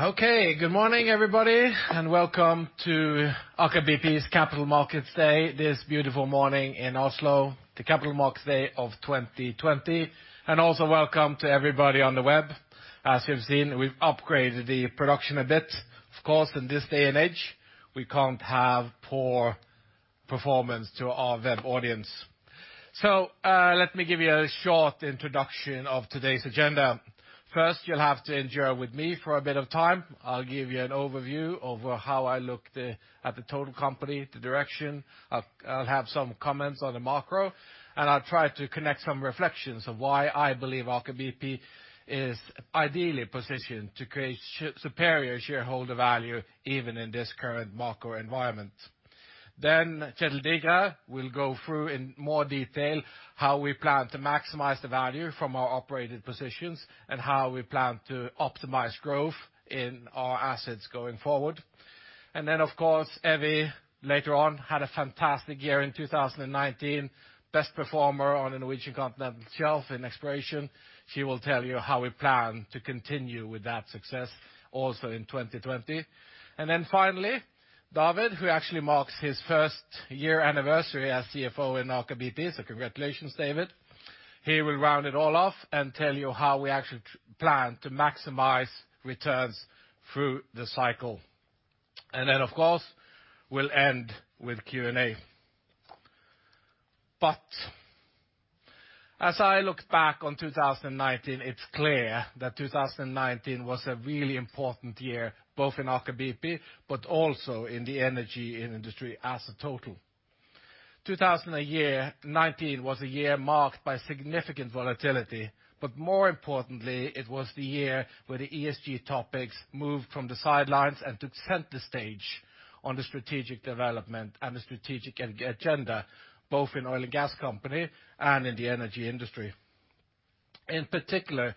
Good morning, everybody, welcome to Aker BP's Capital Markets Day this beautiful morning in Oslo, the Capital Markets Day of 2020. Also welcome to everybody on the web. As you've seen, we've upgraded the production a bit. Of course, in this day and age, we can't have poor performance to our web audience. Let me give you a short introduction of today's agenda. First, you'll have to endure with me for a bit of time. I'll give you an overview over how I look at the total company, the direction. I'll have some comments on the macro, and I'll try to connect some reflections of why I believe Aker BP is ideally positioned to create superior shareholder value, even in this current macro environment. Kjetel Digre will go through in more detail how we plan to maximize the value from our operated positions and how we plan to optimize growth in our assets going forward. Of course, Evy later on had a fantastic year in 2019, best performer on the Norwegian Continental Shelf in exploration. She will tell you how we plan to continue with that success also in 2020. Finally, David, who actually marks his first year anniversary as CFO in Aker BP. Congratulations, David. He will round it all off and tell you how we actually plan to maximize returns through the cycle. Of course, we'll end with Q&A. As I look back on 2019, it's clear that 2019 was a really important year, both in Aker BP but also in the energy industry as a total. 2019 was a year marked by significant volatility, more importantly, it was the year where the ESG topics moved from the sidelines and to center stage on the strategic development and the strategic agenda, both in oil and gas company and in the energy industry. In particular,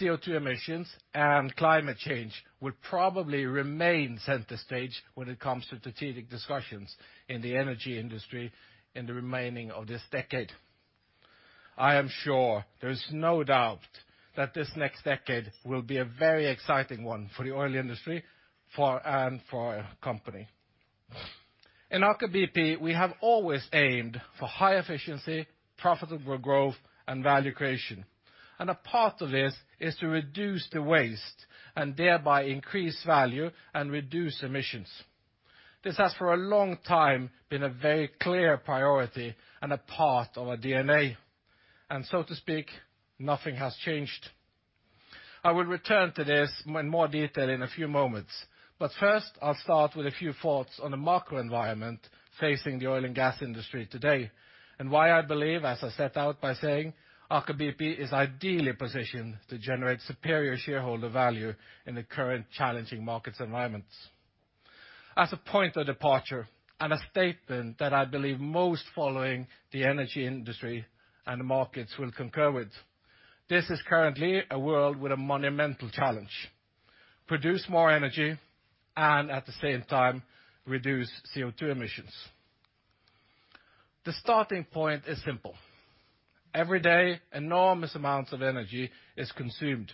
CO2 emissions and climate change will probably remain center stage when it comes to strategic discussions in the energy industry in the remaining of this decade. I am sure there is no doubt that this next decade will be a very exciting one for the oil industry and for our company. In Aker BP, we have always aimed for high efficiency, profitable growth and value creation. A part of this is to reduce the waste and thereby increase value and reduce emissions. This has for a long time been a very clear priority and a part of our DNA, and so to speak, nothing has changed. I will return to this in more detail in a few moments, but first I'll start with a few thoughts on the macro environment facing the oil and gas industry today and why I believe, as I set out by saying, Aker BP is ideally positioned to generate superior shareholder value in the current challenging markets environments. As a point of departure and a statement that I believe most following the energy industry and the markets will concur with, this is currently a world with a monumental challenge. Produce more energy and at the same time reduce CO2 emissions. The starting point is simple. Every day, enormous amounts of energy is consumed.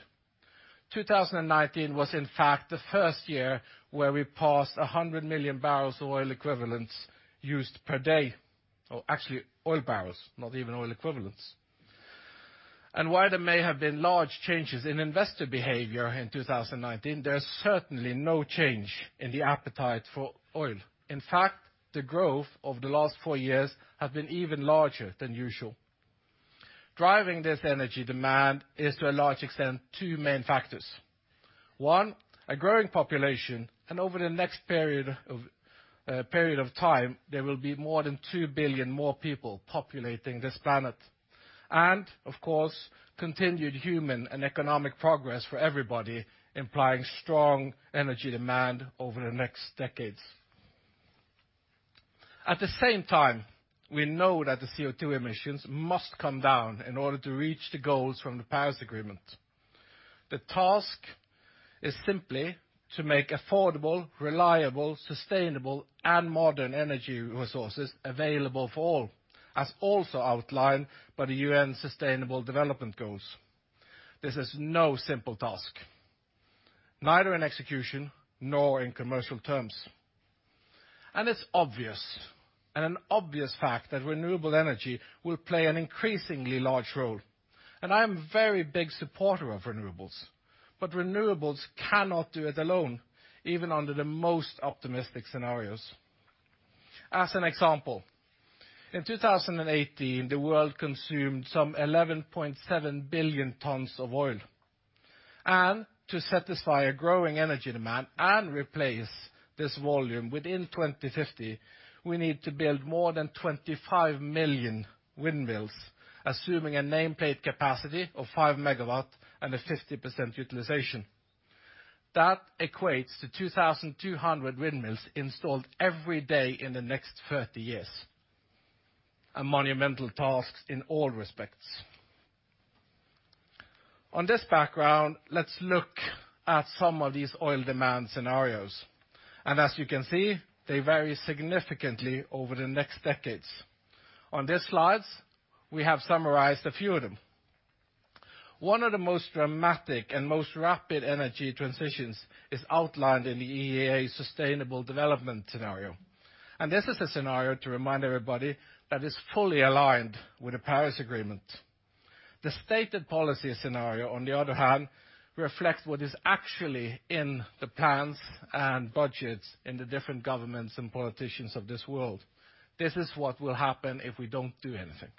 2019 was in fact the first year where we passed 100 million barrels of oil equivalents used per day, or actually oil barrels, not even oil equivalents. While there may have been large changes in investor behavior in 2019, there is certainly no change in the appetite for oil. In fact, the growth over the last four years have been even larger than usual. Driving this energy demand is to a large extent two main factors. One, a growing population, over the next period of time, there will be more than 2 billion more people populating this planet. Of course, continued human and economic progress for everybody, implying strong energy demand over the next decades. At the same time, we know that the CO2 emissions must come down in order to reach the goals from the Paris Agreement. The task is simply to make affordable, reliable, sustainable and modern energy resources available for all, as also outlined by the UN Sustainable Development Goals. This is no simple task, neither in execution nor in commercial terms. It's obvious, and an obvious fact that renewable energy will play an increasingly large role. I am a very big supporter of renewables. Renewables cannot do it alone, even under the most optimistic scenarios. As an example, in 2018, the world consumed some 11.7 billion tons of oil. To satisfy a growing energy demand and replace this volume within 2050, we need to build more than 25 million windmills, assuming a nameplate capacity of 5 MW and a 50% utilization. That equates to 2,200 windmills installed every day in the next 30 years. A monumental task in all respects. On this background, let's look at some of these oil demand scenarios. As you can see, they vary significantly over the next decades. On these slides, we have summarized a few of them. One of the most dramatic and most rapid energy transitions is outlined in the IEA sustainable development scenario. This is a scenario, to remind everybody, that is fully aligned with the Paris Agreement. The stated policy scenario, on the other hand, reflects what is actually in the plans and budgets in the different governments and politicians of this world. This is what will happen if we don't do anything.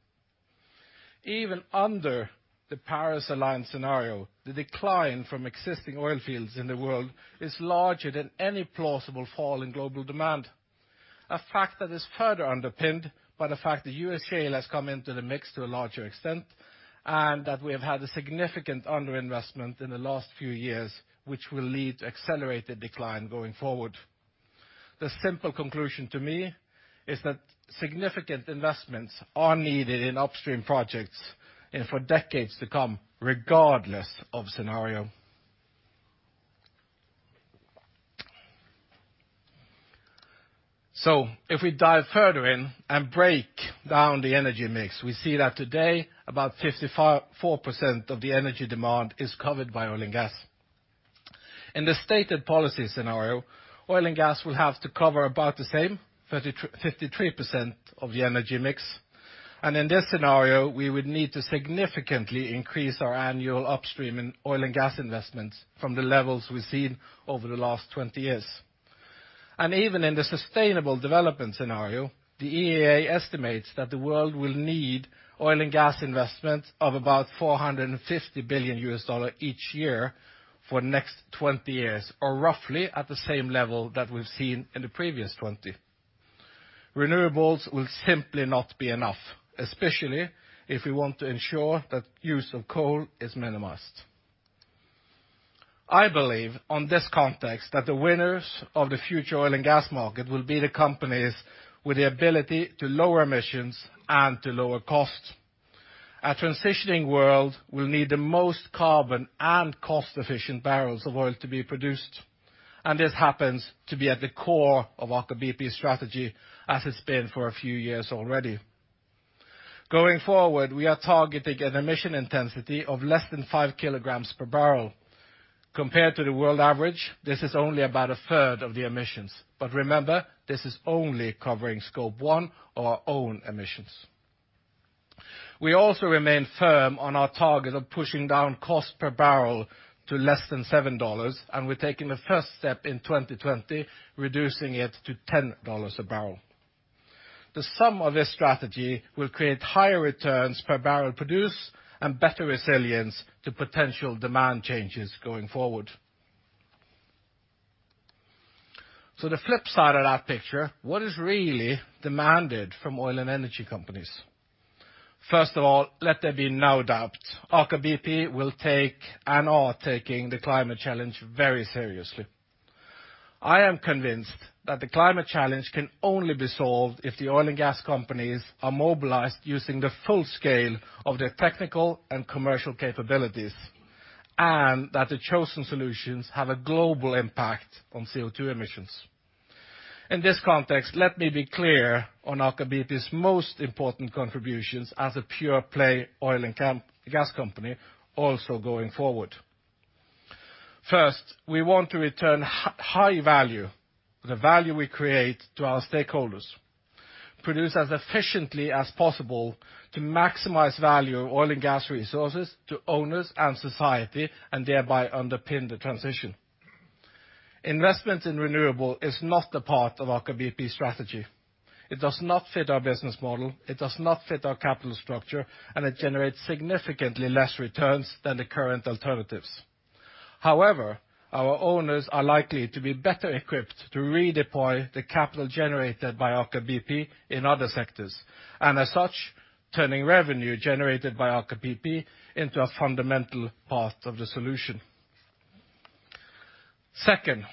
Even under the Paris-aligned scenario, the decline from existing oil fields in the world is larger than any plausible fall in global demand. A fact that is further underpinned by the fact the U.S. shale has come into the mix to a larger extent, and that we have had a significant under-investment in the last few years, which will lead to accelerated decline going forward. The simple conclusion to me is that significant investments are needed in upstream projects and for decades to come, regardless of scenario. If we dive further in and break down the energy mix, we see that today, about 54% of the energy demand is covered by oil and gas. In the stated policy scenario, oil and gas will have to cover about the same, 53% of the energy mix. In this scenario, we would need to significantly increase our annual upstream in oil and gas investments from the levels we've seen over the last 20 years. Even in the sustainable development scenario, the IEA estimates that the world will need oil and gas investments of about $450 billion each year for the next 20 years, or roughly at the same level that we've seen in the previous 20. Renewables will simply not be enough, especially if we want to ensure that use of coal is minimized. I believe, on this context, that the winners of the future oil and gas market will be the companies with the ability to lower emissions and to lower costs. A transitioning world will need the most carbon and cost-efficient barrels of oil to be produced, and this happens to be at the core of Aker BP's strategy, as it's been for a few years already. Going forward, we are targeting an emission intensity of less than five kilograms per barrel. Compared to the world average, this is only about a third of the emissions. Remember, this is only covering scope one of our own emissions. We also remain firm on our target of pushing down cost per barrel to less than $7, and we're taking the first step in 2020, reducing it to $10 a barrel. The sum of this strategy will create higher returns per barrel produced and better resilience to potential demand changes going forward. The flip side of that picture, what is really demanded from oil and energy companies? First of all, let there be no doubt Aker BP will take and are taking the climate challenge very seriously. I am convinced that the climate challenge can only be solved if the oil and gas companies are mobilized using the full scale of their technical and commercial capabilities, and that the chosen solutions have a global impact on CO2 emissions. In this context, let me be clear on Aker BP's most important contributions as a pure play oil and gas company also going forward. First, we want to return high value, the value we create to our stakeholders. Produce as efficiently as possible to maximize value of oil and gas resources to owners and society, and thereby underpin the transition. Investment in renewable is not a part of Aker BP strategy. It does not fit our business model, it does not fit our capital structure, and it generates significantly less returns than the current alternatives. However, our owners are likely to be better equipped to redeploy the capital generated by Aker BP in other sectors, and as such, turning revenue generated by Aker BP into a fundamental part of the solution. Second,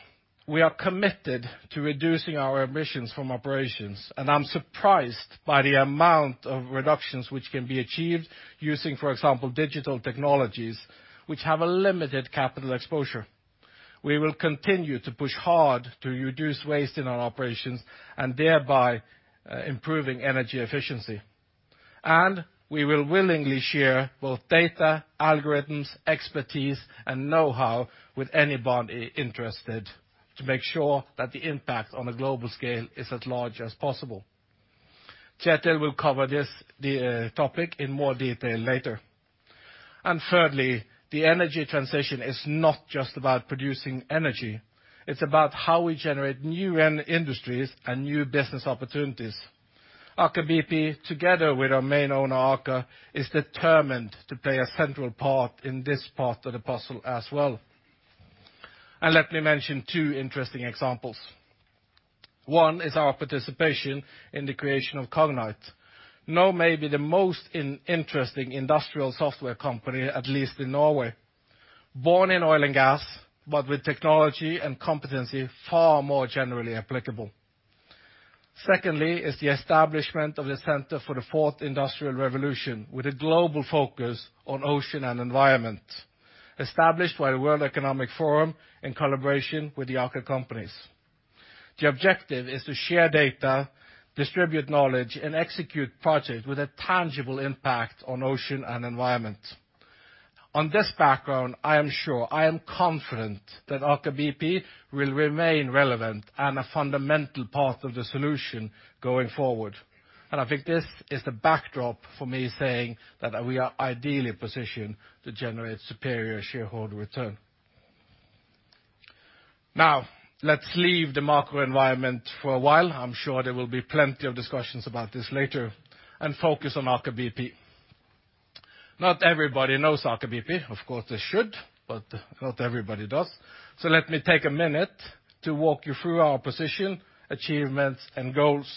we are committed to reducing our emissions from operations. I'm surprised by the amount of reductions which can be achieved using, for example, digital technologies, which have a limited capital exposure. We will continue to push hard to reduce waste in our operations, and thereby improving energy efficiency. We will willingly share both data, algorithms, expertise, and knowhow with anybody interested to make sure that the impact on a global scale is as large as possible. Kjetel will cover this topic in more detail later. Thirdly, the energy transition is not just about producing energy. It's about how we generate new industries and new business opportunities. Aker BP, together with our main owner, Aker, is determined to play a central part in this part of the puzzle as well. Let me mention two interesting examples. One is our participation in the creation of Cognite. Now may be the most interesting industrial software company, at least in Norway. Born in oil and gas, but with technology and competency far more generally applicable. Secondly is the establishment of the Center for the Fourth Industrial Revolution with a global focus on ocean and environment, established by the World Economic Forum in collaboration with the Aker companies. The objective is to share data, distribute knowledge, and execute projects with a tangible impact on ocean and environment. On this background, I am sure, I am confident that Aker BP will remain relevant and a fundamental part of the solution going forward. I think this is the backdrop for me saying that we are ideally positioned to generate superior shareholder return. Let's leave the macro environment for a while, I'm sure there will be plenty of discussions about this later, and focus on Aker BP. Not everybody knows Aker BP. Of course, they should, but not everybody does. Let me take a minute to walk you through our position, achievements, and goals,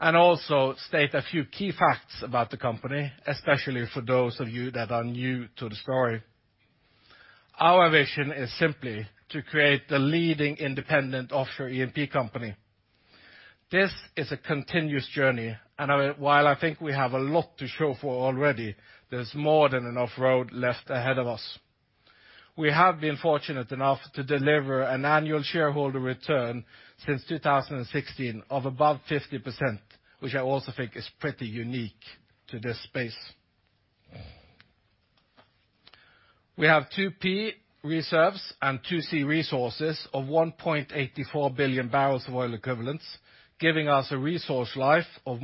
and also state a few key facts about the company, especially for those of you that are new to the story. Our vision is simply to create the leading independent offshore E&P company. This is a continuous journey, and while I think we have a lot to show for already, there's more than enough road left ahead of us. We have been fortunate enough to deliver an annual shareholder return since 2016 of above 50%, which I also think is pretty unique to this space. We have 2P reserves and 2C resources of 1.84 billion barrels of oil equivalents, giving us a resource life of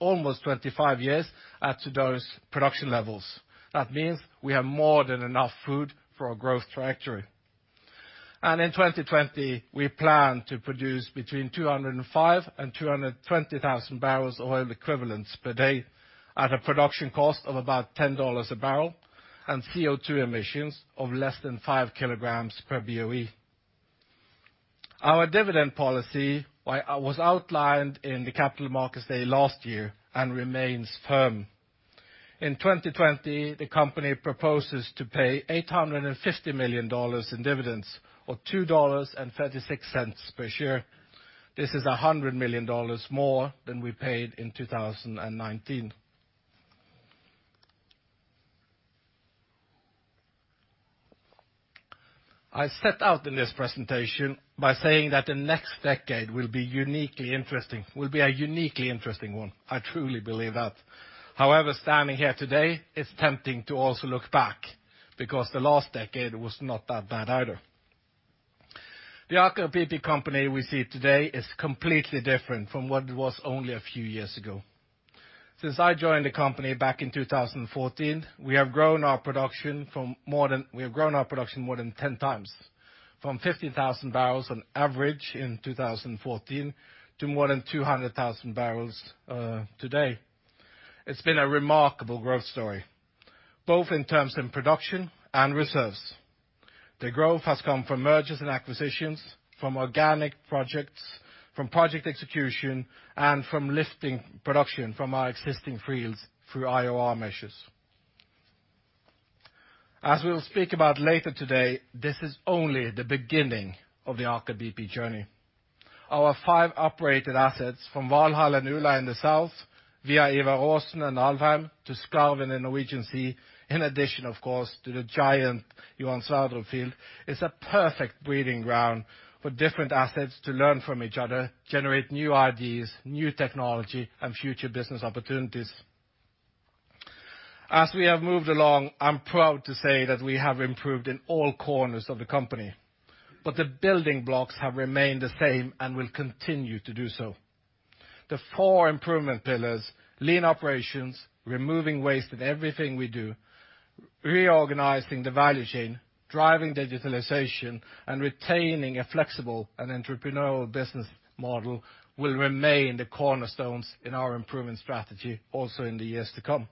almost 25 years at today's production levels. That means we have more than enough food for our growth trajectory. In 2020, we plan to produce between 205,000 and 220,000 barrels of oil equivalents per day at a production cost of about $10 a barrel and CO2 emissions of less than five kilograms per BOE. Our dividend policy was outlined in the Capital Markets Day last year and remains firm. In 2020, the company proposes to pay $850 million in dividends, or $2.36 per share. This is $100 million more than we paid in 2019. I set out in this presentation by saying that the next decade will be a uniquely interesting one. I truly believe that. However, standing here today, it's tempting to also look back because the last decade was not that bad either. The Aker BP company we see today is completely different from what it was only a few years ago. Since I joined the company back in 2014, we have grown our production more than 10x, from 15,000 barrels on average in 2014 to more than 200,000 barrels today. It's been a remarkable growth story, both in terms of production and reserves. The growth has come from mergers and acquisitions, from organic projects, from project execution, and from lifting production from our existing fields through IOR measures. As we will speak about later today, this is only the beginning of the Aker BP journey. Our five operated assets from Valhall and Ula in the south, via Ivar Aasen and Alvheim to Skarv in the Norwegian Sea, in addition, of course, to the giant Johan Sverdrup field, is a perfect breeding ground for different assets to learn from each other, generate new ideas, new technology, and future business opportunities. As we have moved along, I'm proud to say that we have improved in all corners of the company. The building blocks have remained the same and will continue to do so. The four improvement pillars, lean operations, removing waste in everything we do, reorganizing the value chain, driving digitalization, and retaining a flexible and entrepreneurial business model will remain the cornerstones in our improvement strategy also in the years to come.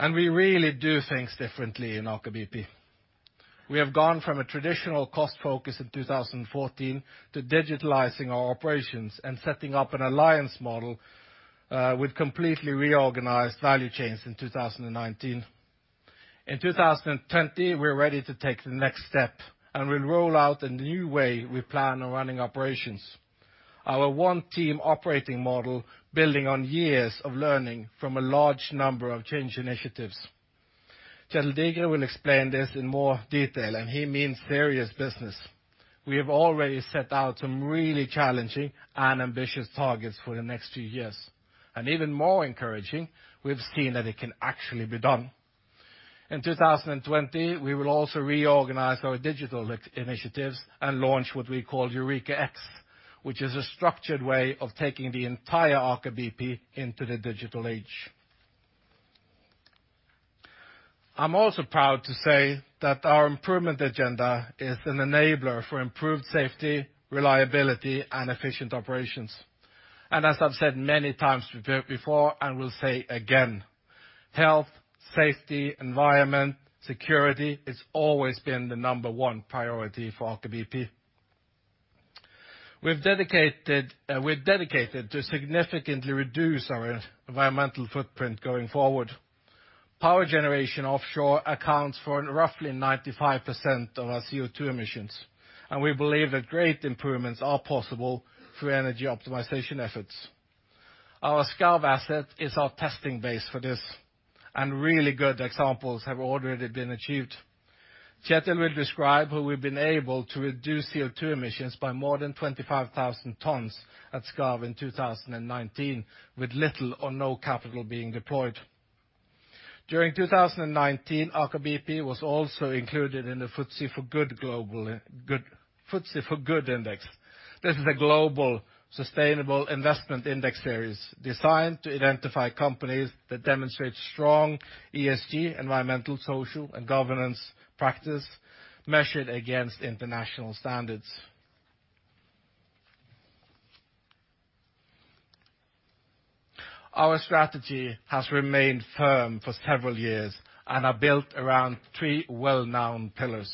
We really do things differently in Aker BP. We have gone from a traditional cost focus in 2014 to digitalizing our operations and setting up an alliance model with completely reorganized value chains in 2019. In 2020, we're ready to take the next step, and we'll roll out a new way we plan on running operations. Our One Team Operating Model building on years of learning from a large number of change initiatives. Kjetel will explain this in more detail, and he means serious business. We have already set out some really challenging and ambitious targets for the next few years. Even more encouraging, we've seen that it can actually be done. In 2020, we will also reorganize our digital initiatives and launch what we call Eureka X, which is a structured way of taking the entire Aker BP into the digital age. I'm also proud to say that our improvement agenda is an enabler for improved safety, reliability, and efficient operations. As I've said many times before and will say again, health, safety, environment, security, it's always been the number one priority for Aker BP. We're dedicated to significantly reduce our environmental footprint going forward. Power generation offshore accounts for roughly 95% of our CO2 emissions. We believe that great improvements are possible through energy optimization efforts. Our Skarv asset is our testing base for this, and really good examples have already been achieved. Kjetel will describe how we've been able to reduce CO2 emissions by more than 25,000 tons at Skarv in 2019, with little or no capital being deployed. During 2019, Aker BP was also included in the FTSE4Good Index. This is a global sustainable investment index series designed to identify companies that demonstrate strong ESG, environmental, social, and governance practice measured against international standards. Our strategy has remained firm for several years and are built around three well-known pillars.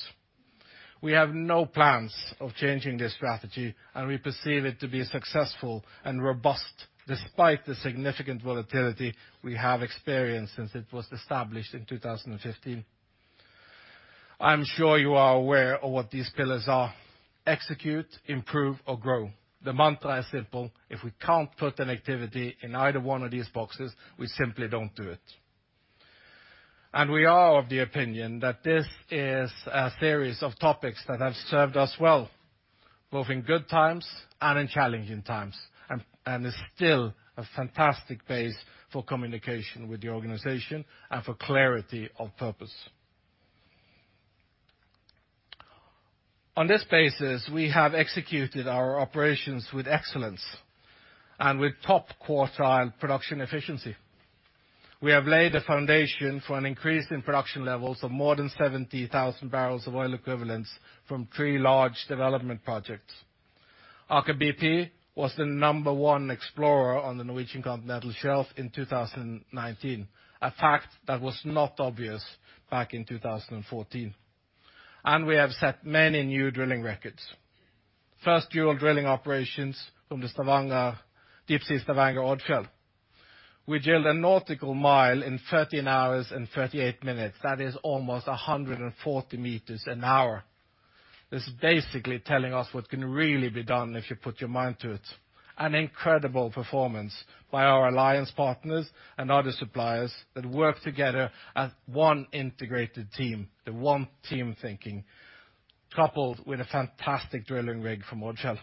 We have no plans of changing this strategy. We perceive it to be successful and robust despite the significant volatility we have experienced since it was established in 2015. I'm sure you are aware of what these pillars are: execute, improve, or grow. The mantra is simple. If we can't put an activity in either one of these boxes, we simply don't do it. We are of the opinion that this is a series of topics that have served us well, both in good times and in challenging times, and is still a fantastic base for communication with the organization and for clarity of purpose. On this basis, we have executed our operations with excellence and with top-quartile production efficiency. We have laid the foundation for an increase in production levels of more than 70,000 barrels of oil equivalents from three large development projects. Aker BP was the number one explorer on the Norwegian continental shelf in 2019, a fact that was not obvious back in 2014, and we have set many new drilling records. First dual drilling operations from the Deepsea Stavanger Odfjell. We drilled a nautical mile in 13 hours and 38 minutes. That is almost 140 meters an hour. This is basically telling us what can really be done if you put your mind to it. An incredible performance by our alliance partners and other suppliers that work together as one integrated team, the one team thinking, coupled with a fantastic drilling rig from Odfjell.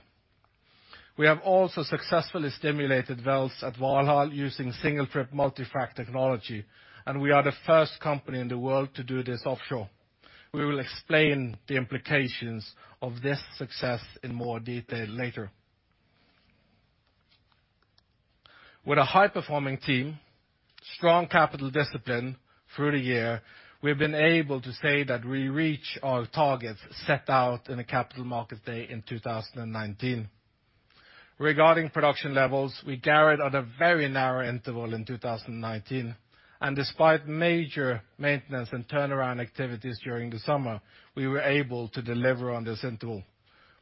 We have also successfully stimulated wells at Valhall using single-trip multi-frac technology, and we are the first company in the world to do this offshore. We will explain the implications of this success in more detail later. With a high-performing team, strong capital discipline through the year, we've been able to say that we reach our targets set out in the Capital Market Day in 2019. Regarding production levels, we guided at a very narrow interval in 2019, and despite major maintenance and turnaround activities during the summer, we were able to deliver on this interval.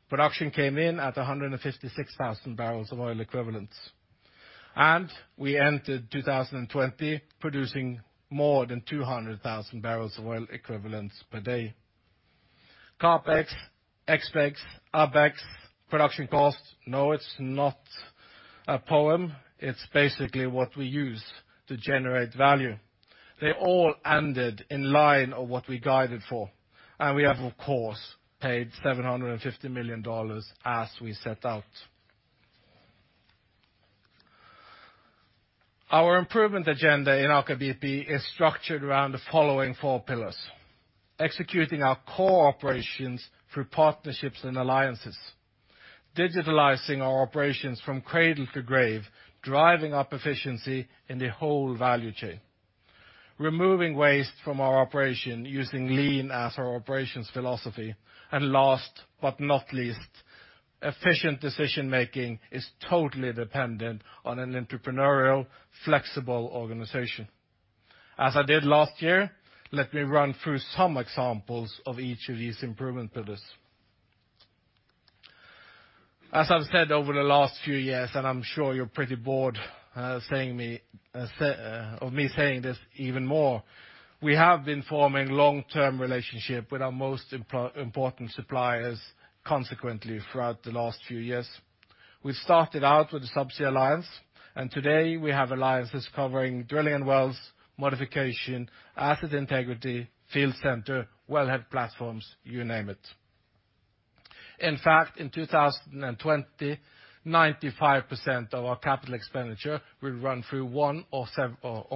Production came in at 156,000 barrels of oil equivalents. We entered 2020 producing more than 200,000 barrels of oil equivalents per day. CapEx, OpEx, AbEx, production cost. No, it's not a poem. It's basically what we use to generate value. They all ended in line of what we guided for, and we have, of course, paid $750 million as we set out. Our improvement agenda in Aker BP is structured around the following four pillars: executing our core operations through partnerships and alliances, digitalizing our operations from cradle to grave, driving up efficiency in the whole value chain, removing waste from our operation using lean as our operations philosophy, and last but not least, efficient decision-making is totally dependent on an entrepreneurial, flexible organization. As I did last year, let me run through some examples of each of these improvement pillars. As I've said over the last few years, and I'm sure you're pretty bored of me saying this even more, we have been forming long-term relationship with our most important suppliers consequently throughout the last few years. We started out with the Subsea alliance. Today we have alliances covering drilling wells, modification, asset integrity, field center, wellhead platforms, you name it. In fact, in 2020, 95% of our capital expenditure will run through one or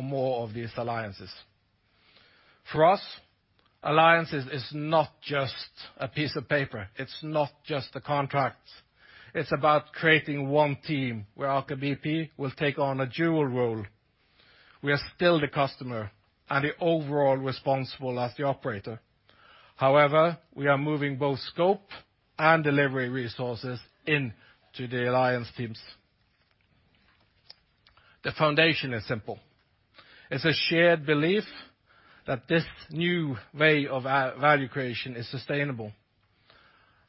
more of these alliances. For us, alliances is not just a piece of paper. It's not just the contracts. It's about creating one team where Aker BP will take on a dual role. We are still the customer and the overall responsible as the operator. However, we are moving both scope and delivery resources into the alliance teams. The foundation is simple. It's a shared belief that this new way of value creation is sustainable.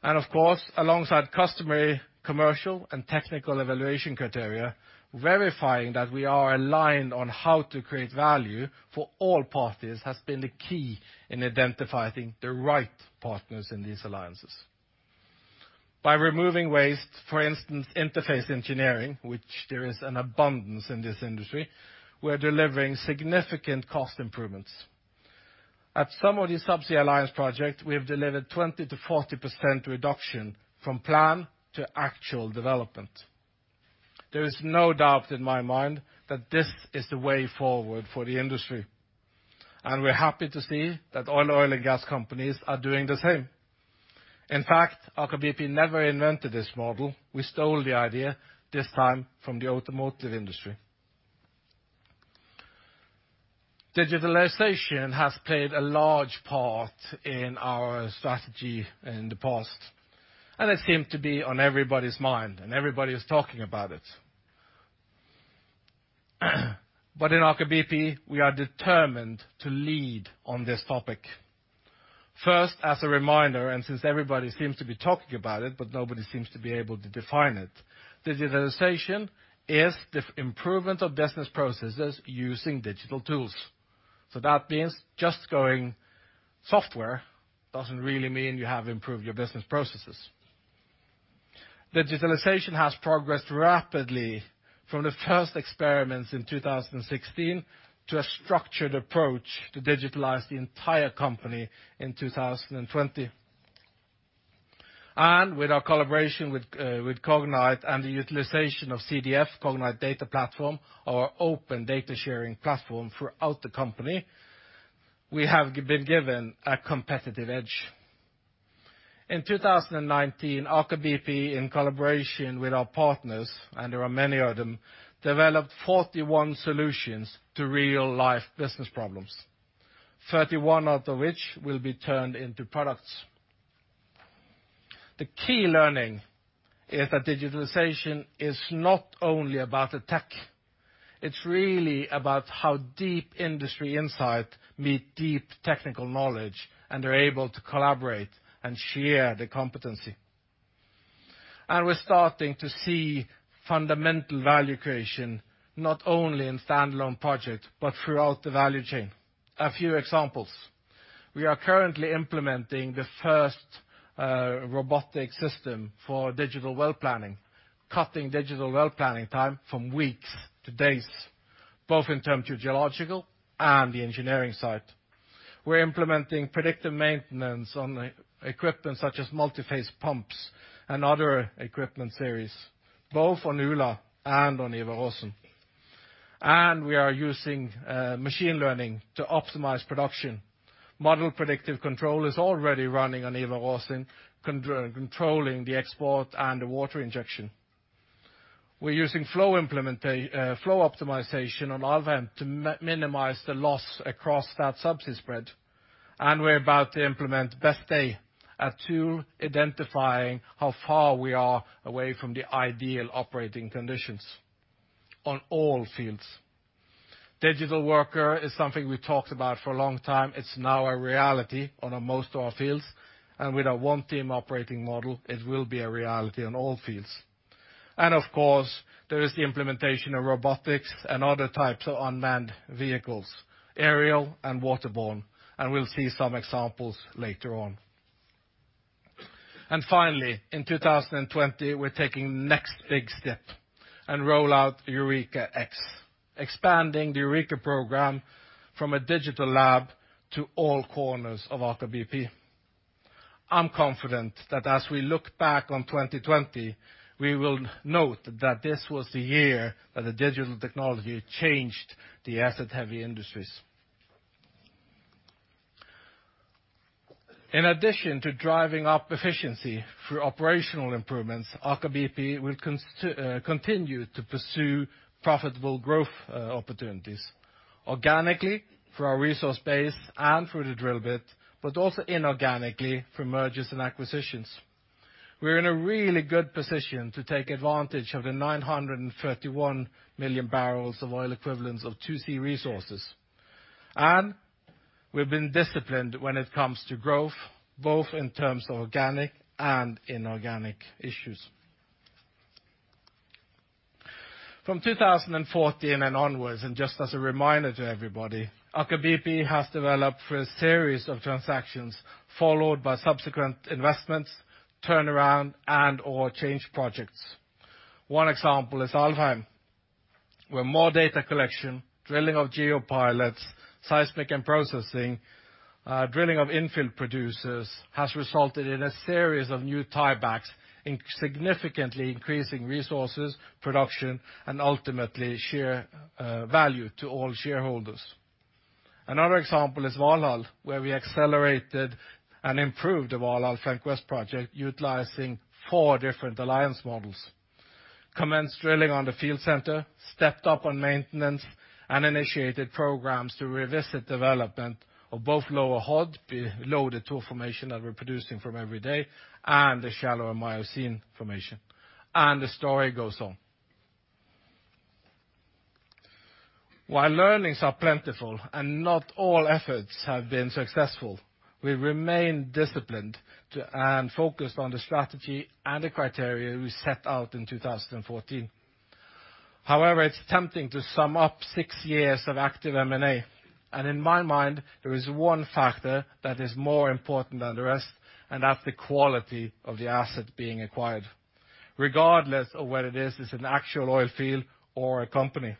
Of course, alongside customary commercial and technical evaluation criteria, verifying that we are aligned on how to create value for all parties has been the key in identifying the right partners in these alliances. By removing waste, for instance, interface engineering, which there is an abundance in this industry, we are delivering significant cost improvements. At some of the subsea alliance projects, we have delivered 20%-40% reduction from plan to actual development. There is no doubt in my mind that this is the way forward for the industry, and we are happy to see that all oil and gas companies are doing the same. In fact, Aker BP never invented this model. We stole the idea, this time from the automotive industry. Digitalization has played a large part in our strategy in the past, and it seems to be on everybody's mind, and everybody is talking about it. In Aker BP, we are determined to lead on this topic. As a reminder, since everybody seems to be talking about it, but nobody seems to be able to define it, digitalization is the improvement of business processes using digital tools. That means just going software doesn't really mean you have improved your business processes. Digitalization has progressed rapidly from the first experiments in 2016 to a structured approach to digitalize the entire company in 2020. With our collaboration with Cognite and the utilization of CDF, Cognite Data Fusion, our open data-sharing platform throughout the company, we have been given a competitive edge. In 2019, Aker BP, in collaboration with our partners, and there are many of them, developed 41 solutions to real-life business problems, 31 of which will be turned into products. The key learning is that digitalization is not only about the tech. It's really about how deep industry insight meet deep technical knowledge and are able to collaborate and share the competency. We're starting to see fundamental value creation, not only in stand-alone projects, but throughout the value chain. A few examples. We are currently implementing the first robotic system for digital well planning, cutting digital well planning time from weeks to days, both in terms of geological and the engineering side. We're implementing predictive maintenance on equipment such as multi-phase pumps and other equipment series, both on Ula and on Ivar Aasen. We are using machine learning to optimize production. Model predictive control is already running on Ivar Aasen, controlling the export and the water injection. We're using flow optimization on Alvheim to minimize the loss across that subsea spread, and we're about to implement Best Day, a tool identifying how far we are away from the ideal operating conditions on all fields. Digital worker is something we've talked about for a long time. It's now a reality on most of our fields. With our one team operating model, it will be a reality on all fields. Of course, there is the implementation of robotics and other types of unmanned vehicles, aerial and waterborne. We'll see some examples later on. Finally, in 2020, we're taking the next big step and roll out Eureka X, expanding the Eureka program from a digital lab to all corners of Aker BP. I'm confident that as we look back on 2020, we will note that this was the year that the digital technology changed the asset-heavy industries. In addition to driving up efficiency through operational improvements, Aker BP will continue to pursue profitable growth opportunities organically for our resource base and through the drill bit, but also inorganically for mergers and acquisitions. We're in a really good position to take advantage of the 931 million barrels of oil equivalents of 2C resources. We've been disciplined when it comes to growth, both in terms of organic and inorganic issues. From 2014 and onwards, and just as a reminder to everybody, Aker BP has developed through a series of transactions followed by subsequent investments, turnaround, and or change projects. One example is Alvheim, where more data collection, drilling of geo pilots, seismic and processing, drilling of infill producers has resulted in a series of new tiebacks in significantly increasing resources, production, and ultimately share value to all shareholders. Another example is Valhall, where we accelerated and improved the Valhall Flank West project, utilizing four different alliance models. Commenced drilling on the field center, stepped up on maintenance, and initiated programs to revisit development of both lower Hod, below the two formation that we're producing from every day, and the shallower Miocene formation. The story goes on. While learnings are plentiful and not all efforts have been successful, we remain disciplined and focused on the strategy and the criteria we set out in 2014. However, it's tempting to sum up six years of active M&A, and in my mind, there is one factor that is more important than the rest, and that's the quality of the asset being acquired, regardless of whether it is an actual oil field or a company.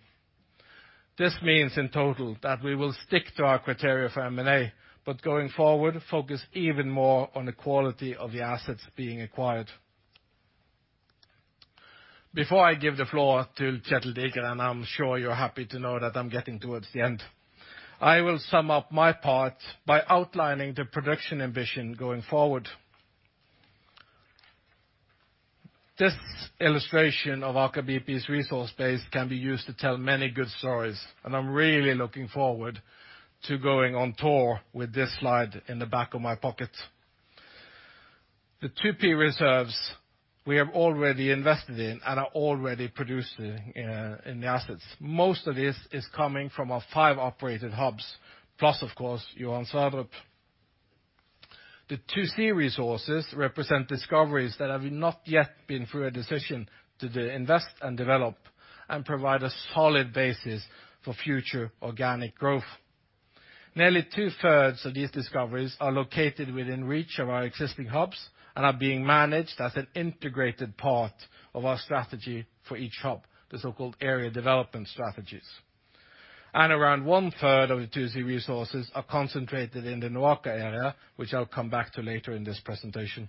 This means, in total, that we will stick to our criteria for M&A, but going forward, focus even more on the quality of the assets being acquired. Before I give the floor to Kjetel Digre, and I'm sure you're happy to know that I'm getting towards the end, I will sum up my part by outlining the production ambition going forward. This illustration of Aker BP's resource base can be used to tell many good stories, and I'm really looking forward to going on tour with this slide in the back of my pocket. The 2P reserves we have already invested in and are already producing in the assets. Most of this is coming from our five operated hubs plus, of course, Johan Sverdrup. The 2C resources represent discoveries that have not yet been through a decision to invest and develop and provide a solid basis for future organic growth. Nearly two-thirds of these discoveries are located within reach of our existing hubs and are being managed as an integrated part of our strategy for each hub, the so-called area development strategies. Around one-third of the 2C resources are concentrated in the NOAKA area, which I'll come back to later in this presentation.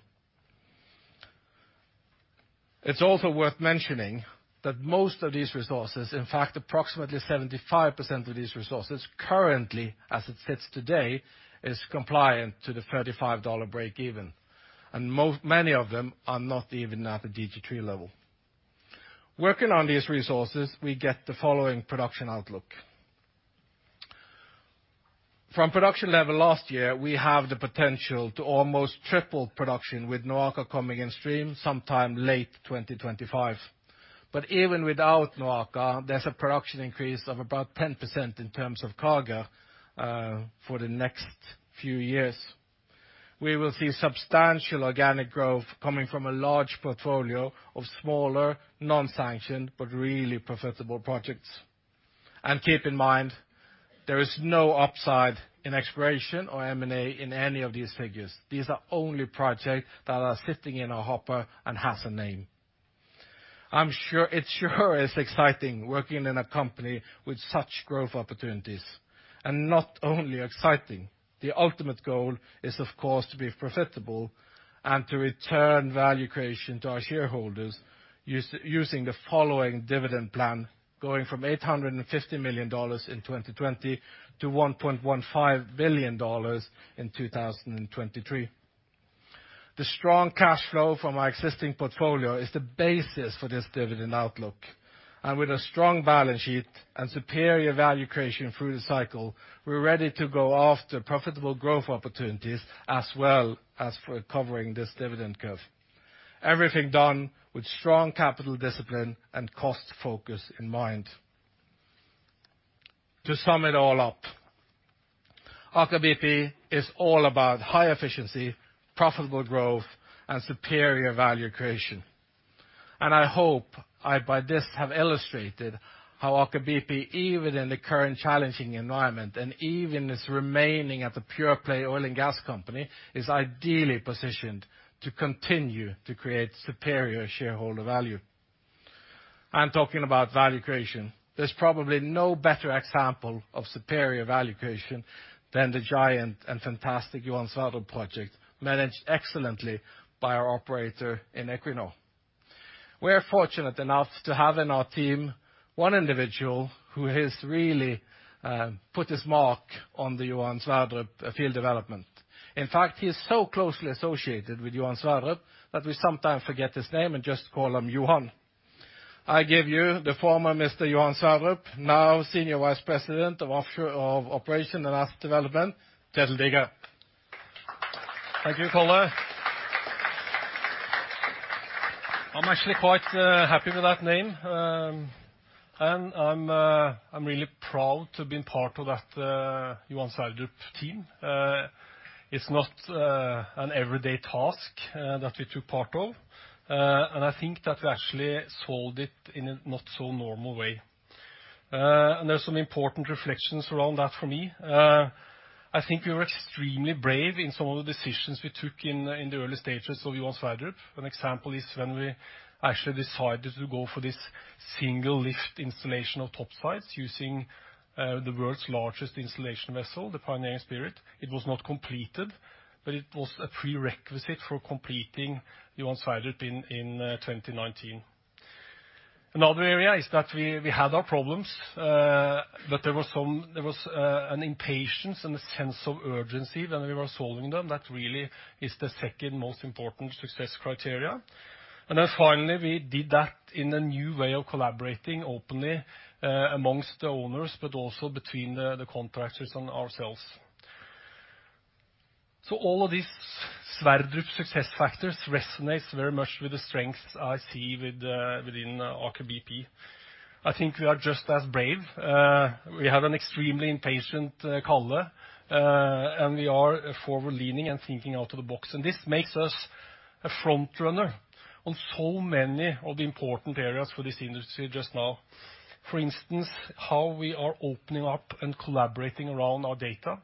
It's also worth mentioning that most of these resources, in fact, approximately 75% of these resources currently, as it sits today, is compliant to the $35 breakeven, and many of them are not even at the DG3 level. Working on these resources, we get the following production outlook. From production level last year, we have the potential to almost triple production with NOAKA coming in stream sometime late 2025. Even without NOAKA, there's a production increase of about 10% in terms of cargo for the next few years. We will see substantial organic growth coming from a large portfolio of smaller, non-sanctioned, but really profitable projects. Keep in mind, there is no upside in exploration or M&A in any of these figures. These are only projects that are sitting in our hopper and has a name. It sure is exciting working in a company with such growth opportunities, and not only exciting. The ultimate goal is, of course, to be profitable and to return value creation to our shareholders using the following dividend plan, going from $850 million in 2020 to $1.15 billion in 2023. The strong cash flow from our existing portfolio is the basis for this dividend outlook. With a strong balance sheet and superior value creation through the cycle, we're ready to go after profitable growth opportunities as well as for covering this dividend curve. Everything done with strong capital discipline and cost focus in mind. To sum it all up, Aker BP is all about high efficiency, profitable growth, and superior value creation. I hope I, by this, have illustrated how Aker BP, even in the current challenging environment and even as remaining at the pure-play oil and gas company, is ideally positioned to continue to create superior shareholder value. Talking about value creation, there's probably no better example of superior value creation than the giant and fantastic Johan Sverdrup project, managed excellently by our operator in Equinor. We are fortunate enough to have in our team one individual who has really put his mark on the Johan Sverdrup field development. In fact, he is so closely associated with Johan Sverdrup that we sometimes forget his name and just call him Johan. I give you the former Mr. Johan Sverdrup, now Senior Vice President of Operations and Asset Development, Kjetel Digre. Thank you, Karl. I'm actually quite happy with that name. I'm really proud to have been part of that Johan Sverdrup team. It's not an everyday task that we took part of. I think that we actually solved it in a not so normal way. There's some important reflections around that for me. I think we were extremely brave in some of the decisions we took in the early stages of Johan Sverdrup. An example is when we actually decided to go for this single lift installation of topsides using the world's largest installation vessel, the Pioneering Spirit. It was not completed, but it was a prerequisite for completing Johan Sverdrup in 2019. Another area is that we had our problems, but there was an impatience and a sense of urgency when we were solving them that really is the second most important success criteria. Finally, we did that in a new way of collaborating openly amongst the owners, but also between the contractors and ourselves. So all of these Sverdrup success factors resonates very much with the strengths I see within Aker BP. I think we are just as brave. We have an extremely impatient Karl, and we are forward-leaning and thinking out of the box. This makes us a frontrunner on so many of the important areas for this industry just now. For instance, how we are opening up and collaborating around our data,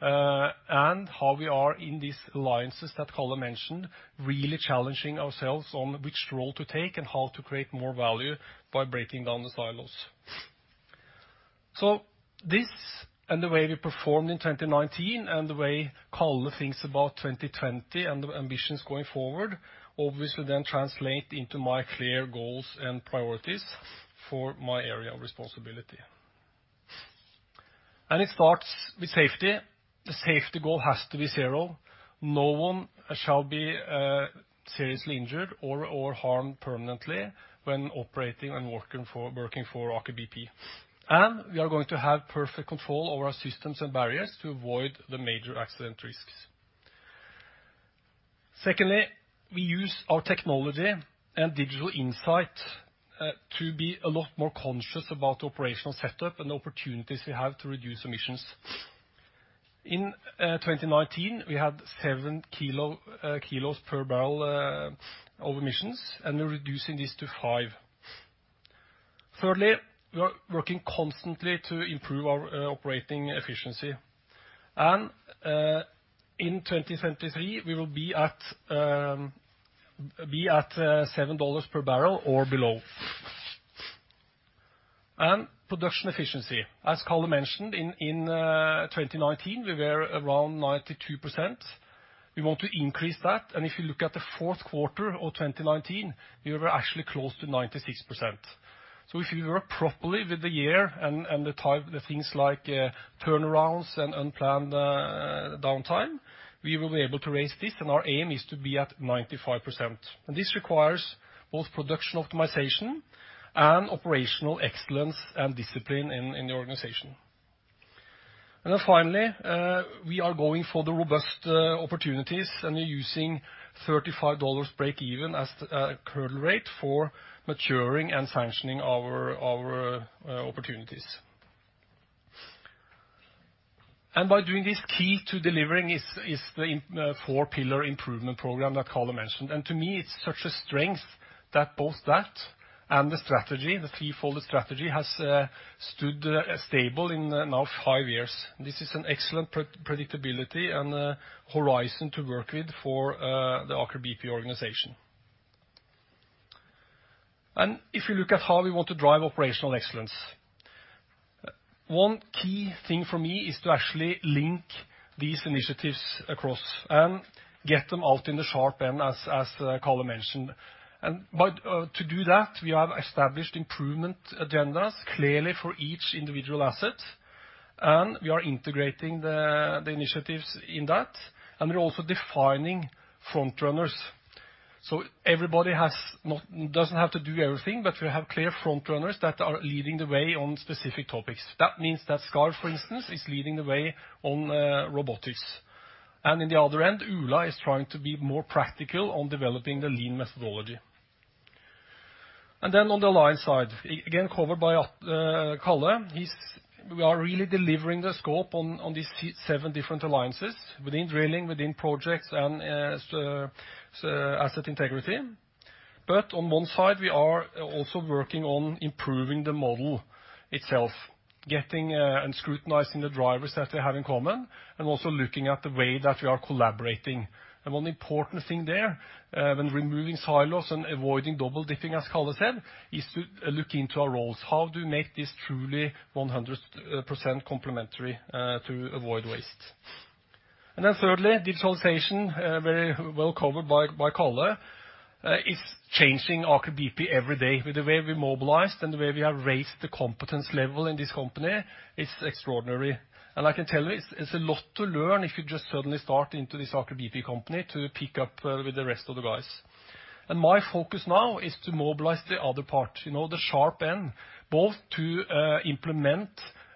and how we are in these alliances that Karl mentioned, really challenging ourselves on which role to take and how to create more value by breaking down the silos. This and the way we performed in 2019, the way Karl thinks about 2020 and the ambitions going forward, obviously translate into my clear goals and priorities for my area of responsibility. It starts with safety. The safety goal has to be zero. No one shall be seriously injured or harmed permanently when operating and working for Aker BP. We are going to have perfect control over our systems and barriers to avoid the major accident risks. Secondly, we use our technology and digital insight to be a lot more conscious about the operational setup and the opportunities we have to reduce emissions. In 2019, we had seven kilos per barrel of emissions, we're reducing this to five. Thirdly, we are working constantly to improve our operating efficiency. In 2023, we will be at $7 per barrel or below. Production efficiency, as Karl mentioned, in 2019, we were around 92%. We want to increase that, and if you look at the fourth quarter of 2019, we were actually close to 96%. If we work properly with the year and the things like turnarounds and unplanned downtime, we will be able to raise this, and our aim is to be at 95%. This requires both production optimization and operational excellence and discipline in the organization. Finally, we are going for the robust opportunities, and we're using $35 breakeven as a hurdle rate for maturing and sanctioning our opportunities. By doing this, key to delivering is the four pillar improvement program that Karl mentioned. To me, it's such a strength that both that and the strategy, the threefold strategy, has stood stable in now five years. This is an excellent predictability and horizon to work with for the Aker BP organization. If you look at how we want to drive operational excellence, one key thing for me is to actually link these initiatives across and get them out in the sharp end, as Karl mentioned. To do that, we have established improvement agendas clearly for each individual asset, and we are integrating the initiatives in that, and we're also defining frontrunners. Everybody doesn't have to do everything, but we have clear frontrunners that are leading the way on specific topics. That means that Skarv, for instance, is leading the way on robotics. In the other end, Ula is trying to be more practical on developing the lean methodology. On the alliance side, again, covered by Karl, we are really delivering the scope on these seven different alliances within drilling, within projects, and asset integrity. On one side, we are also working on improving the model itself, getting and scrutinizing the drivers that they have in common, and also looking at the way that we are collaborating. One important thing there, when removing silos and avoiding double-dipping, as Karl said, is to look into our roles. How do we make this truly 100% complementary, to avoid waste? Thirdly, digitalization, very well covered by Karl, is changing Aker BP every day. With the way we mobilized and the way we have raised the competence level in this company, it's extraordinary. I can tell you, it's a lot to learn if you just suddenly start into this Aker BP company to keep up with the rest of the guys. My focus now is to mobilize the other part, the sharp end, both to implement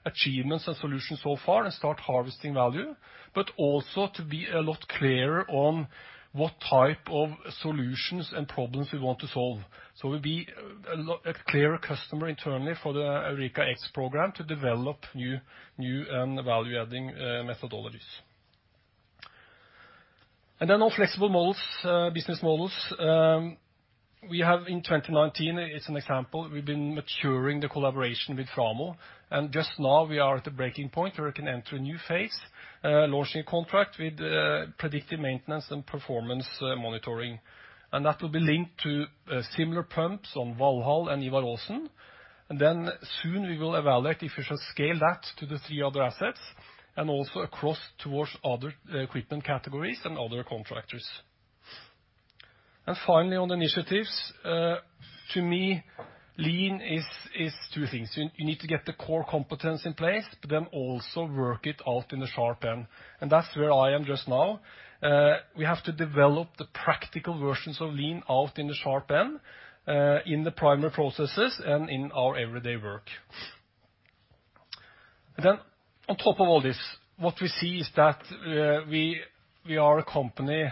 achievements and solutions so far and start harvesting value, but also to be a lot clearer on what type of solutions and problems we want to solve. We'll be a clearer customer internally for the Eureka X program to develop new and value-adding methodologies. On flexible models, business models, we have in 2019, as an example, we've been maturing the collaboration with Framo. Just now we are at the breaking point where we can enter a new phase, launching a contract with predictive maintenance and performance monitoring. That will be linked to similar pumps on Valhall and Ivar Aasen. Soon we will evaluate if we should scale that to the three other assets and also across towards other equipment categories and other contractors. Finally, on initiatives, to me, lean is two things. You need to get the core competence in place, but then also work it out in the sharp end. That's where I am just now. We have to develop the practical versions of lean out in the sharp end, in the primary processes and in our everyday work. On top of all this, what we see is that we are a company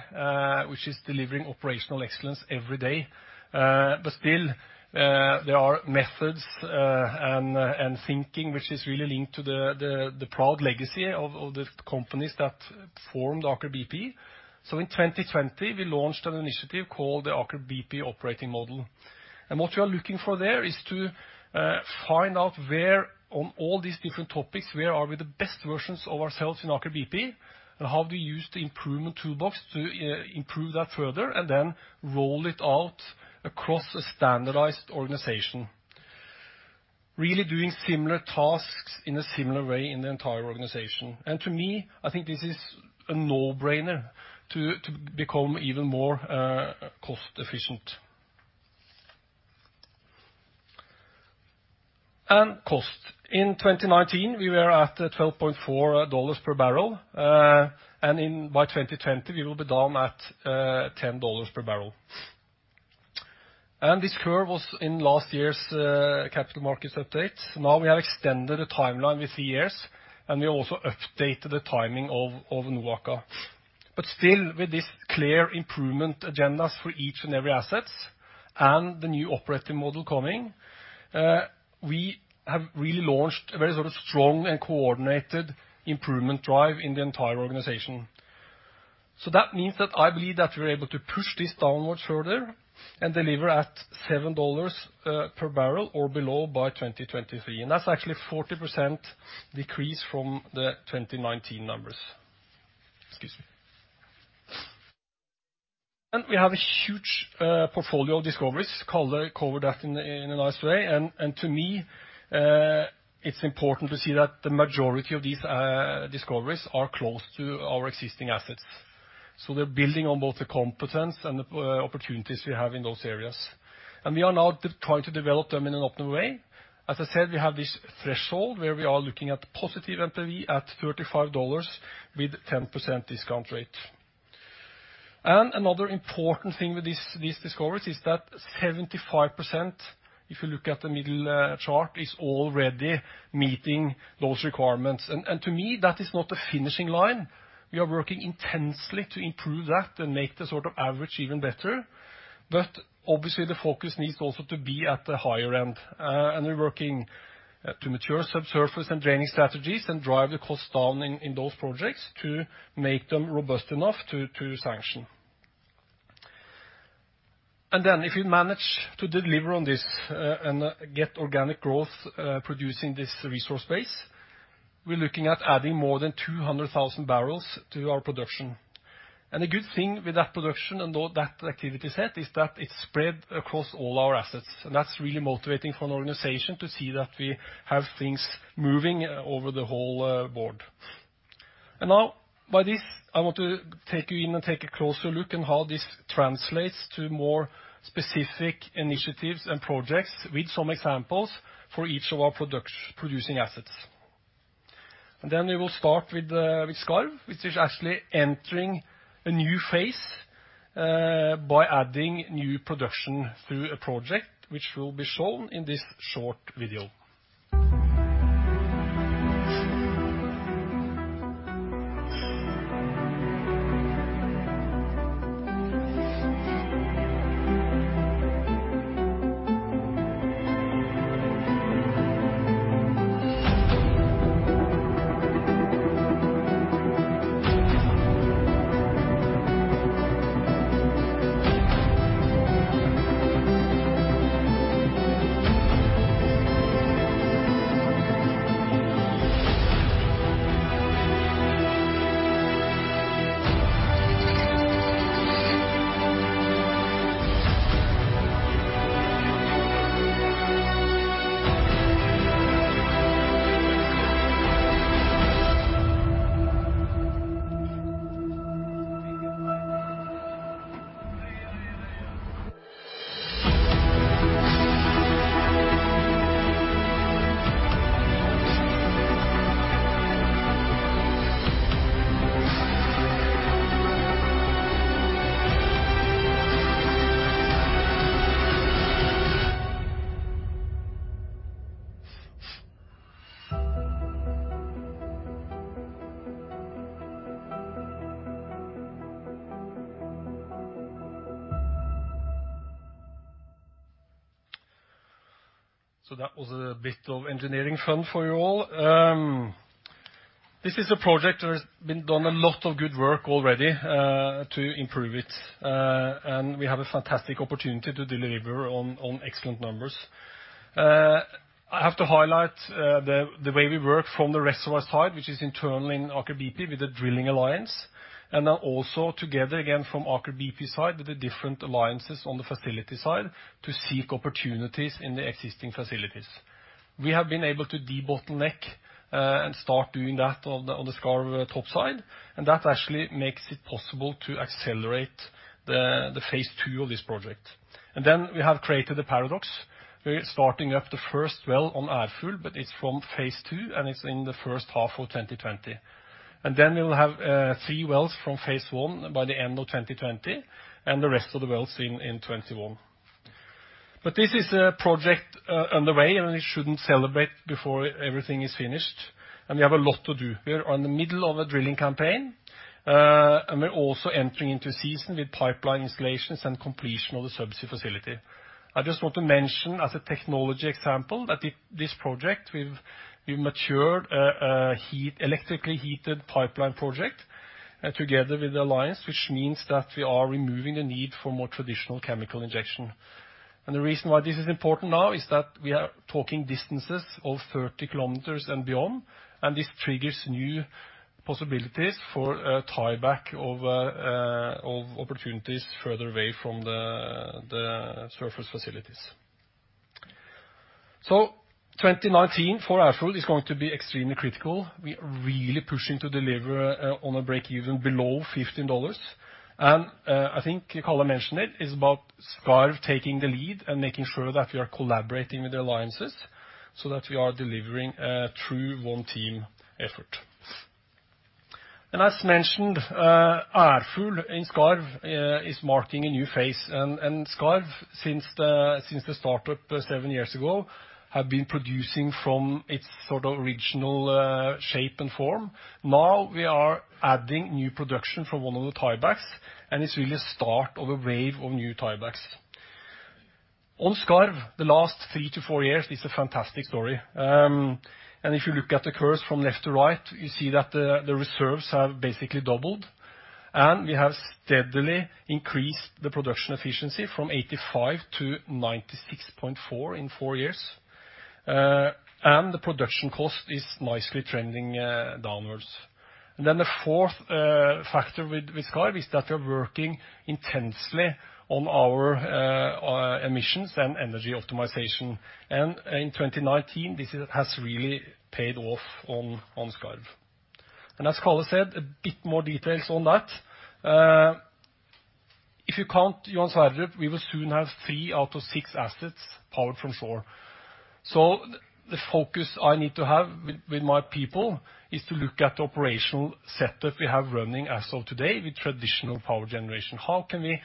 which is delivering operational excellence every day. Still there are methods and thinking, which is really linked to the proud legacy of the companies that formed Aker BP. In 2020, we launched an initiative called the Aker BP Operating Model. What we are looking for there is to find out where on all these different topics, where are we the best versions of ourselves in Aker BP, and how do we use the improvement toolbox to improve that further, then roll it out across a standardized organization. Really doing similar tasks in a similar way in the entire organization. To me, I think this is a no-brainer to become even more cost-efficient. Cost. In 2019, we were at $12.4 per barrel. By 2020, we will be down at $10 per barrel. This curve was in last year's capital markets update. Now we have extended the timeline with years, and we also updated the timing of NOAKA. Still, with this clear improvement agendas for each and every assets and the new operating model coming, we have really launched a very sort of strong and coordinated improvement drive in the entire organization. That means that I believe that we're able to push this downwards further and deliver at $7 per barrel or below by 2023. That's actually 40% decrease from the 2019 numbers. Excuse me. We have a huge portfolio of discoveries. Karl covered that in a nice way. To me, it's important to see that the majority of these discoveries are close to our existing assets. They're building on both the competence and the opportunities we have in those areas. We are now trying to develop them in an open way. As I said, we have this threshold where we are looking at positive NPV at $35 with 10% discount rate. Another important thing with these discoveries is that 75%, if you look at the middle chart, is already meeting those requirements. To me, that is not a finishing line. We are working intensely to improve that and make the sort of average even better. Obviously, the focus needs also to be at the higher end. We're working to mature subsurface and draining strategies and drive the cost down in those projects to make them robust enough to sanction. If we manage to deliver on this and get organic growth producing this resource base, we're looking at adding more than 200,000 barrels to our production. The good thing with that production and that activity set is that it's spread across all our assets, and that is really motivating for an organization to see that we have things moving over the whole board. Now by this, I want to take you in and take a closer look at how this translates to more specific initiatives and projects with some examples for each of our producing assets. We will start with Skarv, which is actually entering a new phase by adding new production through a project which will be shown in this short video. That was a bit of engineering fun for you all. This is a project where there's been done a lot of good work already to improve it. We have a fantastic opportunity to deliver on excellent numbers. I have to highlight the way we work from the reservoir side, which is internal in Aker BP with the drilling alliance, and now also together again from Aker BP side with the different alliances on the facility side to seek opportunities in the existing facilities. We have been able to debottleneck and start doing that on the Skarv top side, that actually makes it possible to accelerate the phase II of this project. We have created a paradox. We're starting up the first well on Ærfugl, it's from phase II, it's in the first half of 2020. We will have three wells from phase I by the end of 2020, the rest of the wells in 2021. This is a project underway, we shouldn't celebrate before everything is finished. We have a lot to do. We are in the middle of a drilling campaign, we're also entering into season with pipeline installations and completion of the subsea facility. I just want to mention as a technology example, that this project, we've matured electrically heated pipeline project together with the alliance, which means that we are removing the need for more traditional chemical injection. The reason why this is important now is that we are talking distances of 30 km and beyond, this triggers new possibilities for tieback of opportunities further away from the surface facilities. 2019 for Aker BP is going to be extremely critical. We are really pushing to deliver on a breakeven below $15. I think Karl mentioned it, is about Skarv taking the lead and making sure that we are collaborating with the alliances so that we are delivering a true one-team effort. As mentioned, Ærfugl in Skarv is marking a new phase. Skarv, since the startup seven years ago, have been producing from its original shape and form. Now we are adding new production from one of the tiebacks, and it's really a start of a wave of new tiebacks. On Skarv, the last three to four years is a fantastic story. If you look at the curves from left to right, you see that the reserves have basically doubled, and we have steadily increased the production efficiency from 85%-96.4% in four years. The production cost is nicely trending downwards. The fourth factor with Skarv is that we are working intensely on our emissions and energy optimization. In 2019, this has really paid off on Skarv. As Karl said, a bit more details on that. If you count Johan Sverdrup, we will soon have three out of six assets powered from shore. The focus I need to have with my people is to look at the operational setup we have running as of today with traditional power generation. How can we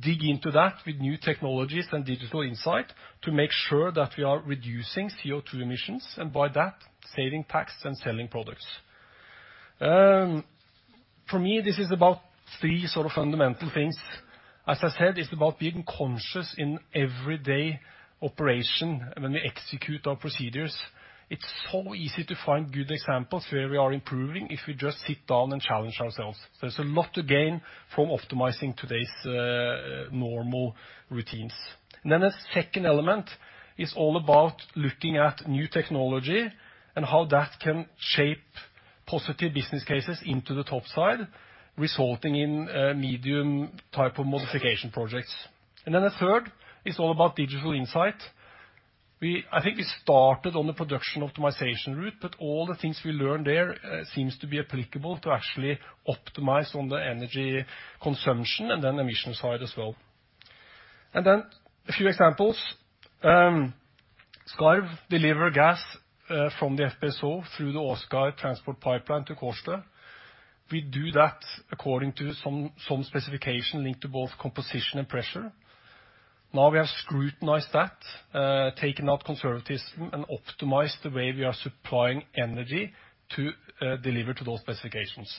dig into that with new technologies and digital insight to make sure that we are reducing CO2 emissions, and by that, saving tax and selling products? For me, this is about three fundamental things. As I said, it's about being conscious in everyday operation when we execute our procedures. It's so easy to find good examples where we are improving if we just sit down and challenge ourselves. There's a lot to gain from optimizing today's normal routines. A second element is all about looking at new technology and how that can shape positive business cases into the topside, resulting in medium type of modification projects. The third is all about digital insight. I think we started on the production optimization route, but all the things we learned there seems to be applicable to actually optimize on the energy consumption and then emissions side as well. A few examples. Skarv deliver gas from the FPSO through the Åsgard transport pipeline to Kårstø. We do that according to some specification linked to both composition and pressure. Now we have scrutinized that, taken out conservatism, and optimized the way we are supplying energy to deliver to those specifications.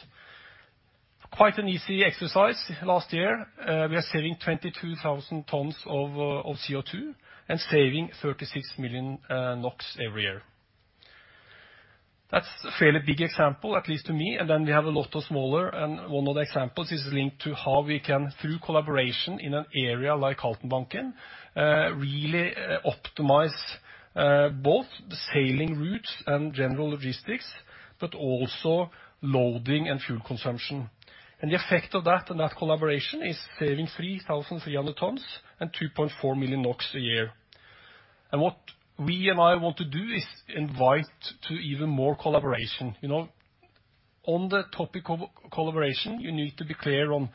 Quite an easy exercise. Last year, we are saving 22,000 tons of CO2 and saving 36 million NOK every year. That's a fairly big example, at least to me. We have a lot of smaller, and one of the examples is linked to how we can, through collaboration in an area like Haltenbanken, really optimize both the sailing routes and general logistics, but also loading and fuel consumption. The effect of that and that collaboration is saving 3,300 tons and 2.4 million NOK a year. What we and I want to do is invite to even more collaboration. On the topic of collaboration, you need to be clear on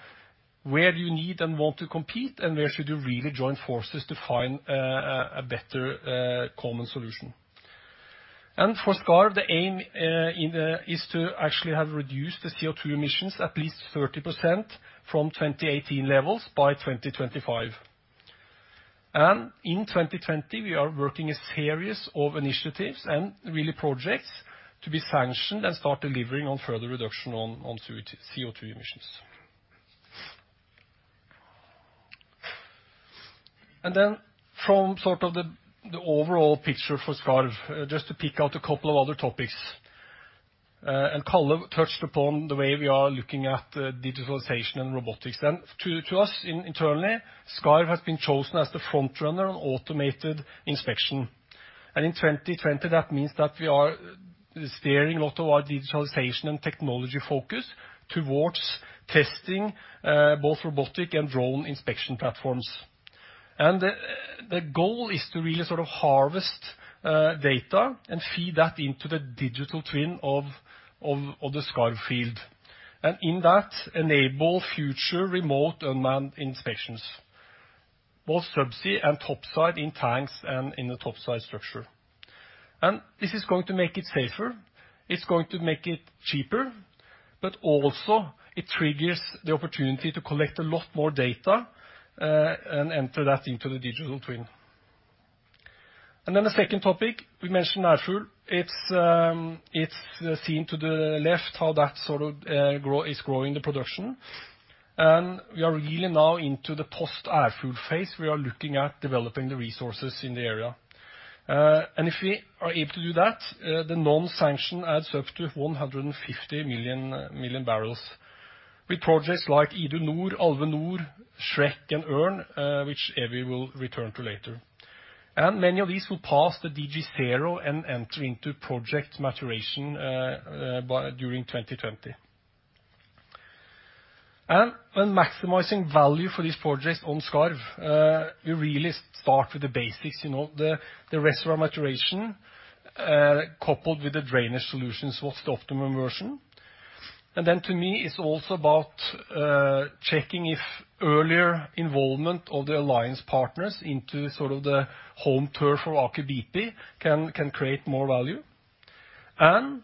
where you need and want to compete, and where should you really join forces to find a better common solution. For Skarv, the aim is to actually have reduced the CO2 emissions at least 30% from 2018 levels by 2025. In 2020, we are working a series of initiatives and really projects to be sanctioned and start delivering on further reduction on CO2 emissions. From the overall picture for Skarv, just to pick out a couple of other topics. Karl touched upon the way we are looking at digitalization and robotics. To us internally, Skarv has been chosen as the front runner on automated inspection. In 2020, that means that we are steering a lot of our digitalization and technology focus towards testing both robotic and drone inspection platforms. The goal is to really sort of harvest data and feed that into the digital twin of the Skarv field. In that, enable future remote unmanned inspections, both subsea and topside in tanks and in the topside structure. This is going to make it safer, it is going to make it cheaper, but also it triggers the opportunity to collect a lot more data, and enter that into the digital twin. The second topic, we mentioned Ærfugl. It is the theme to the left, how that sort of is growing the production. We are really now into the post Ærfugl phase. We are looking at developing the resources in the area. If we are able to do that, the non-sanction adds up to 150 million barrels. With projects like Idun Nord, Alve Nord, Shrek and Örn, which Evy will return to later. Many of these will pass the DG0 and enter into project maturation during 2020. When maximizing value for these projects on Skarv, we really start with the basics, the rest of our maturation, coupled with the drainage solutions, what's the optimum version? To me, it's also about checking if earlier involvement of the alliance partners into sort of the home turf for Aker BP can create more value.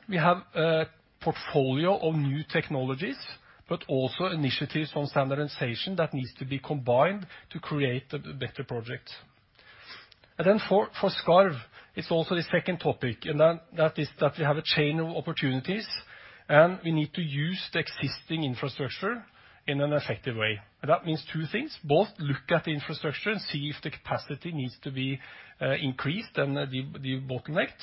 We have a portfolio of new technologies, but also initiatives on standardization that needs to be combined to create a better project. For Skarv, it's also the second topic, and that is that we have a chain of opportunities, and we need to use the existing infrastructure in an effective way. That means two things, both look at the infrastructure and see if the capacity needs to be increased and de-bottlenecked.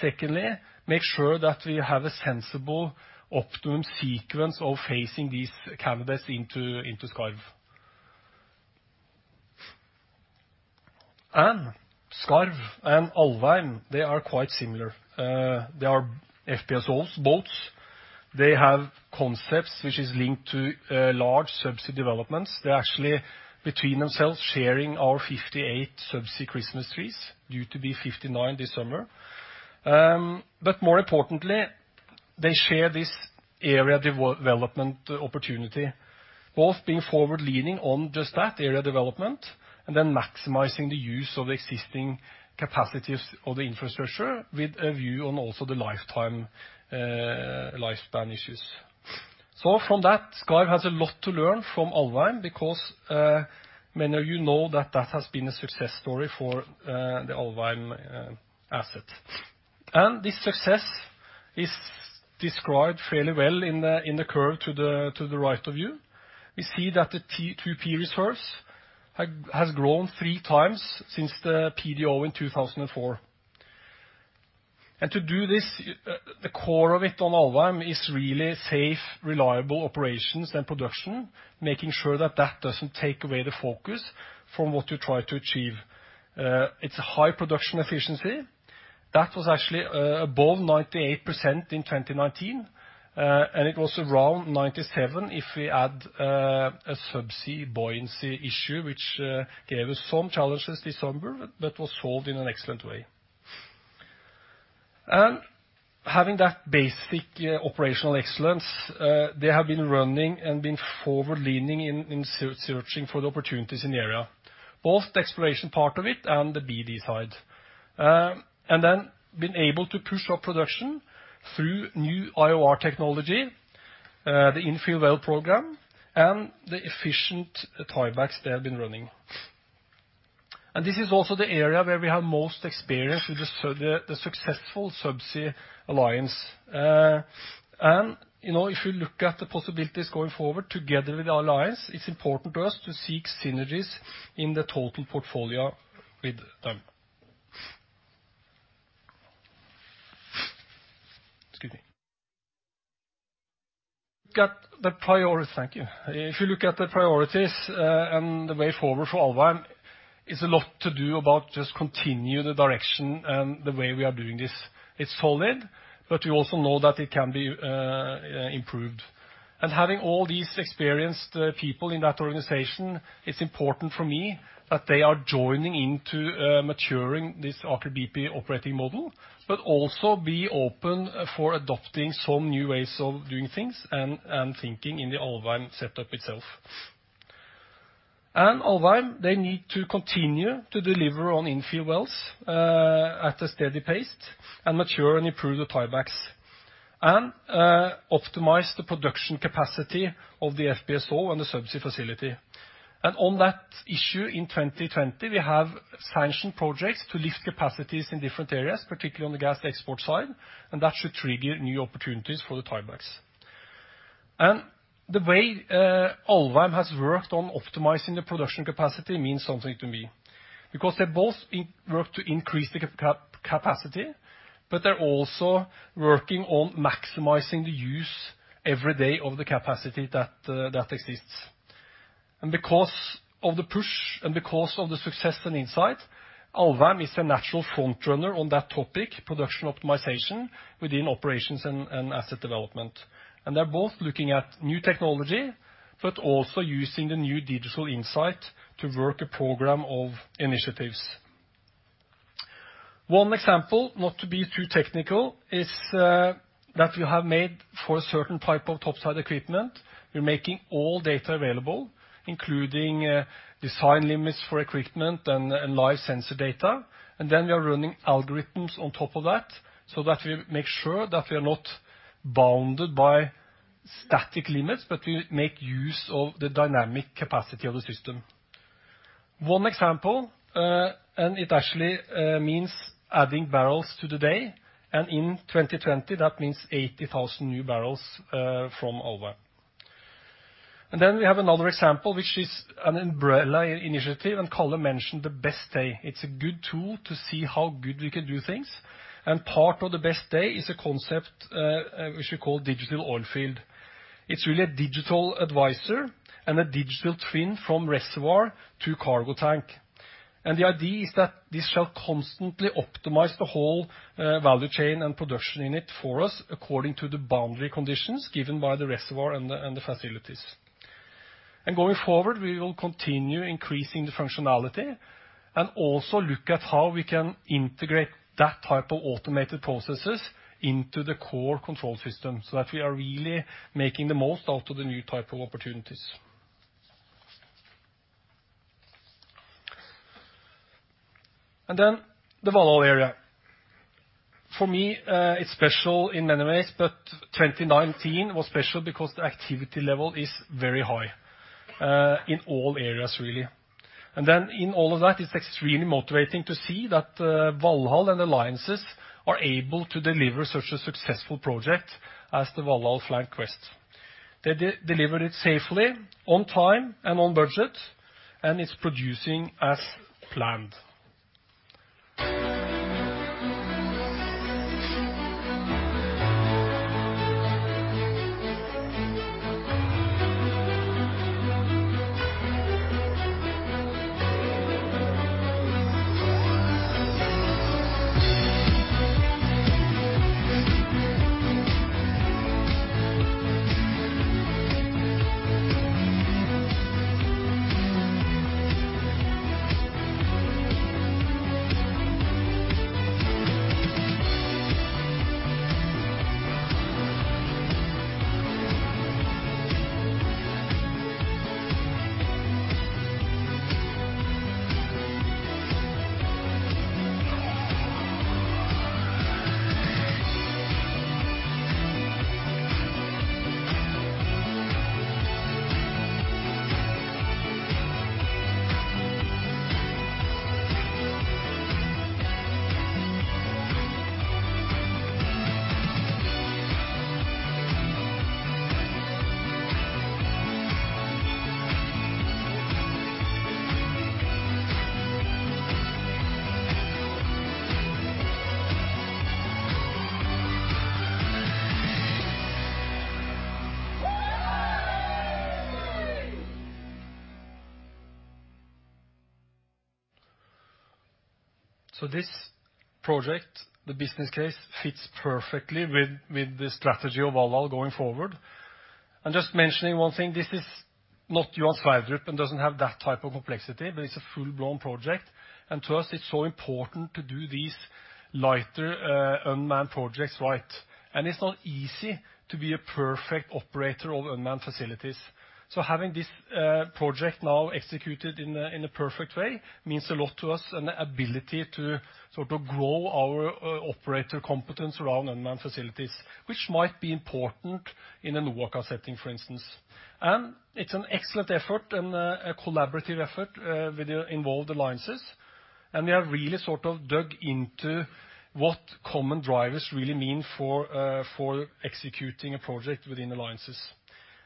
Secondly, make sure that we have a sensible optimum sequence of phasing these candidates into Skarv. Skarv and Alvheim, they are quite similar. They are FPSO boats. They have concepts which is linked to large subsea developments. They're actually between themselves sharing our 58 subsea Christmas trees, due to be 59 this summer. More importantly, they share this area development opportunity, both being forward-leaning on just that area development and then maximizing the use of existing capacities of the infrastructure with a view on also the lifespan issues. From that, Skarv has a lot to learn from Alvheim because many of you know that has been a success story for the Alvheim asset. This success is described fairly well in the curve to the right of you. We see that the 2P reserves has grown 3x since the PDO in 2004. To do this, the core of it on Alvheim is really safe, reliable operations and production, making sure that that doesn't take away the focus from what you try to achieve. It's a high production efficiency. That was actually above 98% in 2019. It was around 97 if we add a subsea buoyancy issue, which gave us some challenges this summer, but was solved in an excellent way. Having that basic operational excellence, they have been running and been forward-leaning in searching for the opportunities in the area, both the exploration part of it and the BD side. Then been able to push up production through new IOR technology, the infill well program, and the efficient tiebacks they have been running. This is also the area where we have most experience with the successful Subsea Alliance. If you look at the possibilities going forward together with the Alliance, it's important to us to seek synergies in the total portfolio with them. Excuse me. Thank you. If you look at the priorities, and the way forward for Alvheim, it's a lot to do about just continue the direction and the way we are doing this. It's solid, but we also know that it can be improved. Having all these experienced people in that organization, it's important for me that they are joining into maturing this Aker BP Operating Model, but also be open for adopting some new ways of doing things and thinking in the Alvheim setup itself. Alvheim, they need to continue to deliver on infill wells at a steady pace and mature and improve the tiebacks. Optimize the production capacity of the FPSO and the subsea facility. On that issue, in 2020, we have sanctioned projects to lift capacities in different areas, particularly on the gas export side, and that should trigger new opportunities for the tiebacks. The way Alvheim has worked on optimizing the production capacity means something to me because they both work to increase the capacity, but they're also working on maximizing the use every day of the capacity that exists. Because of the push and because of the success and insight, Alvheim is a natural frontrunner on that topic, production optimization within operations and asset development. They're both looking at new technology, but also using the new digital insight to work a program of initiatives. One example, not to be too technical, is that we have made for a certain type of topside equipment. We're making all data available, including design limits for equipment and live sensor data. We are running algorithms on top of that so that we make sure that we are not bounded by static limits, but we make use of the dynamic capacity of the system. One example, it actually means adding barrels to the day, in 2020, that means 80,000 new barrels from Alvheim. We have another example, which is an umbrella initiative, and Karl mentioned the Best Day. It's a good tool to see how good we can do things. Part of the Best Day is a concept which we call digital oil field. It's really a digital advisor and a digital twin from reservoir to cargo tank. The idea is that this shall constantly optimize the whole value chain and production in it for us according to the boundary conditions given by the reservoir and the facilities. Going forward, we will continue increasing the functionality and also look at how we can integrate that type of automated processes into the core control system so that we are really making the most out of the new type of opportunities. The Valhall area. For me, it's special in many ways, but 2019 was special because the activity level is very high, in all areas really. In all of that, it's extremely motivating to see that Valhall and alliances are able to deliver such a successful project as the Valhall Flank West. They delivered it safely, on time, and on budget, and it's producing as planned. This project, the business case, fits perfectly with the strategy of Valhall going forward. I'm just mentioning one thing, this is not Johan Sverdrup and doesn't have that type of complexity, but it's a full-blown project. To us, it's so important to do these lighter unmanned projects right. It's not easy to be a perfect operator of unmanned facilities. Having this project now executed in a perfect way means a lot to us, and the ability to sort of grow our operator competence around unmanned facilities, which might be important in a NOAKA setting, for instance. It's an excellent effort and a collaborative effort with the involved alliances, and we have really sort of dug into what common drivers really mean for executing a project within alliances.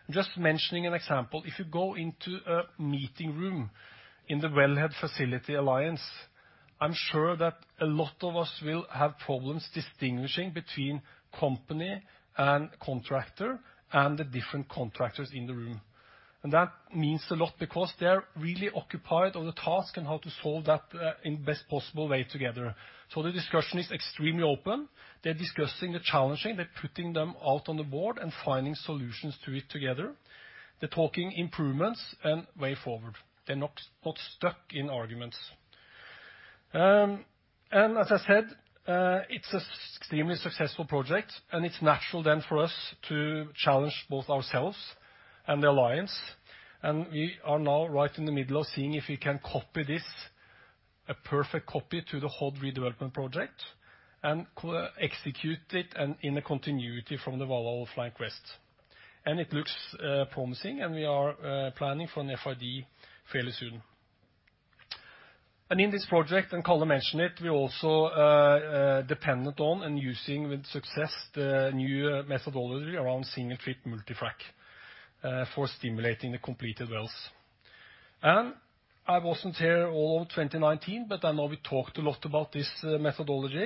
I'm just mentioning an example. If you go into a meeting room in the Wellhead Facility Alliance, I'm sure that a lot of us will have problems distinguishing between company and contractor and the different contractors in the room. That means a lot because they're really occupied on the task and how to solve that in best possible way together. The discussion is extremely open. They're discussing, they're challenging, they're putting them out on the board and finding solutions to it together. They're talking improvements and way forward. They're not stuck in arguments. As I said, it's extremely successful project, and it's natural then for us to challenge both ourselves and the alliance. We are now right in the middle of seeing if we can copy this, a perfect copy to the whole redevelopment project and execute it and in a continuity from the Valhall Flank West. It looks promising, and we are planning for an FID fairly soon. In this project, and Karl mentioned it, we also are dependent on and using with success the new methodology around single trip multi-frac for stimulating the completed wells. I wasn't here all of 2019, but I know we talked a lot about this methodology.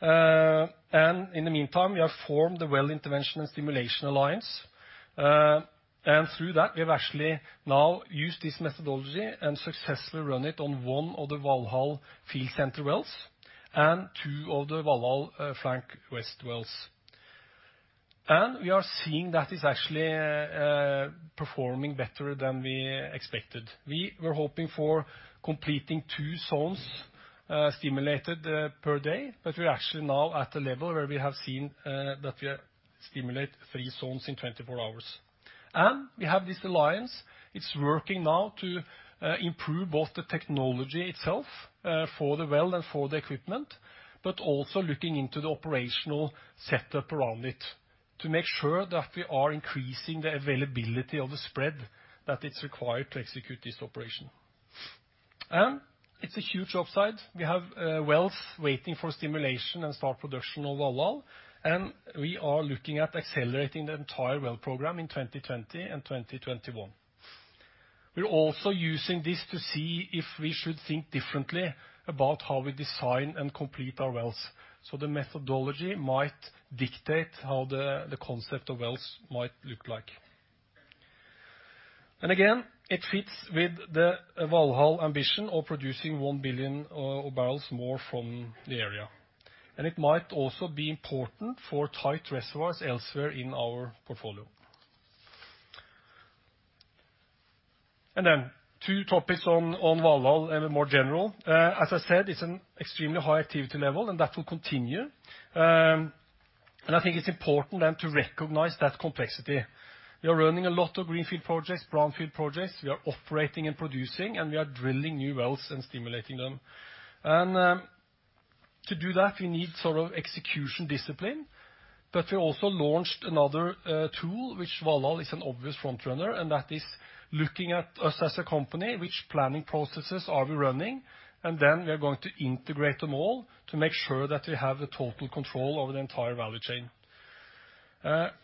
In the meantime, we have formed the Well Intervention and Stimulation Alliance. Through that, we have actually now used this methodology and successfully run it on one of the Valhall field center wells and two of the Valhall Flank West wells. We are seeing that is actually performing better than we expected. We were hoping for completing two zones stimulated per day, but we are actually now at a level where we have seen that we stimulate three zones in 24 hours. We have this alliance, it's working now to improve both the technology itself for the well and for the equipment, but also looking into the operational setup around it to make sure that we are increasing the availability of the spread that it's required to execute this operation. It's a huge upside. We have wells waiting for stimulation and start production of Valhall, and we are looking at accelerating the entire well program in 2020 and 2021. We're also using this to see if we should think differently about how we design and complete our wells, the methodology might dictate how the concept of wells might look like. Again, it fits with the Valhall ambition of producing 1 billion oil barrels more from the area. It might also be important for tight reservoirs elsewhere in our portfolio. Two topics on Valhall and more general. As I said, it's an extremely high activity level, and that will continue. I think it's important then to recognize that complexity. We are running a lot of greenfield projects, brownfield projects. We are operating and producing, and we are drilling new wells and stimulating them. To do that, we need sort of execution discipline, but we also launched another tool, which Valhall is an obvious frontrunner, and that is looking at us as a company, which planning processes are we running? We are going to integrate them all to make sure that we have the total control over the entire value chain.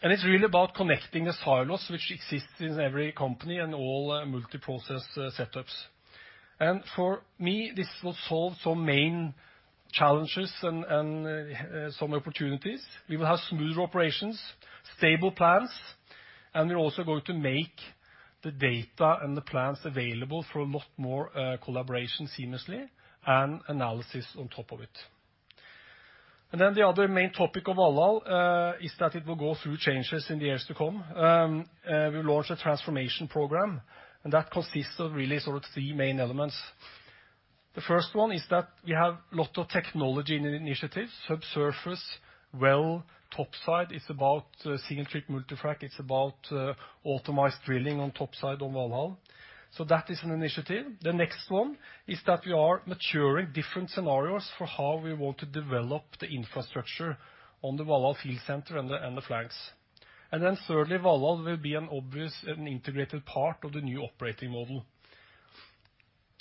It's really about connecting the silos which exist in every company and all multi-process setups. For me, this will solve some main challenges and some opportunities. We will have smoother operations, stable plans, we're also going to make the data and the plans available for a lot more collaboration seamlessly and analysis on top of it. The other main topic of Valhall, is that it will go through changes in the years to come. We launched a transformation program, and that consists of really sort of three main elements. The first one is that we have lot of technology initiatives, sub-surface, well, topside. It's about single trip multi-frac, it's about optimized drilling on topside on Valhall. That is an initiative. The next one is that we are maturing different scenarios for how we want to develop the infrastructure on the Valhall field center and the flanks. Thirdly, Valhall will be an obvious and integrated part of the new operating model.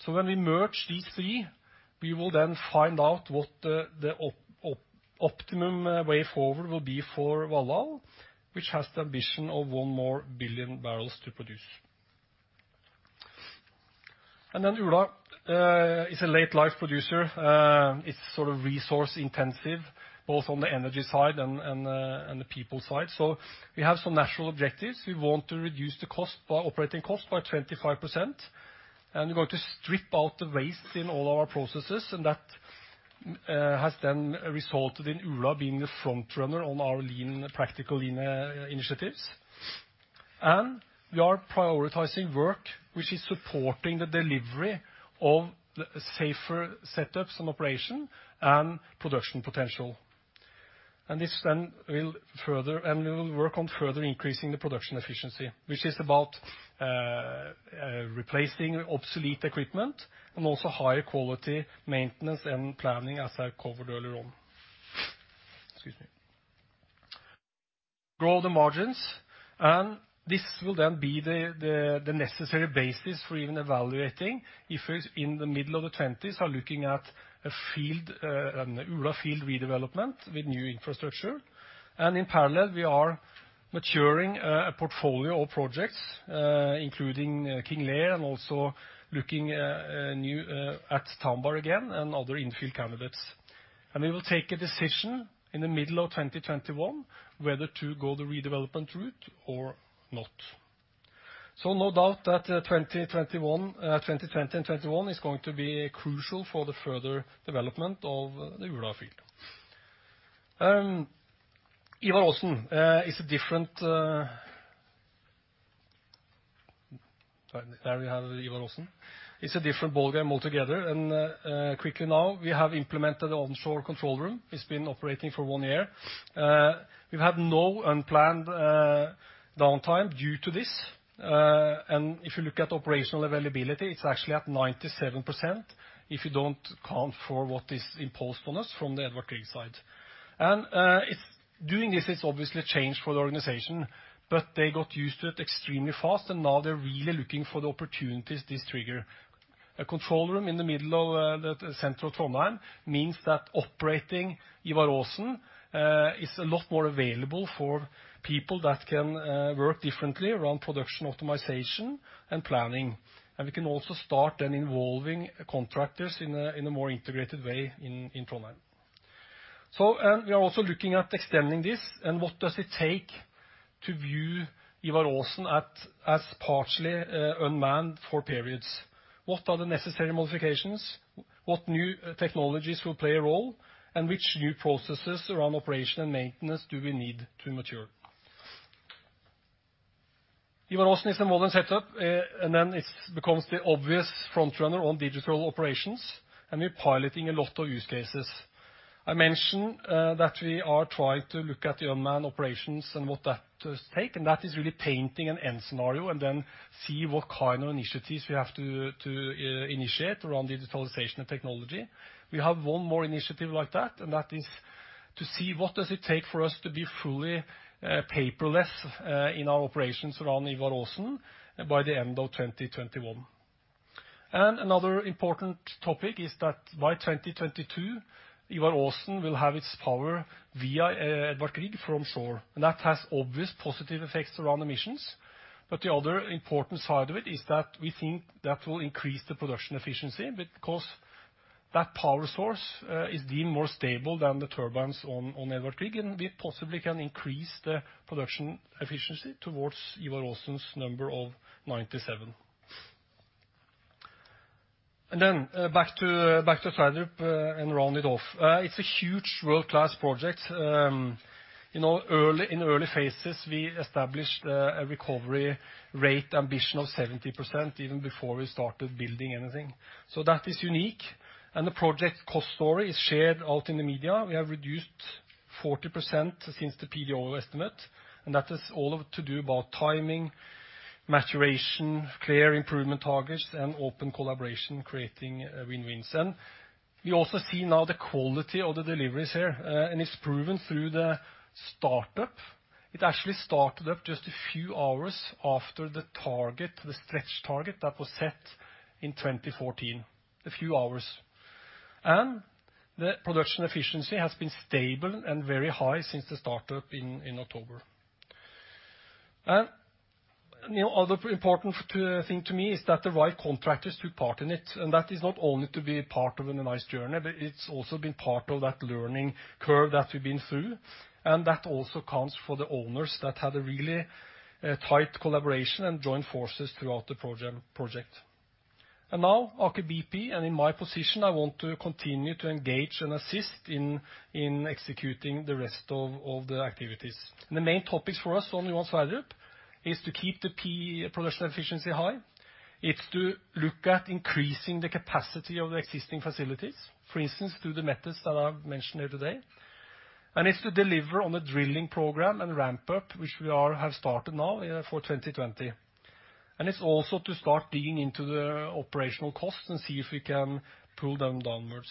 When we merge these three, we will then find out what the optimum way forward will be for Valhall, which has the ambition of one more billion barrels to produce. Ula is a late life producer. It's sort of resource intensive, both on the energy side and the people side. We have some natural objectives. We want to reduce the operating cost by 25%, and we're going to strip out the waste in all our processes. That has then resulted in Ula being a frontrunner on our lean, practical lean initiatives. We are prioritizing work, which is supporting the delivery of safer setups and operation and production potential. We will work on further increasing the production efficiency, which is about replacing obsolete equipment and also higher quality maintenance and planning as I covered earlier on. Excuse me. Grow the margins. This will then be the necessary basis for even evaluating if it's in the middle of the twenties are looking at a field, Ula field redevelopment with new infrastructure. In parallel, we are maturing a portfolio of projects, including King Lear and also looking new at Tambar again and other infill candidates. We will take a decision in the middle of 2021 whether to go the redevelopment route or not. No doubt that 2020 and 2021 is going to be crucial for the further development of the Ula field. There we have Ivar Aasen. It's a different ballgame altogether. Quickly now we have implemented the onshore control room. It's been operating for one year. We've had no unplanned downtime due to this. If you look at operational availability, it's actually at 97%, if you don't account for what is imposed on us from the Edvard Grieg side. Doing this, it's obviously a change for the organization, but they got used to it extremely fast and now they're really looking for the opportunities this trigger. A control room in the middle of the center of Trondheim means that operating Ivar Aasen is a lot more available for people that can work differently around production optimization and planning. We can also start then involving contractors in a more integrated way in Trondheim. We are also looking at extending this and what does it take to view Ivar Aasen as partially unmanned for periods. What are the necessary modifications? What new technologies will play a role, and which new processes around operation and maintenance do we need to mature? Ivar Aasen is a modern setup, and then it becomes the obvious frontrunner on digital operations, and we're piloting a lot of use cases. I mentioned that we are trying to look at the unmanned operations and what that does take, and that is really painting an end scenario and then see what kind of initiatives we have to initiate around digitalization of technology. We have one more initiative like that, and that is to see what does it take for us to be fully paperless in our operations around Ivar Aasen by the end of 2021. Another important topic is that by 2022, Ivar Aasen will have its power via Edvard Grieg from shore, and that has obvious positive effects around emissions. The other important side of it is that we think that will increase the production efficiency because that power source is deemed more stable than the turbines on Edvard Grieg, and we possibly can increase the production efficiency towards Ivar Aasen's number of 97. Back to Sverdrup and round it off. It's a huge world-class project. In the early phases, we established a recovery rate ambition of 70% even before we started building anything. That is unique. The project cost story is shared out in the media. We have reduced 40% since the PDO estimate, and that is all to do about timing, maturation, clear improvement targets, and open collaboration, creating a win-win. We also see now the quality of the deliveries here, and it's proven through the startup. It actually started up just a few hours after the target, the stretch target that was set in 2014, a few hours. The production efficiency has been stable and very high since the startup in October. The other important thing to me is that the right contractors took part in it, and that is not only to be a part of a nice journey, but it's also been part of that learning curve that we've been through, and that also counts for the owners that had a really tight collaboration and joined forces throughout the project. Now Aker BP, and in my position, I want to continue to engage and assist in executing the rest of the activities. The main topics for us on Johan Sverdrup is to keep the production efficiency high. It's to look at increasing the capacity of the existing facilities, for instance, through the methods that I've mentioned here today. It's to deliver on the drilling program and ramp up, which we have started now for 2020. It's also to start digging into the operational cost and see if we can pull them downwards.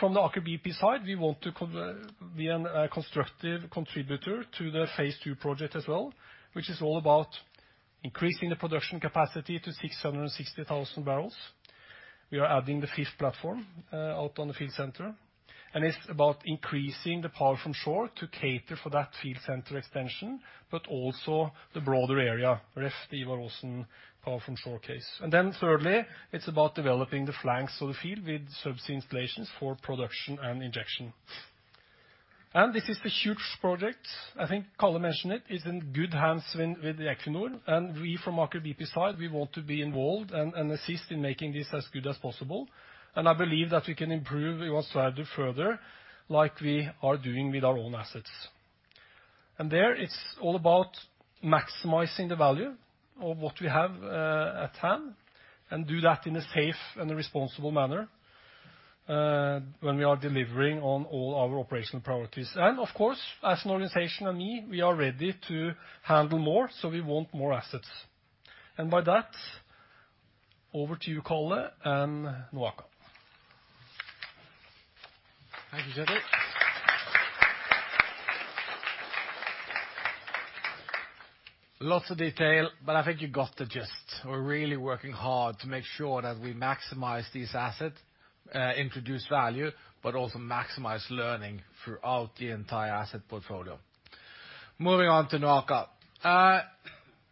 From the Aker BP side, we want to be a constructive contributor to the phase II project as well, which is all about increasing the production capacity to 660,000 barrels. We are adding the fifth platform out on the field center, and it's about increasing the power from shore to cater for that field center extension, but also the broader area ref Ivar Aasen power from shore case. Thirdly, it's about developing the flanks of the field with subsea installations for production and injection. This is the huge project, I think Karl mentioned it, is in good hands with Equinor. We from Aker BP side, we want to be involved and assist in making this as good as possible. I believe that we can improve Johan Sverdrup further like we are doing with our own assets. There it's all about maximizing the value of what we have at hand and do that in a safe and a responsible manner, when we are delivering on all our operational priorities. Of course, as an organization and me, we are ready to handle more, so we want more assets. By that, over to you, Karl and NOAKA. Thank you, Kjetel. Lots of detail, I think you got the gist. We're really working hard to make sure that we maximize these assets, introduce value, but also maximize learning throughout the entire asset portfolio. Moving on to NOAKA.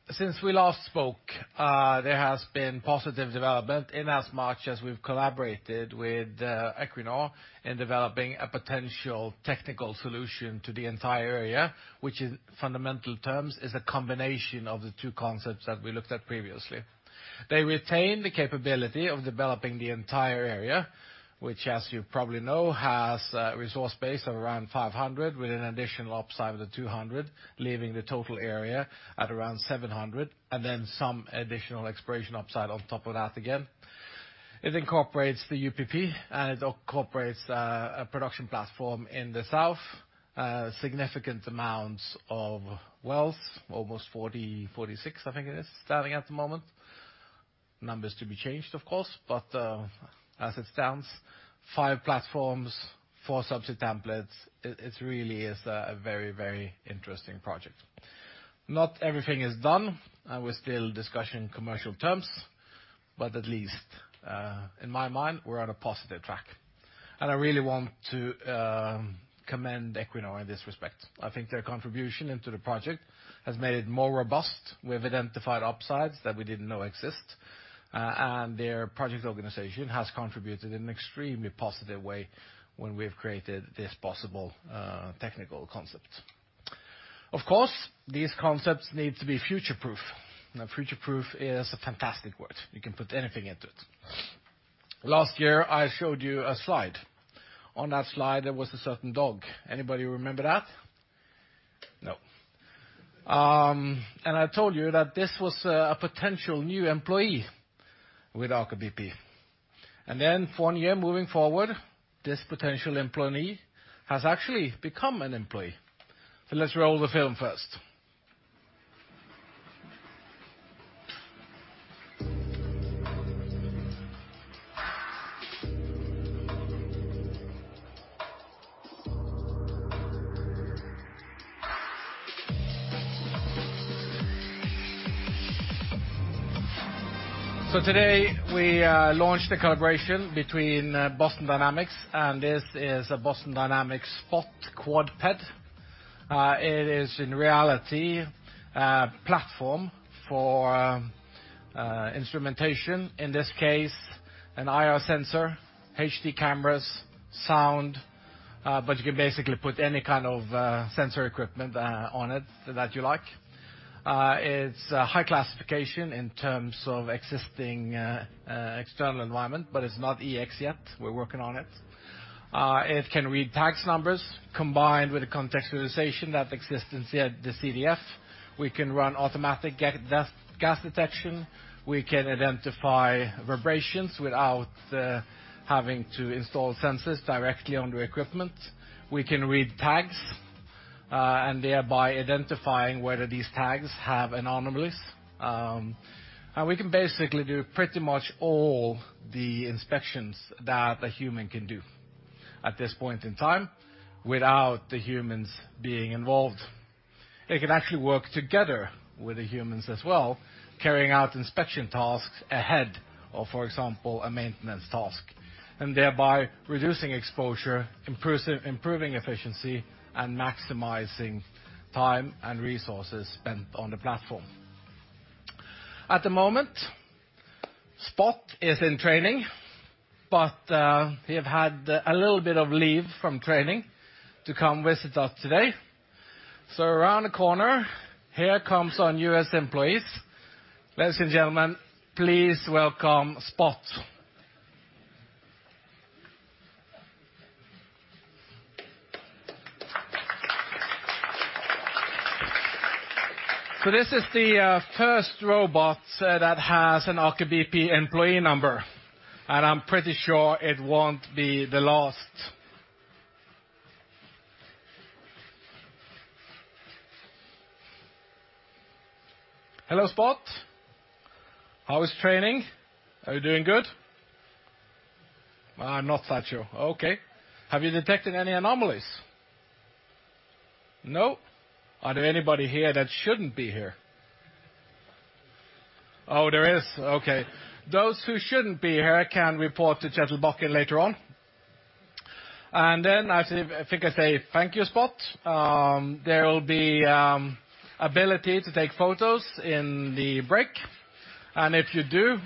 Since we last spoke, there has been positive development inasmuch as we've collaborated with Equinor in developing a potential technical solution to the entire area, which in fundamental terms is a combination of the two concepts that we looked at previously. They retain the capability of developing the entire area, which, as you probably know, has a resource base of around 500 with an additional upside of the 200, leaving the total area at around 700, then some additional exploration upside on top of that again. It incorporates the UPP, it incorporates a production platform in the south. Significant amounts of wells, almost 46, I think it is, standing at the moment. Numbers to be changed, of course, but as it stands, five platforms, four subsea templates. It really is a very interesting project. Not everything is done. We're still discussing commercial terms. At least, in my mind, we're on a positive track. I really want to commend Equinor in this respect. I think their contribution into the project has made it more robust. We have identified upsides that we didn't know exist, and their project organization has contributed in an extremely positive way when we've created this possible technical concept. Of course, these concepts need to be future-proof. Now, future-proof is a fantastic word. You can put anything into it. Last year, I showed you a slide. On that slide, there was a certain dog. Anybody remember that? No. I told you that this was a potential new employee with Aker BP. One year moving forward, this potential employee has actually become an employee. Let's roll the film first. Today, we launched a collaboration between Boston Dynamics, and this is a Boston Dynamics Spot quadruped. It is in reality a platform for instrumentation, in this case, an IR sensor, HD cameras, sound, but you can basically put any kind of sensor equipment on it that you like. It's high classification in terms of existing external environment, but it's not EX yet. We're working on it. It can read tags numbers combined with the contextualization that exists inside the CDF. We can run automatic gas detection. We can identify vibrations without having to install sensors directly on the equipment. We can read tags, and thereby identifying whether these tags have anomalies. We can basically do pretty much all the inspections that a human can do at this point in time without the humans being involved. It can actually work together with the humans as well, carrying out inspection tasks ahead of, for example, a maintenance task, and thereby reducing exposure, improving efficiency, and maximizing time and resources spent on the platform. At the moment, Spot is in training, but he have had a little bit of leave from training to come visit us today. Around the corner, here comes our newest employees. Ladies and gentlemen, please welcome Spot. This is the first robot that has an Aker BP employee number, and I'm pretty sure it won't be the last. Hello, Spot. How is training? Are you doing good? Not sat you. Okay. Have you detected any anomalies? No. Are there anybody here that shouldn't be here? Oh, there is. Okay. Those who shouldn't be here can report to Kjetil Bakken later on. I think I say thank you, Spot. There will be ability to take photos in the break. If you do,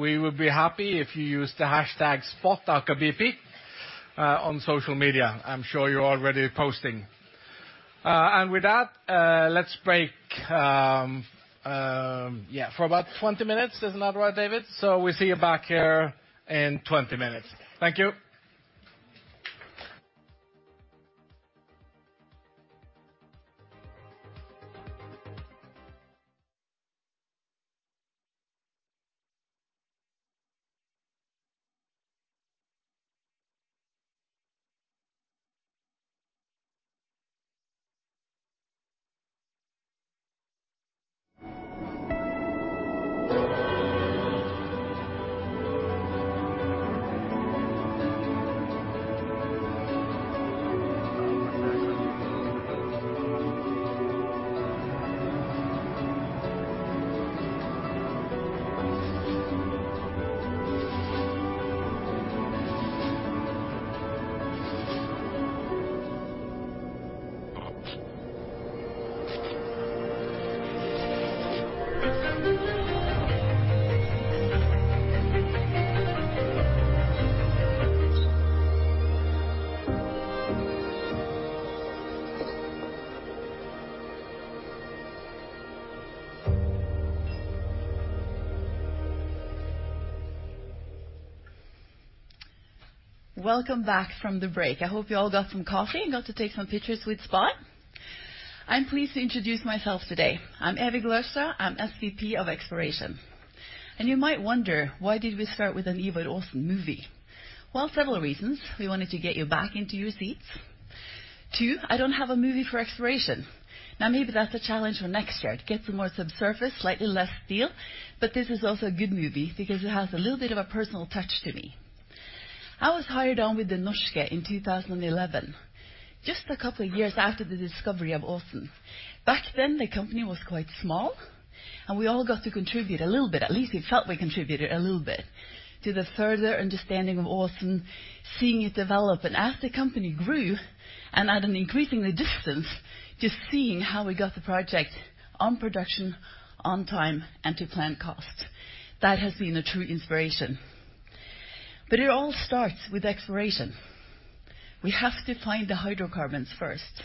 we would be happy if you use the hashtag spotakerbp on social media. I'm sure you're already posting. With that, let's break, for about 20 minutes. Isn't that right, David? We'll see you back here in 20 minutes. Thank you. Welcome back from the break. I hope you all got some coffee and got to take some pictures with Spot. I'm pleased to introduce myself today. I'm Evy Glørstad. I'm SVP of Exploration. You might wonder, why did we start with an Ivar Aasen movie? Well, several reasons. We wanted to get you back into your seats. Two, I don't have a movie for exploration. Maybe that's a challenge for next year to get some more subsurface, slightly less steel, this is also a good movie because it has a little bit of a personal touch to me. I was hired on with Det Norske in 2011, just a couple of years after the discovery of Ivar Aasen. Back then, the company was quite small. We all got to contribute a little bit, at least we felt we contributed a little bit to the further understanding of Aasen, seeing it develop. As the company grew, and at an increasing distance, just seeing how we got the project on production on time and to plan cost. That has been a true inspiration. It all starts with exploration. We have to find the hydrocarbons first,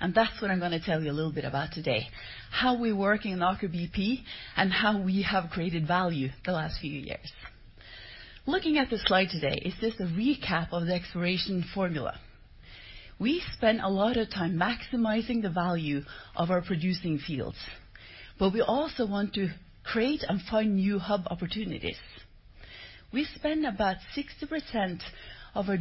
and that's what I'm going to tell you a little bit about today, how we work in Aker BP and how we have created value the last few years. Looking at the slide today is just a recap of the exploration formula. We spend a lot of time maximizing the value of our producing fields, but we also want to create and find new hub opportunities. We spend about 60% of our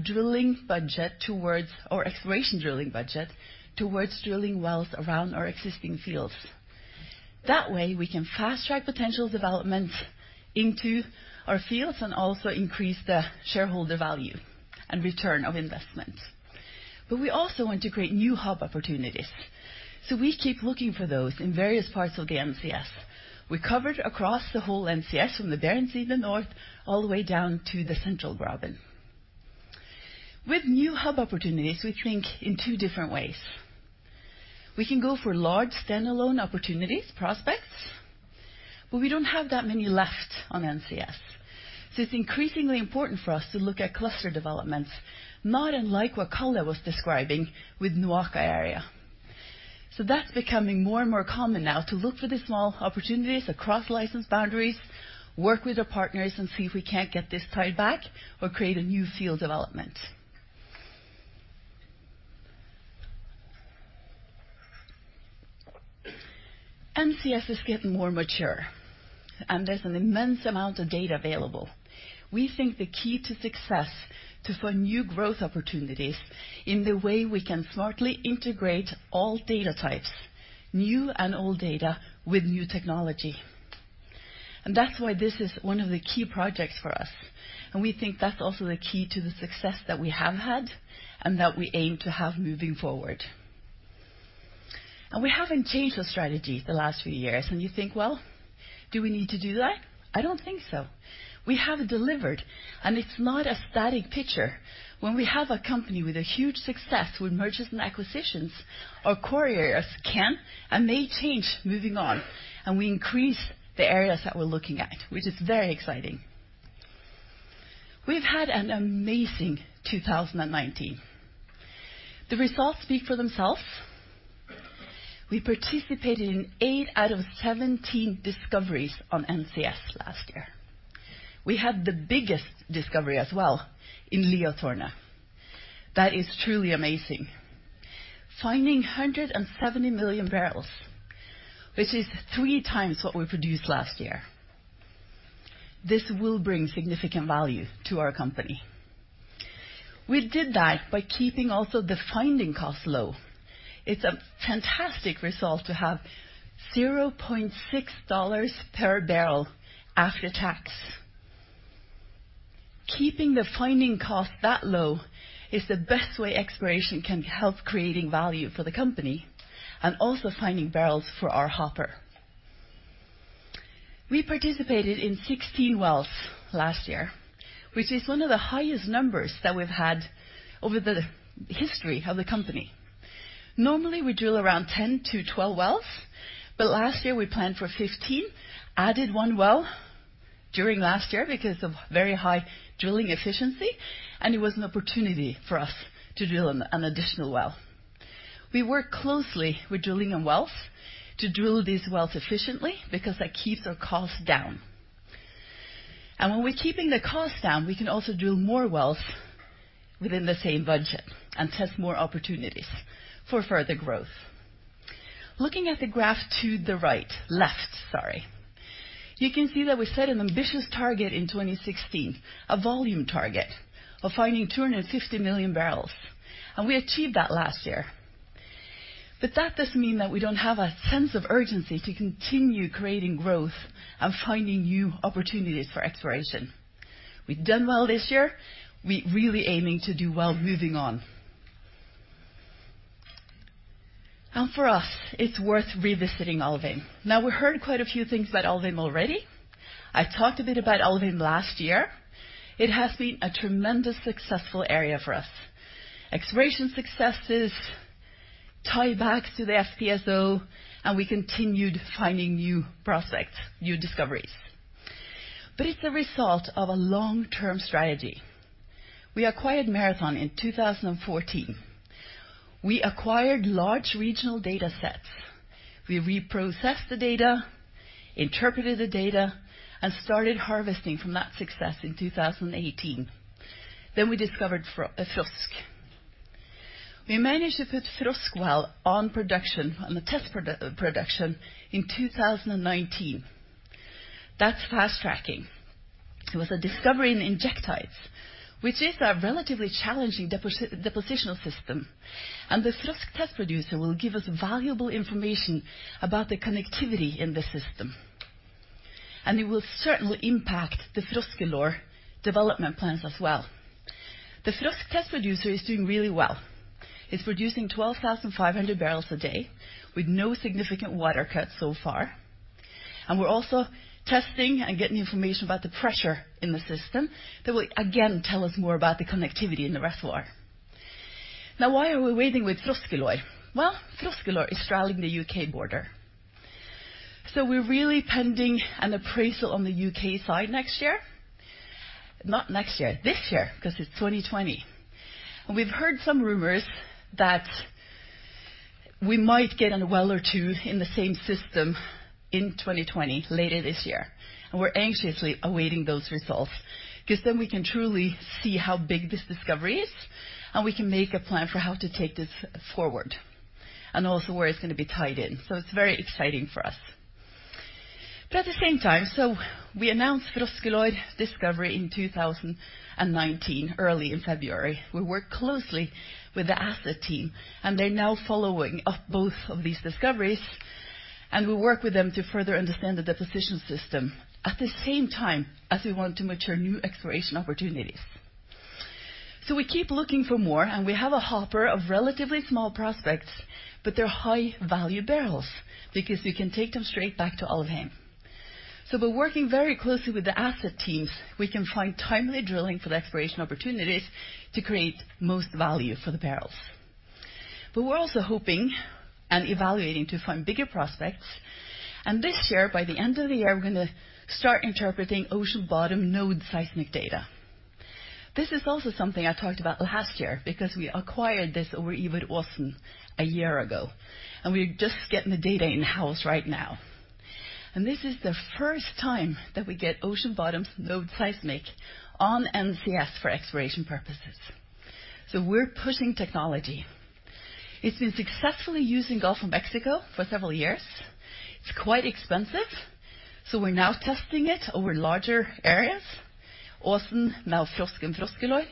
exploration drilling budget towards drilling wells around our existing fields. That way we can fast-track potential development into our fields and also increase the shareholder value and return on investment. We also want to create new hub opportunities, so we keep looking for those in various parts of the NCS. We're covered across the whole NCS from the Barents Sea, the north, all the way down to the Central Graben. With new hub opportunities, we think in two different ways. We can go for large standalone opportunities, prospects, but we don't have that many left on NCS. It's increasingly important for us to look at cluster developments, not unlike what Karl was describing with NOAKA area. That's becoming more and more common now to look for the small opportunities across license boundaries, work with our partners and see if we can't get this tied back or create a new field development. NCS is getting more mature, and there's an immense amount of data available. We think the key to success to find new growth opportunities in the way we can smartly integrate all data types, new and old data with new technology. That's why this is one of the key projects for us, and we think that's also the key to the success that we have had and that we aim to have moving forward. We haven't changed the strategy the last few years. You think, well, do we need to do that? I don't think so. We have delivered, and it's not a static picture. When we have a company with a huge success with mergers and acquisitions, our core areas can and may change moving on, and we increase the areas that we're looking at, which is very exciting. We've had an amazing 2019. The results speak for themselves. We participated in eight out of 17 discoveries on NCS last year. We had the biggest discovery as well in Liatårnet. That is truly amazing. Finding 170 million barrels, which is three times what we produced last year. This will bring significant value to our company. We did that by keeping also the finding cost low. It's a fantastic result to have $0.6 per barrel after tax. Keeping the finding cost that low is the best way exploration can help creating value for the company and also finding barrels for our hopper. We participated in 16 wells last year, which is one of the highest numbers that we've had over the history of the company. Normally, we drill around 10 to 12 wells, but last year we planned for 15, added one well during last year because of very high drilling efficiency, and it was an opportunity for us to drill an additional well. We work closely with drilling on wells to drill these wells efficiently because that keeps our costs down. When we're keeping the cost down, we can also drill more wells within the same budget and test more opportunities for further growth. Looking at the graph to the left. You can see that we set an ambitious target in 2016, a volume target of finding 250 million barrels. We achieved that last year. That doesn't mean that we don't have a sense of urgency to continue creating growth and finding new opportunities for exploration. We've done well this year. We're really aiming to do well moving on. For us, it's worth revisiting Alvheim. Now we heard quite a few things about Alvheim already. I talked a bit about Alvheim last year. It has been a tremendous successful area for us. Exploration successes tie back to the FPSO, and we continued finding new prospects, new discoveries. It's a result of a long-term strategy. We acquired Marathon in 2014. We acquired large regional data sets. We reprocessed the data, interpreted the data, and started harvesting from that success in 2018. We discovered Froskelår. We managed to put Froskelår well on production, on the test production in 2019. That's fast-tracking. It was a discovery in injectites, which is a relatively challenging depositional system. The Frosk test producer will give us valuable information about the connectivity in the system. It will certainly impact the Froskelår development plans as well. The Frosk test producer is doing really well. It is producing 12,500 barrels a day with no significant water cut so far. We are also testing and getting information about the pressure in the system that will, again, tell us more about the connectivity in the reservoir. Now why are we waiting with Froskelår? Well, Froskelår is straddling the U.K. border. We are really pending an appraisal on the U.K. side next year. Not next year, this year, because it is 2020. We have heard some rumors that we might get a well or two in the same system in 2020, later this year. We are anxiously awaiting those results, because then we can truly see how big this discovery is, and we can make a plan for how to take this forward. Also where it is going to be tied in. It is very exciting for us. At the same time, we announced Froskelår discovery in 2019, early in February. We work closely with the asset team, and they are now following up both of these discoveries, and we work with them to further understand the deposition system at the same time as we want to mature new exploration opportunities. We keep looking for more, and we have a hopper of relatively small prospects, but they are high-value barrels because we can take them straight back to Alvheim. By working very closely with the asset teams, we can find timely drilling for the exploration opportunities to create most value for the barrels. We're also hoping and evaluating to find bigger prospects. This year, by the end of the year, we're going to start interpreting ocean bottom node seismic data. This is also something I talked about last year because we acquired this over Ivar Aasen a year ago, and we're just getting the data in-house right now. This is the first time that we get ocean bottom node seismic on NCS for exploration purposes. We're pushing technology. It's been successfully used in Gulf of Mexico for several years. It's quite expensive, so we're now testing it over larger areas, Aasen, now Froskelår and Froskelår,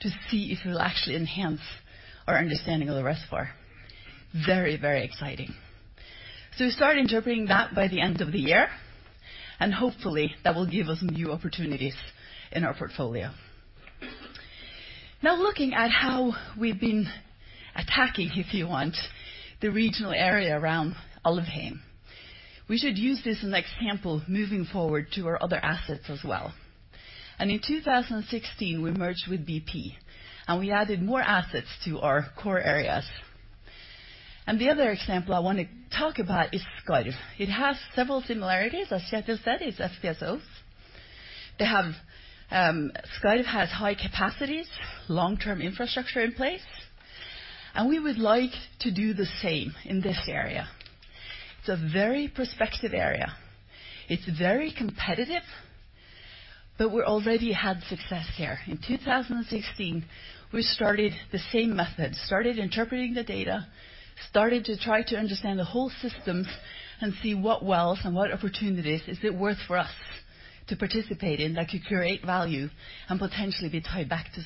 to see if it'll actually enhance our understanding of the reservoir. Very exciting. We start interpreting that by the end of the year, and hopefully that will give us new opportunities in our portfolio. Looking at how we've been attacking, if you want, the regional area around Alvheim. We should use this as an example moving forward to our other assets as well. In 2016, we merged with BP, and we added more assets to our core areas. The other example I want to talk about is Skarv. It has several similarities. As Kjetel said, it's FPSOs. Skarv has high capacities, long-term infrastructure in place, and we would like to do the same in this area. It's a very prospective area. It's very competitive, but we already had success here. In 2016, we started the same method, started interpreting the data, started to try to understand the whole systems and see what wells and what opportunities is it worth for us to participate in that could create value and potentially be tied back to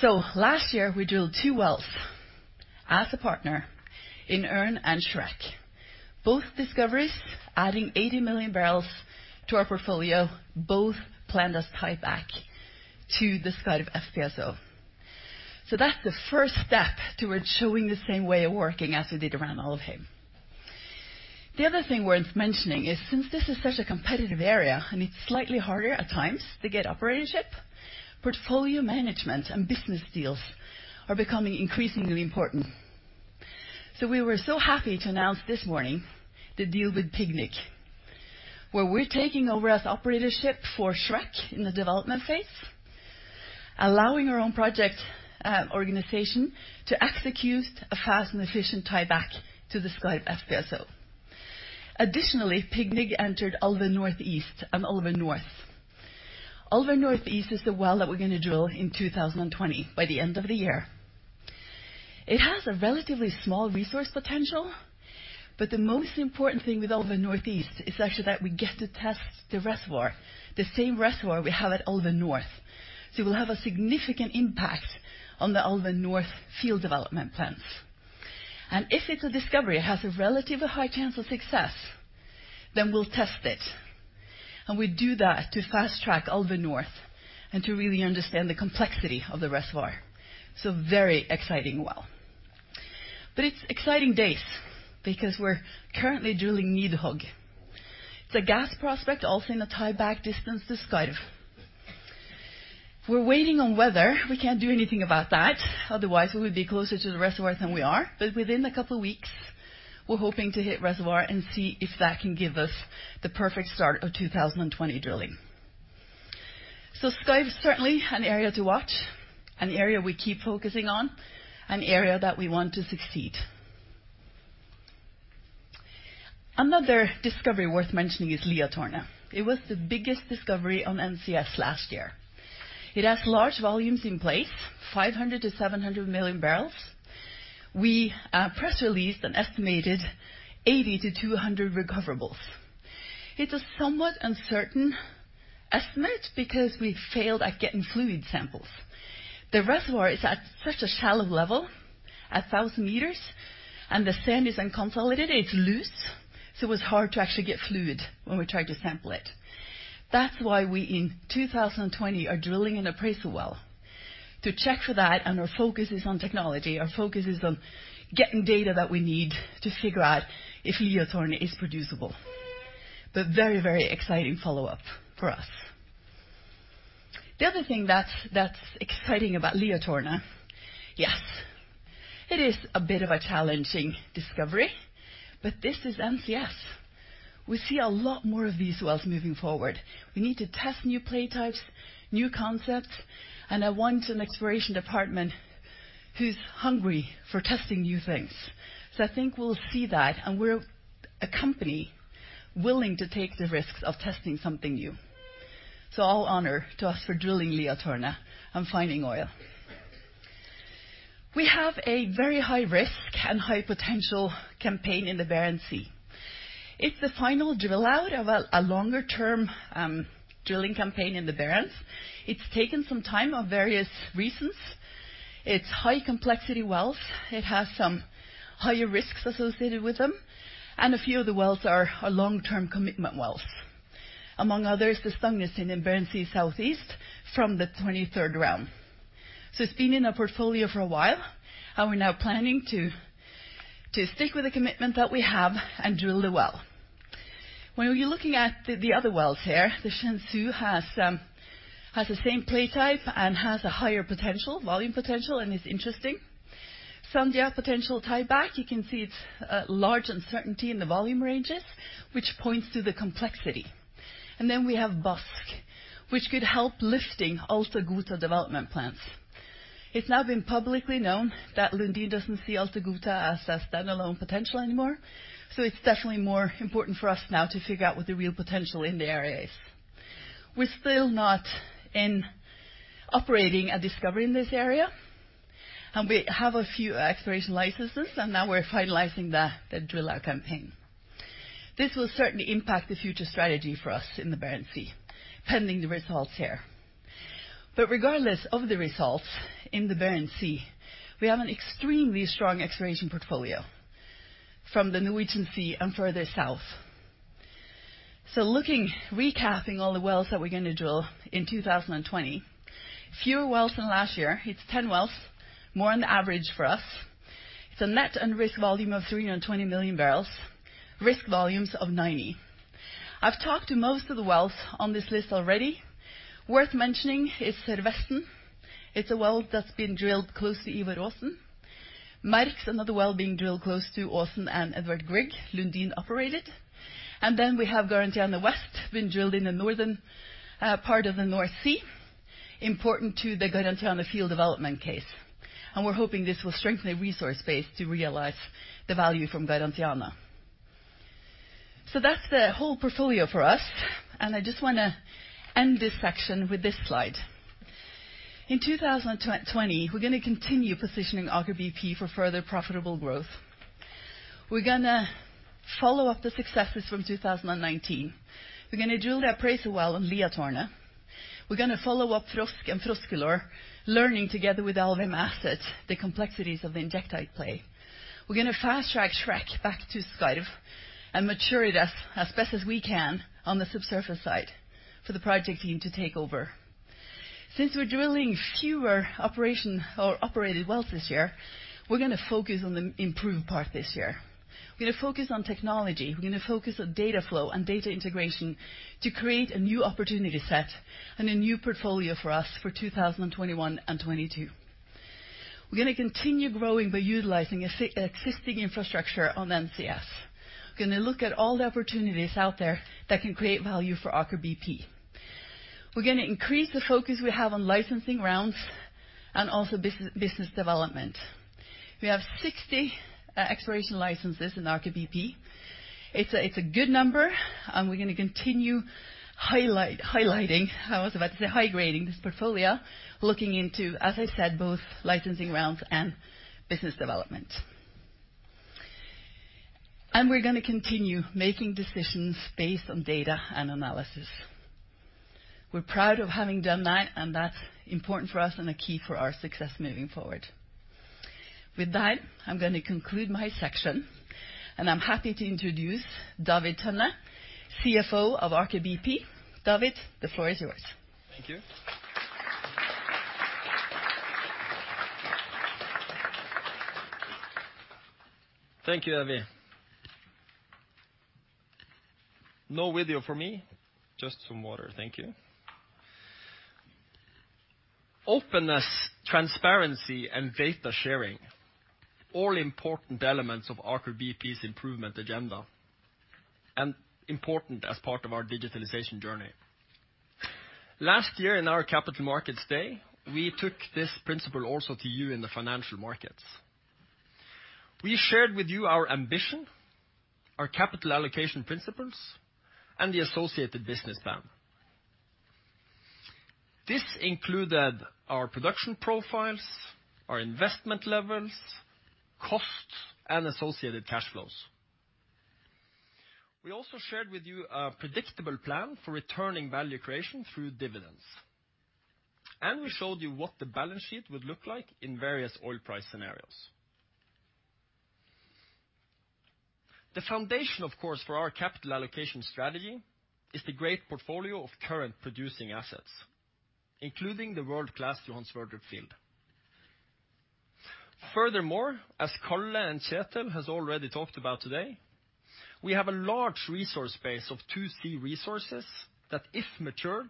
Skarv. Last year, we drilled two wells as a partner in Ørn and Shrek. Both discoveries adding 80 million barrels to our portfolio, both planned as tieback to the Skarv FPSO. That's the first step towards showing the same way of working as we did around Alvheim. The other thing worth mentioning is since this is such a competitive area and it's slightly harder at times to get operatorship, portfolio management and business deals are becoming increasingly important. We were so happy to announce this morning the deal with PGNiG, where we're taking over as operatorship for Shrek in the development phase, allowing our own project organization to execute a fast and efficient tieback to the Skarv FPSO. Additionally, PGNiG entered Alvheim Northeast and Alvheim North. Alvheim Northeast is the well that we're going to drill in 2020 by the end of the year. It has a relatively small resource potential, but the most important thing with Alvheim Northeast is actually that we get to test the reservoir, the same reservoir we have at Alvheim North. It will have a significant impact on the Alvheim North field development plans. If it's a discovery, it has a relatively high chance of success, then we'll test it. We do that to fast-track Alvheim North and to really understand the complexity of the reservoir. Very exciting well. It's exciting days because we're currently drilling Nidhogg. It's a gas prospect also in a tieback distance to Skarv. We're waiting on weather. We can't do anything about that. Otherwise, we would be closer to the reservoir than we are. Within a couple of weeks, we're hoping to hit reservoir and see if that can give us the perfect start of 2020 drilling. Skarv is certainly an area to watch, an area we keep focusing on, an area that we want to succeed. Another discovery worth mentioning is Liatårnet. It was the biggest discovery on NCS last year. It has large volumes in place, 500 million-700 million barrels. We press released an estimated 80-200 recoverables. It was somewhat uncertain estimate because we failed at getting fluid samples. The reservoir is at such a shallow level, 1,000 meters, and the sand is unconsolidated. It's loose, so it was hard to actually get fluid when we tried to sample it. That's why we, in 2020, are drilling an appraisal well to check for that, and our focus is on technology. Our focus is on getting data that we need to figure out if Liatårnet is producible. Very exciting follow-up for us. The other thing that's exciting about Liatårnet, yes, it is a bit of a challenging discovery, but this is NCS. We see a lot more of these wells moving forward. We need to test new play types, new concepts, and I want an exploration department who's hungry for testing new things. I think we'll see that, and we're a company willing to take the risks of testing something new. All honor to us for drilling Liatårnet and finding oil. We have a very high-risk and high-potential campaign in the Barents Sea. It's the final drill out of a longer-term drilling campaign in the Barents. It's taken some time of various reasons. It's high-complexity wells. It has some higher risks associated with them, and a few of the wells are long-term commitment wells. Among others is Stangnestind in Barents Sea southeast from the 23rd round. It's been in our portfolio for a while, and we're now planning to stick with the commitment that we have and drill the well. When we're looking at the other wells here, the Shenzhou has the same play type and has a higher volume potential and is interesting. Sandja potential tieback, you can see it's a large uncertainty in the volume ranges, which points to the complexity. Then we have Bøsk, which could help lifting Alta/Gohta development plans. It's now been publicly known that Lundin doesn't see Alta/Gohta as a standalone potential anymore. It's definitely more important for us now to figure out what the real potential in the area is. We're still not operating a discovery in this area, and we have a few exploration licenses, and now we're finalizing the drill out campaign. This will certainly impact the future strategy for us in the Barents Sea, pending the results here. Regardless of the results in the Barents Sea, we have an extremely strong exploration portfolio from the Norwegian Sea and further south. Recapping all the wells that we're going to drill in 2020, fewer wells than last year. It's 10 wells, more on the average for us. It's a net and risk volume of 320 million barrels, risk volumes of 90. I've talked to most of the wells on this list already. Worth mentioning is Sørvesten. It's a well that's been drilled close to Ivar Aasen. Mark is another well being drilled close to Aasen and Edvard Grieg, Lundin operated. Then we have Garantiana West, been drilled in the northern part of the North Sea, important to the Garantiana field development case. We're hoping this will strengthen the resource base to realize the value from Garantiana. That's the whole portfolio for us, and I just want to end this section with this slide. In 2020, we're going to continue positioning Aker BP for further profitable growth. We're going to follow up the successes from 2019. We're going to drill the appraisal well on Liatårnet. We're going to follow up Frosk and Froskelår, learning together with Alvheim asset, the complexities of the injectite play. We're going to fast-track Shrek back to Skarv and mature it as best as we can on the subsurface side for the project team to take over. Since we're drilling fewer operation or operated wells this year, we're going to focus on the improve part this year. We're going to focus on technology. We're going to focus on data flow and data integration to create a new opportunity set and a new portfolio for us for 2021 and 2022. We're going to continue growing by utilizing existing infrastructure on NCS. We're going to look at all the opportunities out there that can create value for Aker BP. We're going to increase the focus we have on licensing rounds and also business development. We have 60 exploration licenses in Aker BP. It's a good number, and we're going to continue highlighting, I was about to say high-grading this portfolio, looking into, as I said, both licensing rounds and business development. We're going to continue making decisions based on data and analysis. We're proud of having done that, and that's important for us and a key for our success moving forward. With that, I'm going to conclude my section, and I'm happy to introduce David Tønne, CFO of Aker BP. David, the floor is yours. Thank you. Thank you, Evy. No video for me, just some water. Thank you. Openness, transparency, and data sharing, all important elements of Aker BP's improvement agenda, and important as part of our digitalization journey. Last year in our Capital Markets Day, we took this principle also to you in the financial markets. We shared with you our ambition, our capital allocation principles, and the associated business plan. This included our production profiles, our investment levels, costs, and associated cash flows. We also shared with you a predictable plan for returning value creation through dividends. And we showed you what the balance sheet would look like in various oil price scenarios. The foundation, of course, for our capital allocation strategy is the great portfolio of current producing assets, including the world-class Johan Sverdrup field. Furthermore, as Karl and Kjetel have already talked about today, we have a large resource base of 2C resources that, if matured,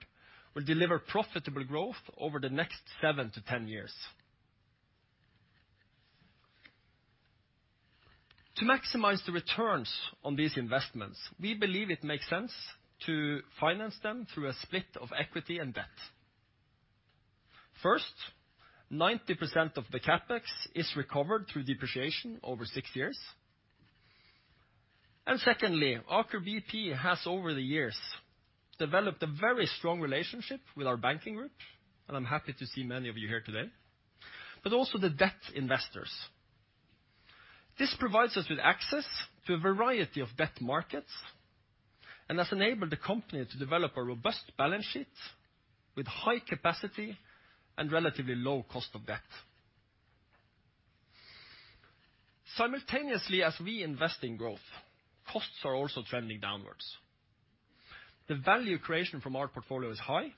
will deliver profitable growth over the next 7-10 years. To maximize the returns on these investments, we believe it makes sense to finance them through a split of equity and debt. First, 90% of the CapEx is recovered through depositation over six years. Secondly, Aker BP has, over the years, developed a very strong relationship with our banking group, and I'm happy to see many of you here today, but also the debt investors. This provides us with access to a variety of debt markets and has enabled the company to develop a robust balance sheet with high capacity and relatively low cost of debt. Simultaneously, as we invest in growth, costs are also trending downwards. The value creation from our portfolio is high,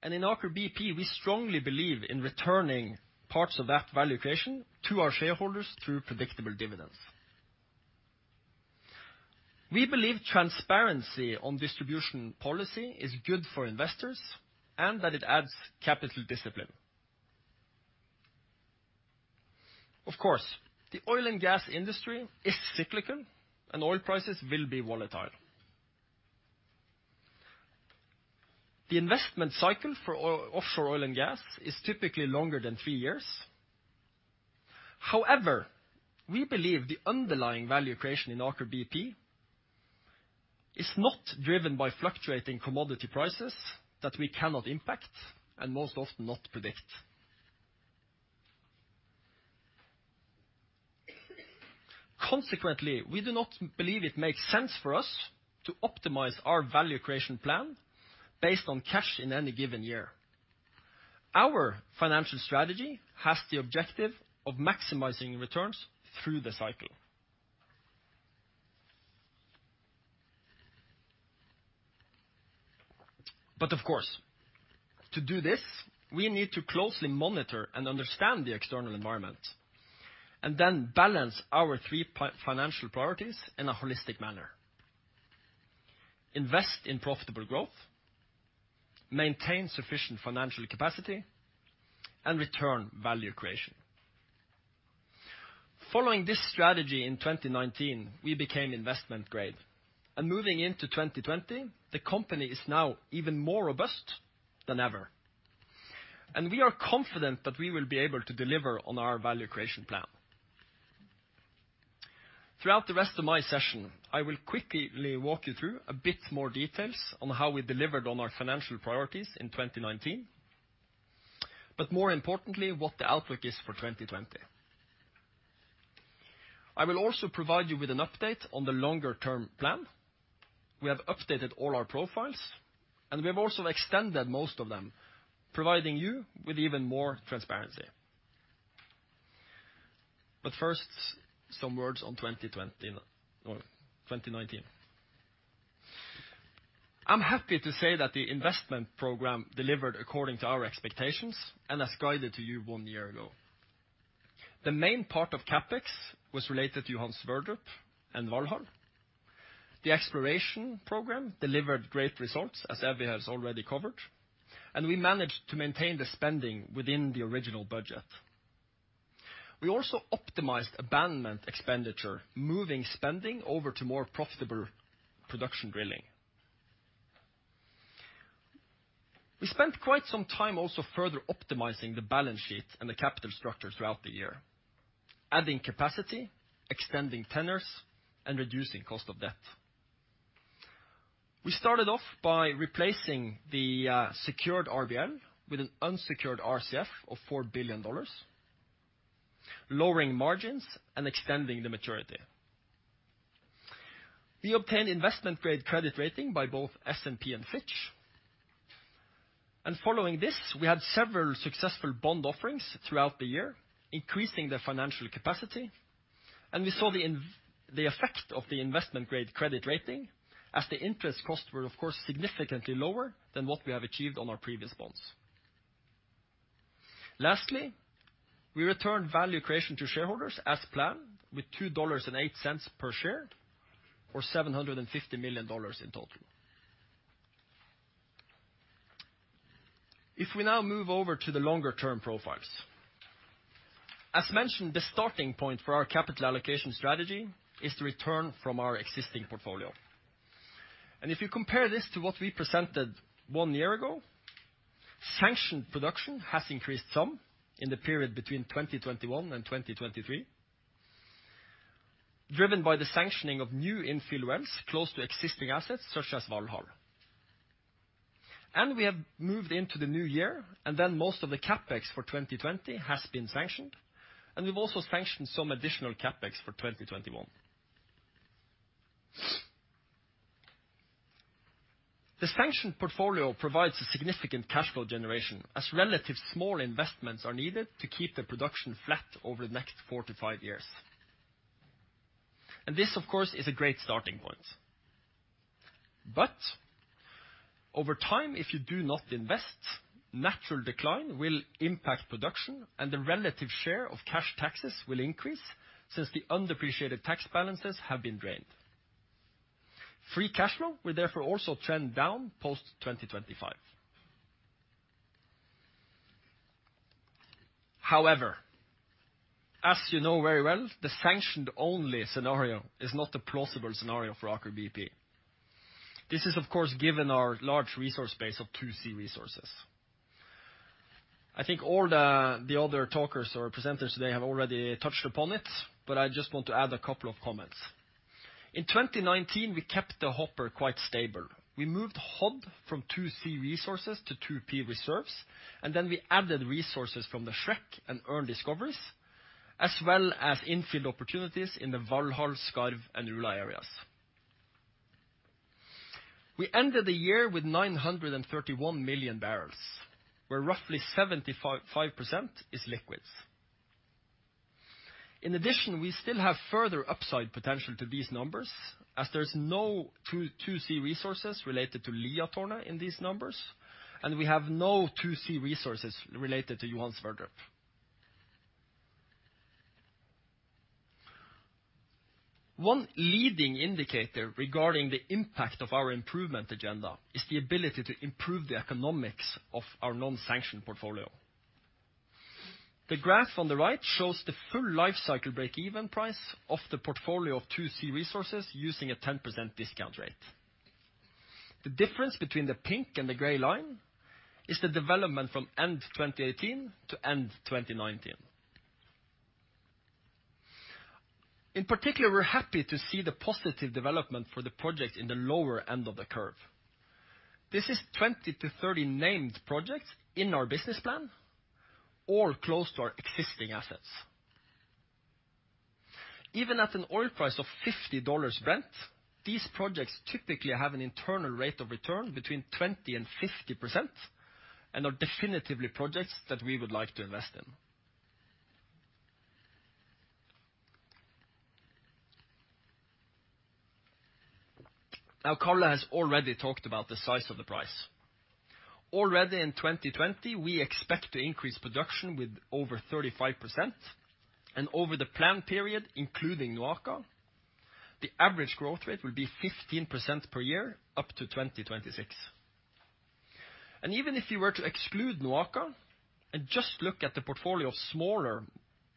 and in Aker BP, we strongly believe in returning parts of that value creation to our shareholders through predictable dividends. We believe transparency on distribution policy is good for investors and that it adds capital discipline. Of course, the oil and gas industry is cyclical, and oil prices will be volatile. The investment cycle for offshore oil and gas is typically longer than three years. However, we believe the underlying value creation in Aker BP is not driven by fluctuating commodity prices that we cannot impact and most often not predict. Consequently, we do not believe it makes sense for us to optimize our value creation plan based on cash in any given year. Our financial strategy has the objective of maximizing returns through the cycle. Of course, to do this, we need to closely monitor and understand the external environment and then balance our three financial priorities in a holistic manner: invest in profitable growth, maintain sufficient financial capacity, and return value creation. Following this strategy in 2019, we became investment-grade. Moving into 2020, the company is now even more robust than ever. We are confident that we will be able to deliver on our value creation plan. Throughout the rest of my session, I will quickly walk you through a bit more details on how we delivered on our financial priorities in 2019, but more importantly, what the outlook is for 2020. I will also provide you with an update on the longer-term plan. We have updated all our profiles and we have also extended most of them, providing you with even more transparency. First, some words on 2019. I'm happy to say that the investment program delivered according to our expectations and as guided to you one year ago. The main part of CapEx was related to Johan Sverdrup and Valhall. The exploration program delivered great results, as Evy has already covered, and we managed to maintain the spending within the original budget. We also optimized abandonment expenditure, moving spending over to more profitable production drilling. We spent quite some time also further optimizing the balance sheet and the capital structure throughout the year, adding capacity, extending tenors, and reducing cost of debt. We started off by replacing the secured RBL with an unsecured RCF of $4 billion, lowering margins and extending the maturity. We obtained investment-grade credit rating by both S&P and Fitch. Following this, we had several successful bond offerings throughout the year, increasing the financial capacity, and we saw the effect of the investment-grade credit rating as the interest costs were of course significantly lower than what we have achieved on our previous bonds. Lastly, we returned value creation to shareholders as planned with $2.08 per share or $750 million in total. If we now move over to the longer-term profiles. As mentioned, the starting point for our capital allocation strategy is the return from our existing portfolio. If you compare this to what we presented one year ago, sanctioned production has increased some in the period between 2021 and 2023. Driven by the sanctioning of new infill wells close to existing assets such as Valhall. We have moved into the new year, most of the CapEx for 2020 has been sanctioned, we've also sanctioned some additional CapEx for 2021. The sanctioned portfolio provides a significant cash flow generation as relative small investments are needed to keep the production flat over the next four to five years. This, of course, is a great starting point. Over time, if you do not invest, natural decline will impact production and the relative share of cash taxes will increase since the undepreciated tax balances have been drained. Free cash flow will therefore also trend down post 2025. However, as you know very well, the sanctioned-only scenario is not a plausible scenario for Aker BP. This is, of course, given our large resource base of 2C resources. I think all the other talkers or presenters today have already touched upon it. I just want to add a couple of comments. In 2019, we kept the hopper quite stable. We moved Hod from 2C resources to 2P reserves. We added resources from the Shrek and Ørn discoveries, as well as infill opportunities in the Valhall, Skarv, and Ula areas. We ended the year with 931 million barrels, where roughly 75% is liquids. In addition, we still have further upside potential to these numbers as there's no 2C resources related to Liatårnet in these numbers, and we have no 2C resources related to Johan Sverdrup. One leading indicator regarding the impact of our improvement agenda is the ability to improve the economics of our non-sanctioned portfolio. The graph on the right shows the full life cycle break-even price of the portfolio of 2C resources using a 10% discount rate. The difference between the pink and the gray line is the development from end 2018 to end 2019. In particular, we're happy to see the positive development for the projects in the lower end of the curve. This is 20 to 30 named projects in our business plan, all close to our existing assets. Even at an oil price of $50 Brent, these projects typically have an internal rate of return between 20% and 50% and are definitely projects that we would like to invest in. Karl has already talked about the size of the price. Already in 2020, we expect to increase production with over 35%, and over the plan period, including NOAKA, the average growth rate will be 15% per year up to 2026. Even if you were to exclude NOAKA and just look at the portfolio of smaller,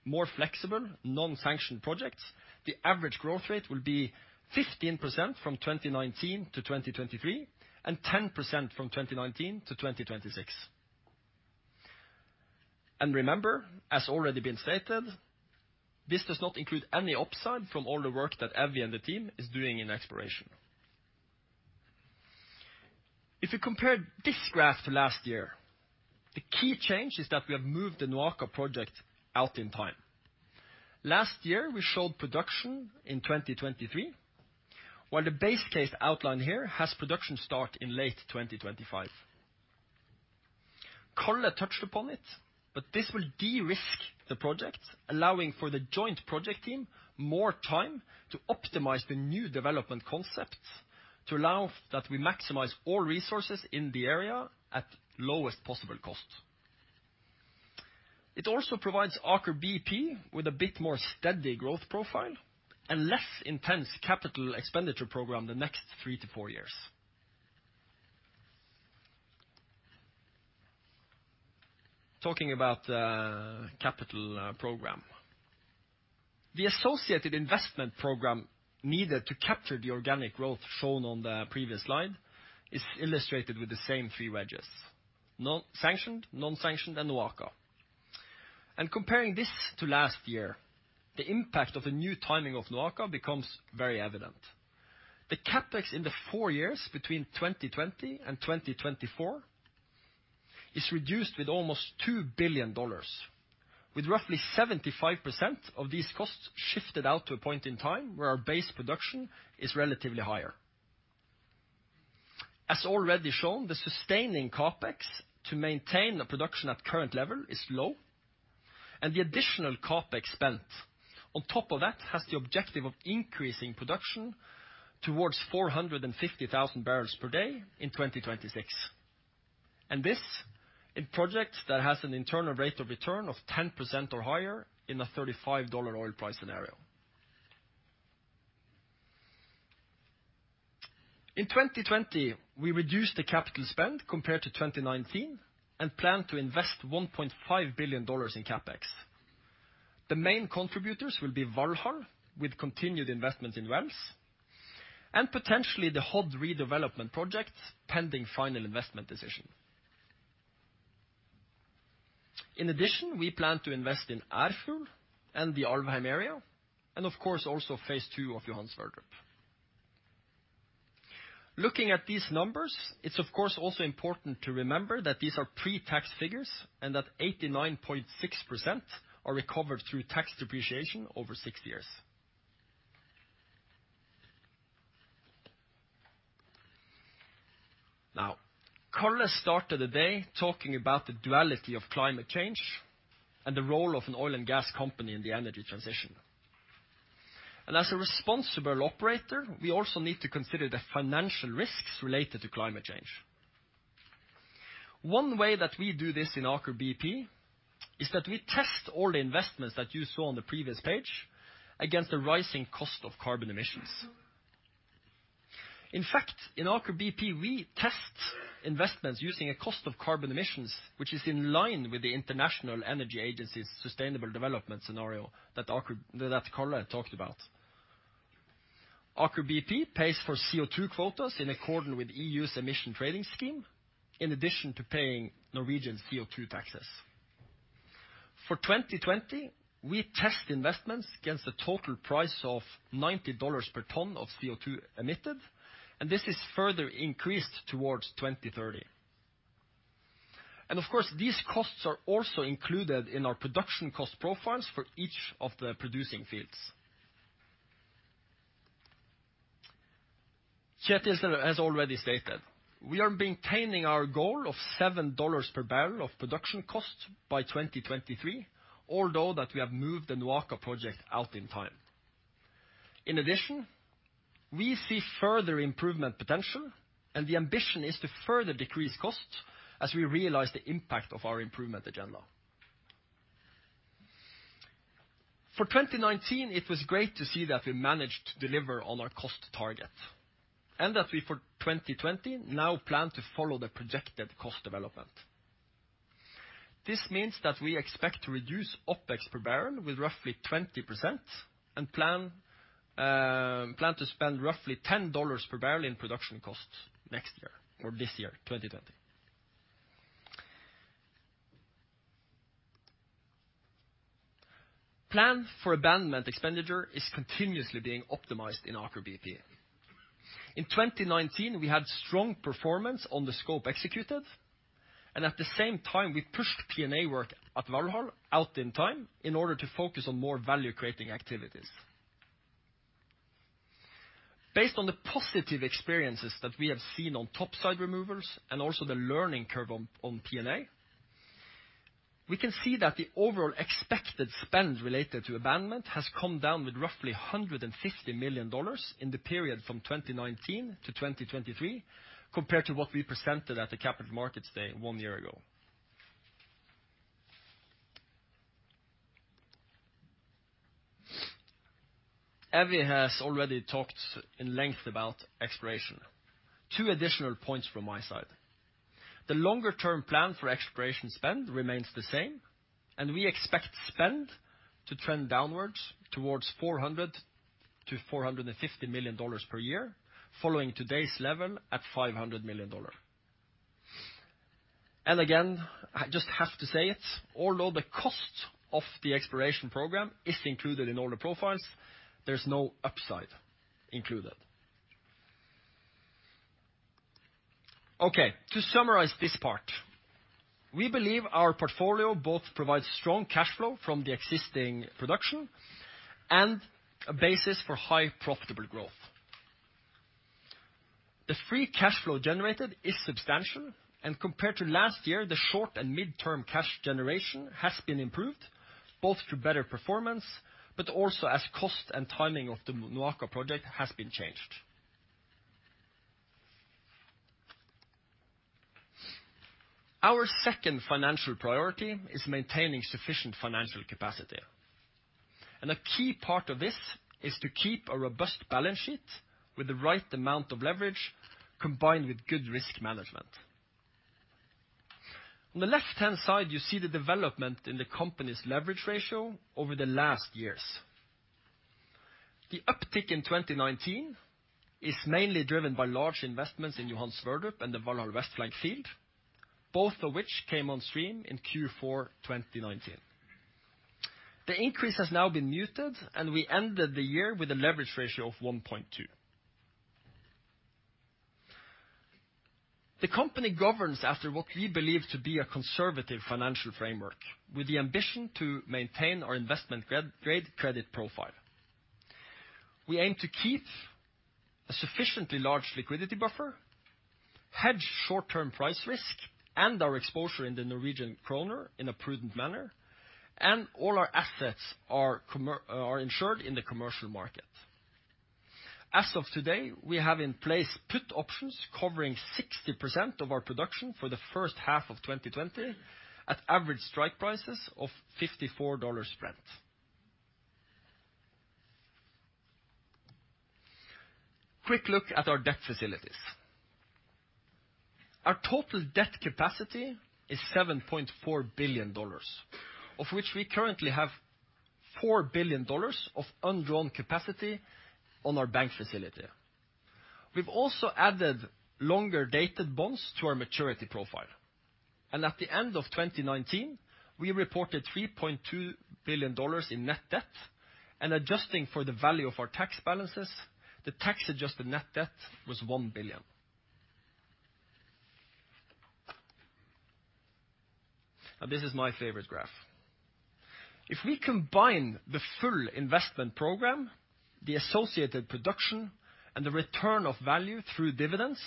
more flexible, non-sanctioned projects, the average growth rate will be 15% from 2019 to 2023 and 10% from 2019 to 2026. Remember, as already been stated, this does not include any upside from all the work that Evy and the team is doing in exploration. If you compare this graph to last year, the key change is that we have moved the NOAKA project out in time. Last year, we showed production in 2023, while the base case outlined here has production start in late 2025. Karl touched upon it, but this will de-risk the project, allowing for the joint project team more time to optimize the new development concepts to allow that we maximize all resources in the area at lowest possible cost. It also provides Aker BP with a bit more steady growth profile and less intense capital expenditure program the next three to four years. Talking about capital program. The associated investment program needed to capture the organic growth shown on the previous slide is illustrated with the same three wedges: sanctioned, non-sanctioned, and NOAKA. Comparing this to last year, the impact of the new timing of NOAKA becomes very evident. The CapEx in the four years between 2020 and 2024 is reduced with almost $2 billion, with roughly 75% of these costs shifted out to a point in time where our base production is relatively higher. As already shown, the sustaining CapEx to maintain the production at current level is low, and the additional CapEx spent on top of that has the objective of increasing production towards 450,000 barrels per day in 2026. This in project that has an internal rate of return of 10% or higher in a $35 oil price scenario. In 2020, we reduced the capital spend compared to 2019 and plan to invest $1.5 billion in CapEx. The main contributors will be Valhall with continued investment in wells and potentially the Hod redevelopment projects pending final investment decision. We plan to invest in Ærfugl and the Alvheim area, and of course, also phase II of Johan Sverdrup. Looking at these numbers, it's of course, also important to remember that these are pre-tax figures and that 89.6% are recovered through tax depreciation over six years. Karl started the day talking about the duality of climate change and the role of an oil and gas company in the energy transition. As a responsible operator, we also need to consider the financial risks related to climate change. One way that we do this in Aker BP is that we test all the investments that you saw on the previous page against the rising cost of carbon emissions. In fact, in Aker BP, we test investments using a cost of carbon emissions, which is in line with the International Energy Agency's sustainable development scenario that Karl talked about. Aker BP pays for CO2 quotas in accordance with the EU's emission trading scheme, in addition to paying Norwegian CO2 taxes. For 2020, we test investments against the total price of $90 per ton of CO2 emitted, and this is further increased towards 2030. Of course, these costs are also included in our production cost profiles for each of the producing fields. Kjetel has already stated we are maintaining our goal of $7 per barrel of production costs by 2023, although that we have moved the NOAKA project out in time. In addition, we see further improvement potential, and the ambition is to further decrease costs as we realize the impact of our improvement agenda. For 2019, it was great to see that we managed to deliver on our cost target, and that we, for 2020, now plan to follow the projected cost development. This means that we expect to reduce OpEx per barrel with roughly 20% and plan to spend roughly $10 per barrel in production costs this year, 2020. Plan for abandonment expenditure is continuously being optimized in Aker BP. In 2019, we had strong performance on the scope executed, and at the same time, we pushed P&A work at Valhall out in time in order to focus on more value-creating activities. Based on the positive experiences that we have seen on top side removals and also the learning curve on P&A, we can see that the overall expected spend related to abandonment has come down with roughly $150 million in the period from 2019 to 2023, compared to what we presented at the Capital Markets Day one year ago. Evy has already talked at length about exploration. Two additional points from my side. The longer-term plan for exploration spend remains the same, and we expect spend to trend downwards towards $400 million-$450 million per year following today's level at $500 million. Again, I just have to say it, although the cost of the exploration program is included in all the profiles, there's no upside included. Okay, to summarize this part, we believe our portfolio both provides strong cash flow from the existing production and a basis for high profitable growth. The free cash flow generated is substantial, and compared to last year, the short and mid-term cash generation has been improved both through better performance, but also as cost and timing of the NOAKA project has been changed. Our second financial priority is maintaining sufficient financial capacity. A key part of this is to keep a robust balance sheet with the right amount of leverage combined with good risk management. On the left-hand side, you see the development in the company's leverage ratio over the last years. The uptick in 2019 is mainly driven by large investments in Johan Sverdrup and the Valhall Flank West field, both of which came on stream in Q4 2019. The increase has now been muted, and we ended the year with a leverage ratio of 1.2. The company governs after what we believe to be a conservative financial framework with the ambition to maintain our investment-grade credit profile. We aim to keep a sufficiently large liquidity buffer, hedge short-term price risk and our exposure in the Norwegian kroner in a prudent manner, and all our assets are insured in the commercial market. As of today, we have in place put options covering 60% of our production for the first half of 2020 at average strike prices of $54 spread. A quick look at our debt facilities. Our total debt capacity is $7.4 billion, of which we currently have $4 billion of undrawn capacity on our bank facility. We've also added longer-dated bonds to our maturity profile. At the end of 2019, we reported $3.2 billion in net debt, and adjusting for the value of our tax balances, the tax-adjusted net debt was $1 billion. This is my favorite graph. If we combine the full investment program, the associated production, and the return of value through dividends,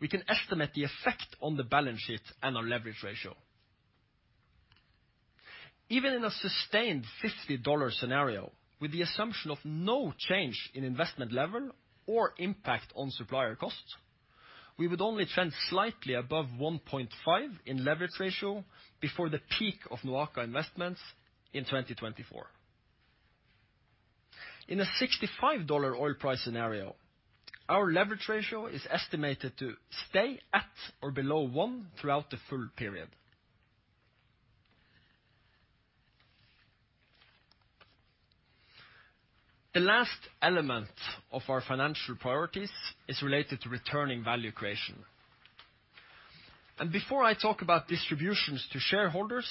we can estimate the effect on the balance sheet and our leverage ratio. Even in a sustained $50 scenario, with the assumption of no change in investment level or impact on supplier costs, we would only trend slightly above 1.5 in leverage ratio before the peak of NOAKA investments in 2024. In a $65 oil price scenario, our leverage ratio is estimated to stay at or below one throughout the full period. Before I talk about distributions to shareholders,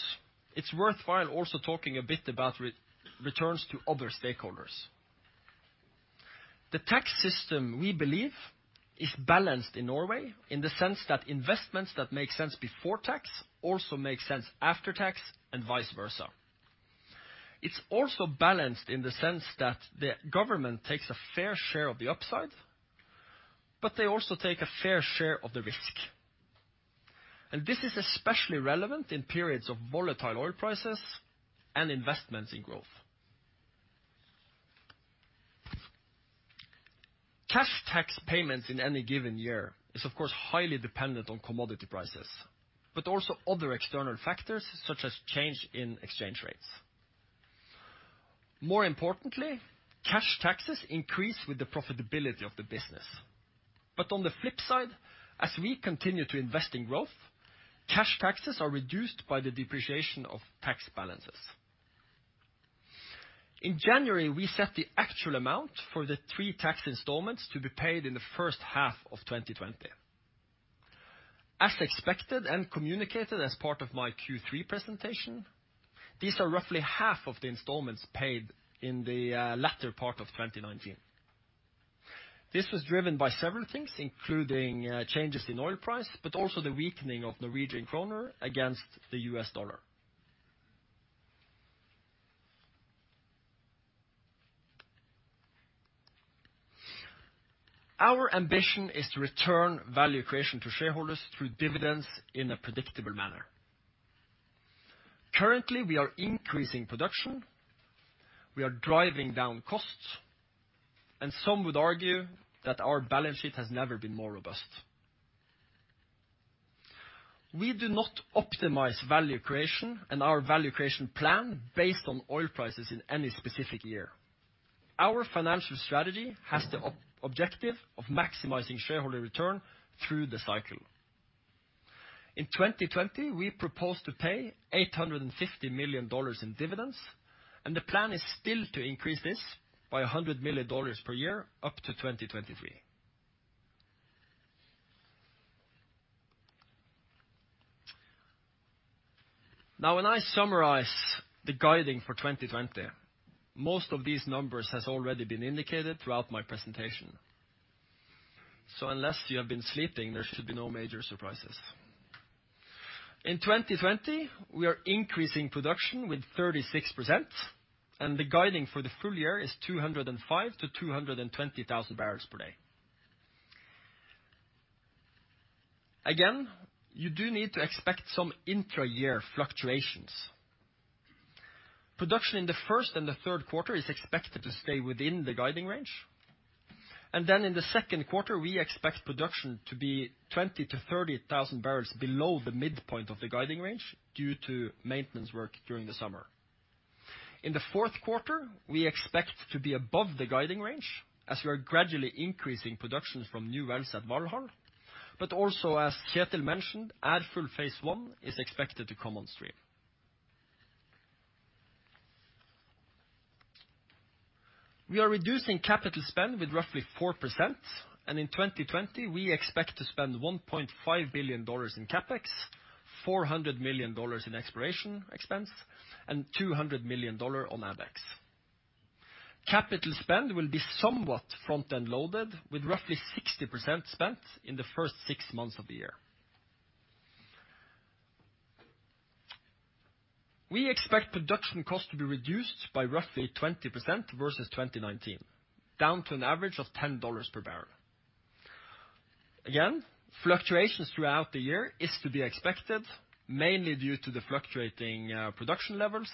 it's worthwhile also talking a bit about returns to other stakeholders. The tax system, we believe, is balanced in Norway in the sense that investments that make sense before tax also make sense after tax and vice versa. It's also balanced in the sense that the government takes a fair share of the upside, but they also take a fair share of the risk. This is especially relevant in periods of volatile oil prices and investments in growth. Cash tax payments in any given year is, of course, highly dependent on commodity prices, but also other external factors such as change in exchange rates. More importantly, cash taxes increase with the profitability of the business. On the flip side, as we continue to invest in growth, cash taxes are reduced by the depreciation of tax balances. In January, we set the actual amount for the three tax installments to be paid in the first half of 2020. As expected and communicated as part of my Q3 presentation, these are roughly half of the installments paid in the latter part of 2019. This was driven by several things, including changes in oil price, but also the weakening of Norwegian kroner against the U.S. dollar. Our ambition is to return value creation to shareholders through dividends in a predictable manner. Currently, we are increasing production, we are driving down costs, and some would argue that our balance sheet has never been more robust. We do not optimize value creation and our value creation plan based on oil prices in any specific year. Our financial strategy has the objective of maximizing shareholder return through the cycle. In 2020, we proposed to pay $850 million in dividends, and the plan is still to increase this by $100 million per year up to 2023. When I summarize the guiding for 2020, most of these numbers have already been indicated throughout my presentation, so unless you have been sleeping, there should be no major surprises. In 2020, we are increasing production with 36%, and the guiding for the full-year is 205,000-220,000 barrels per day. Again, you do need to expect some intra-year fluctuations. Production in the first and the third quarter is expected to stay within the guiding range. In the second quarter, we expect production to be 20,000 to 30,000 barrels below the midpoint of the guiding range due to maintenance work during the summer. In the fourth quarter, we expect to be above the guiding range as we are gradually increasing production from new wells at Valhall, but also as Kjetel mentioned, Ærfugl Phase One is expected to come on stream. We are reducing capital spend with roughly 4%, and in 2020, we expect to spend $1.5 billion in CapEx, $400 million in exploration expense, and $200 million on AbEx. Capital spend will be somewhat front-end loaded with roughly 60% spent in the first six months of the year. We expect production cost to be reduced by roughly 20% versus 2019, down to an average of $10 per barrel. Fluctuations throughout the year is to be expected, mainly due to the fluctuating production levels.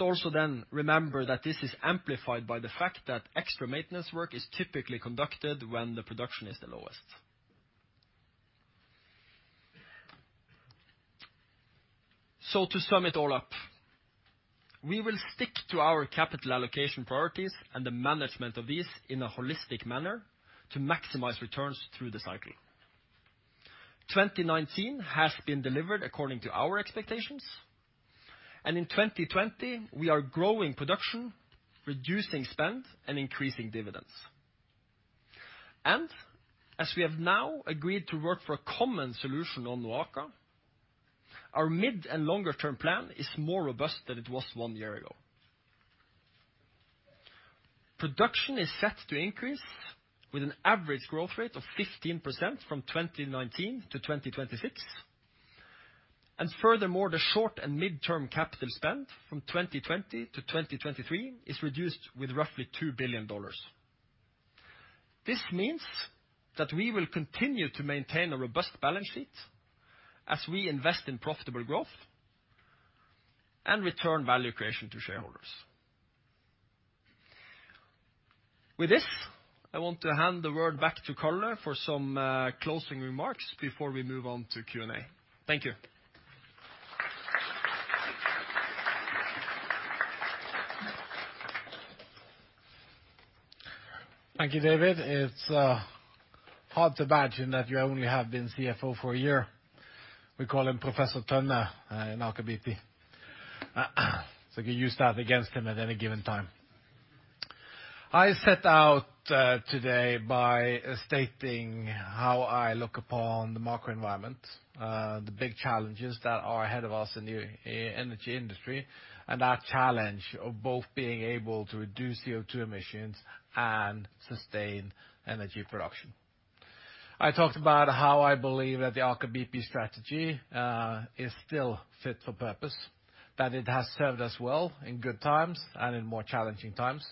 Also then remember that this is amplified by the fact that extra maintenance work is typically conducted when the production is the lowest. To sum it all up, we will stick to our capital allocation priorities and the management of these in a holistic manner to maximize returns through the cycle. 2019 has been delivered according to our expectations, and in 2020, we are growing production, reducing spend, and increasing dividends. As we have now agreed to work for a common solution on NOAKA, our mid- and longer-term plan is more robust than it was one year ago. Production is set to increase with an average growth rate of 15% from 2019 to 2026. Furthermore, the short and mid-term capital spend from 2020 to 2023 is reduced with roughly $2 billion. This means that we will continue to maintain a robust balance sheet as we invest in profitable growth and return value creation to shareholders. With this, I want to hand the word back to Karl for some closing remarks before we move on to Q&A. Thank you. Thank you, David. It's hard to imagine that you only have been CFO for a year. We call him Professor Tønne in Aker BP. We could use that against him at any given time. I set out today by stating how I look upon the macro environment, the big challenges that are ahead of us in the energy industry, and our challenge of both being able to reduce CO2 emissions and sustain energy production. I talked about how I believe that the Aker BP strategy is still fit for purpose, that it has served us well in good times and in more challenging times.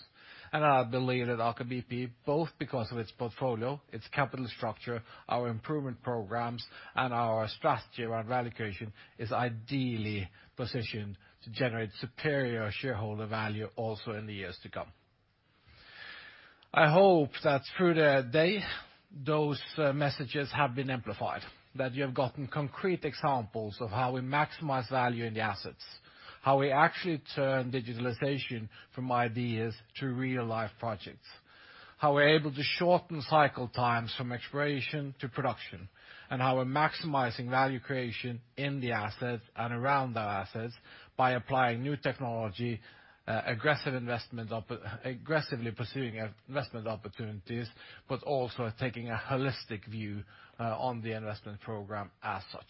I believe that Aker BP, both because of its portfolio, its capital structure, our improvement programs, and our strategy around value creation, is ideally positioned to generate superior shareholder value also in the years to come. I hope that through the day, those messages have been amplified. That you have gotten concrete examples of how we maximize value in the assets, how we actually turn digitalization from ideas to real-life projects, how we're able to shorten cycle times from exploration to production, and how we're maximizing value creation in the assets and around the assets by applying new technology, aggressively pursuing investment opportunities, but also taking a holistic view on the investment program as such.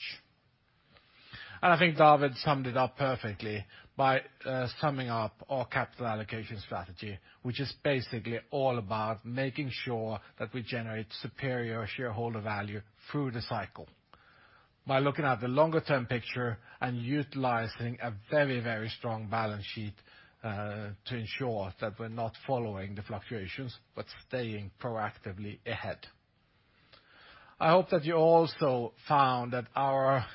I think David summed it up perfectly by summing up our capital allocation strategy, which is basically all about making sure that we generate superior shareholder value through the cycle. By looking at the longer-term picture and utilizing a very, very strong balance sheet to ensure that we're not following the fluctuations, but staying proactively ahead. I hope that you also found that our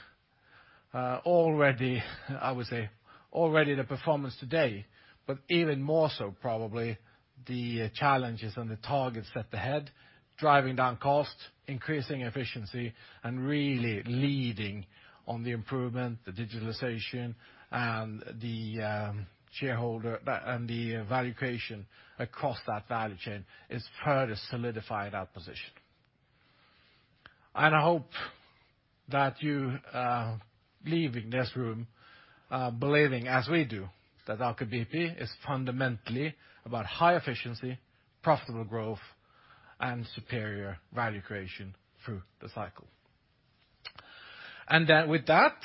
already, I would say the performance today, but even more so probably the challenges and the targets that ahead, driving down cost, increasing efficiency, and really leading on the improvement, the digitalization, and the value creation across that value chain is further solidified our position. I hope that you are leaving this room believing as we do that Aker BP is fundamentally about high efficiency, profitable growth, and superior value creation through the cycle. With that,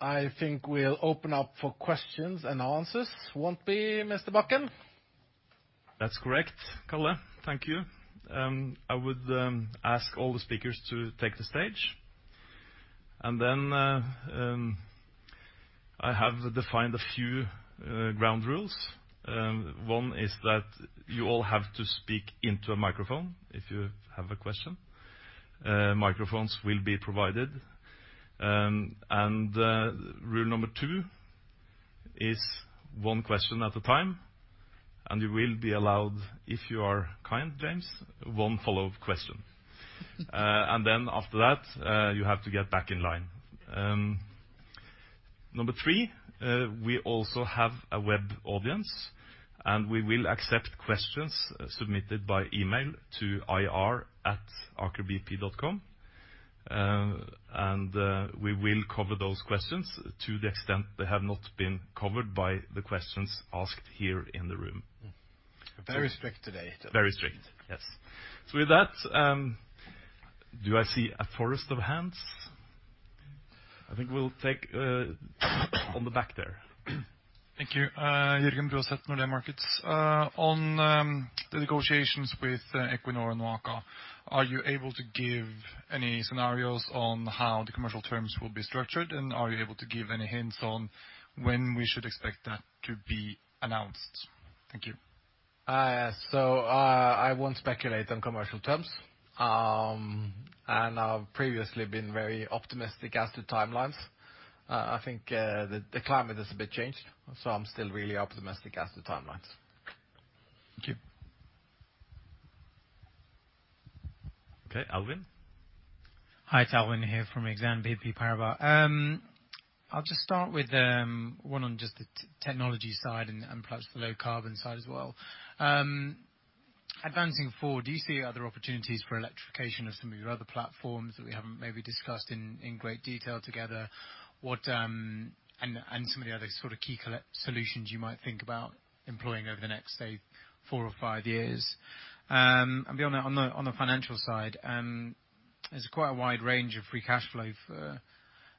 I think we'll open up for questions and answers. Won't be, Mr. Bakken? That's correct, Karl. Thank you. I would ask all the speakers to take the stage. I have defined a few ground rules. One is that you all have to speak into a microphone if you have a question. Microphones will be provided. Rule number two is one question at a time, you will be allowed, if you are kind, James, one follow-up question. After that, you have to get back in line. Number three, we also have a web audience, we will accept questions submitted by email to ir@akerbp.com. We will cover those questions to the extent they have not been covered by the questions asked here in the room. Very strict today. Very strict. Yes. With that, do I see a forest of hands? I think we'll take on the back there. Thank you. Jørgen Bruaset, Nordea Markets. On the negotiations with Equinor and NOAKA, are you able to give any scenarios on how the commercial terms will be structured? Are you able to give any hints on when we should expect that to be announced? Thank you. I won't speculate on commercial terms. I've previously been very optimistic as to timelines. I think the climate has a bit changed. I'm still really optimistic as to timelines. Thank you. Okay, Alvin. Hi, it's Alvin here from Exane BNP Paribas. I'll just start with one on just the technology side and perhaps the low-carbon side as well. Advancing forward, do you see other opportunities for electrification of some of your other platforms that we haven't maybe discussed in great detail together? Some of the other sort of key solutions you might think about employing over the next, say, four or five years. On the financial side, there's quite a wide range of free cash flow.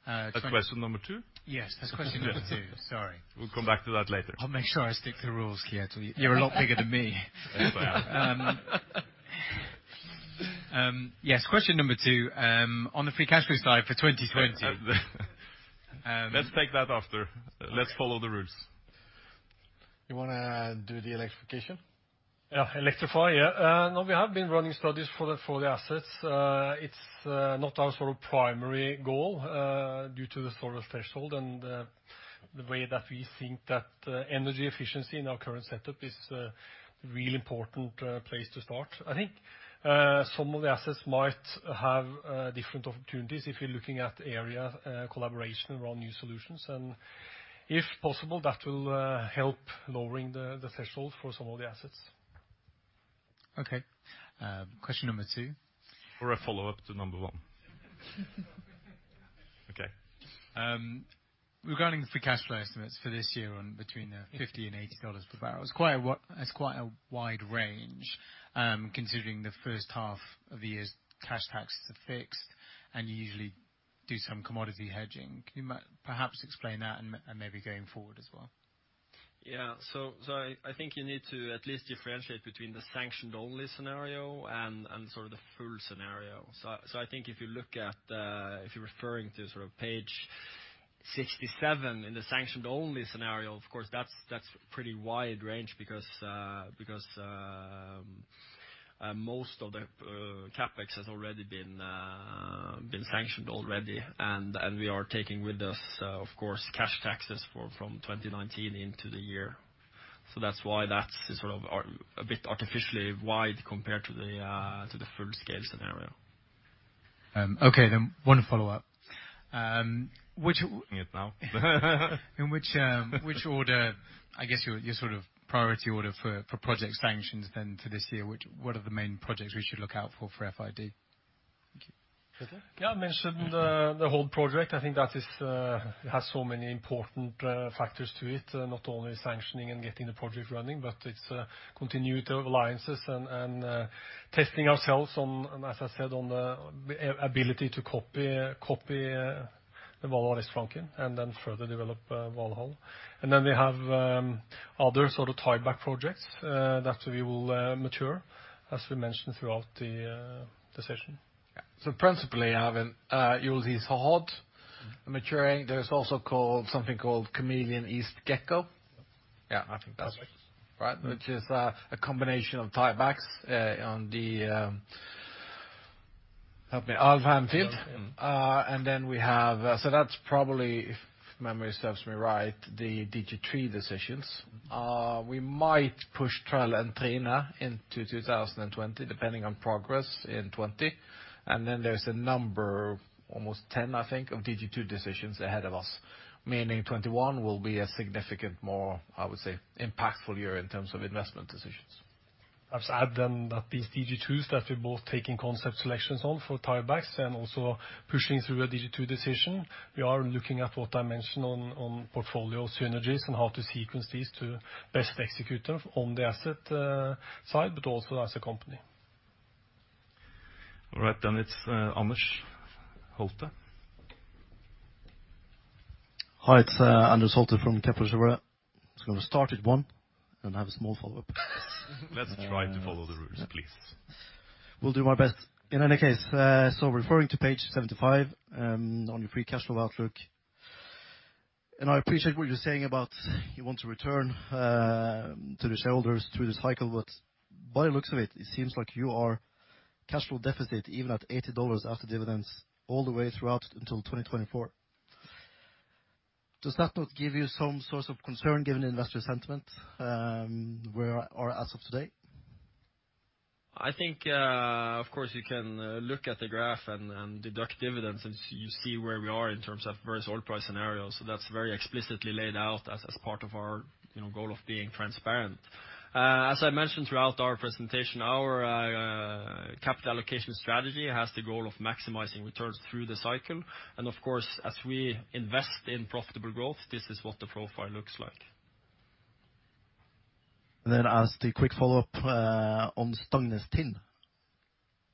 That's question number two? Yes. That's question number two, sorry. We'll come back to that later. I'll make sure I stick to the rules, Kjetil. You're a lot bigger than me. Yes, I am. Yes. Question number two. On the free cash flow side for 2020. Let's take that after. Let's follow the rules. You want to do the electrification? Yeah. Electrify, yeah. We have been running studies for the assets. It's not our sort of primary goal due to the sort of threshold and the way that we think that energy efficiency in our current setup is a really important place to start. If possible, that will help lowering the threshold for some of the assets. Okay. Question number two? A follow-up to number one. Okay. Regarding the free cash flow estimates for this year on between the $50 and $80 per barrel. It's quite a wide range, considering the first half of the year's cash taxes are fixed, and you usually do some commodity hedging. Can you perhaps explain that and maybe going forward as well? I think you need to at least differentiate between the sanctioned-only scenario and sort of the full scenario. I think if you're referring to page 67 in the sanctioned-only scenario, of course, that's pretty wide range because most of the CapEx has already been sanctioned already, and we are taking with us, of course, cash taxes from 2019 into the year. That's why that's sort of a bit artificially wide compared to the full-scale scenario. Okay, one follow-up. Doing it now. In which order, I guess your sort of priority order for project sanctions then to this year, what are the main projects we should look out for FID? Thank you. Kjetel? I mentioned the whole project. I think that it has so many important factors to it, not only sanctioning and getting the project running, but it's continuity of alliances and testing ourselves on, as I said, on the ability to copy the Valhall Flank West and then further develop Valhall. We have other sort of tieback projects that we will mature, as we mentioned throughout the session. Principally, I haven't used this Hod maturing. There's also something called Kameleon East Gekko. Yeah, I think that's it. Right. Which is a combination of tiebacks on the, help me, Alvheim field. That's probably, if memory serves me right, the DG III decisions. We might push Troll and Trine into 2020, depending on progress in 2020. There's a number, almost 10, I think, of DG II decisions ahead of us. Meaning 2021 will be a significant more, I would say, impactful year in terms of investment decisions. I'll just add then that these DG IIs that we're both taking concept selections on for tiebacks and also pushing through a DG II decision. We are looking at what I mentioned on portfolio synergies and how to sequence these to best execute them on the asset side, but also as a company. All right, it's Anders Holte. Hi, it's Anders Holte from I was going to start at one and have a small follow-up. Let's try to follow the rules, please. Will do my best. In any case, referring to page 75 on your free cash flow outlook. I appreciate what you're saying about you want to return to the shareholders through the cycle, by the looks of it seems like you are cash flow deficit even at $80 after dividends all the way throughout until 2024. Does that not give you some source of concern, given the investor sentiment where are as of today? I think, of course, you can look at the graph and deduct dividends, and you see where we are in terms of various oil price scenarios. That's very explicitly laid out as part of our goal of being transparent. As I mentioned throughout our presentation, our capital allocation strategy has the goal of maximizing returns through the cycle. Of course, as we invest in profitable growth, this is what the profile looks like. As the quick follow-up on Stangnestind,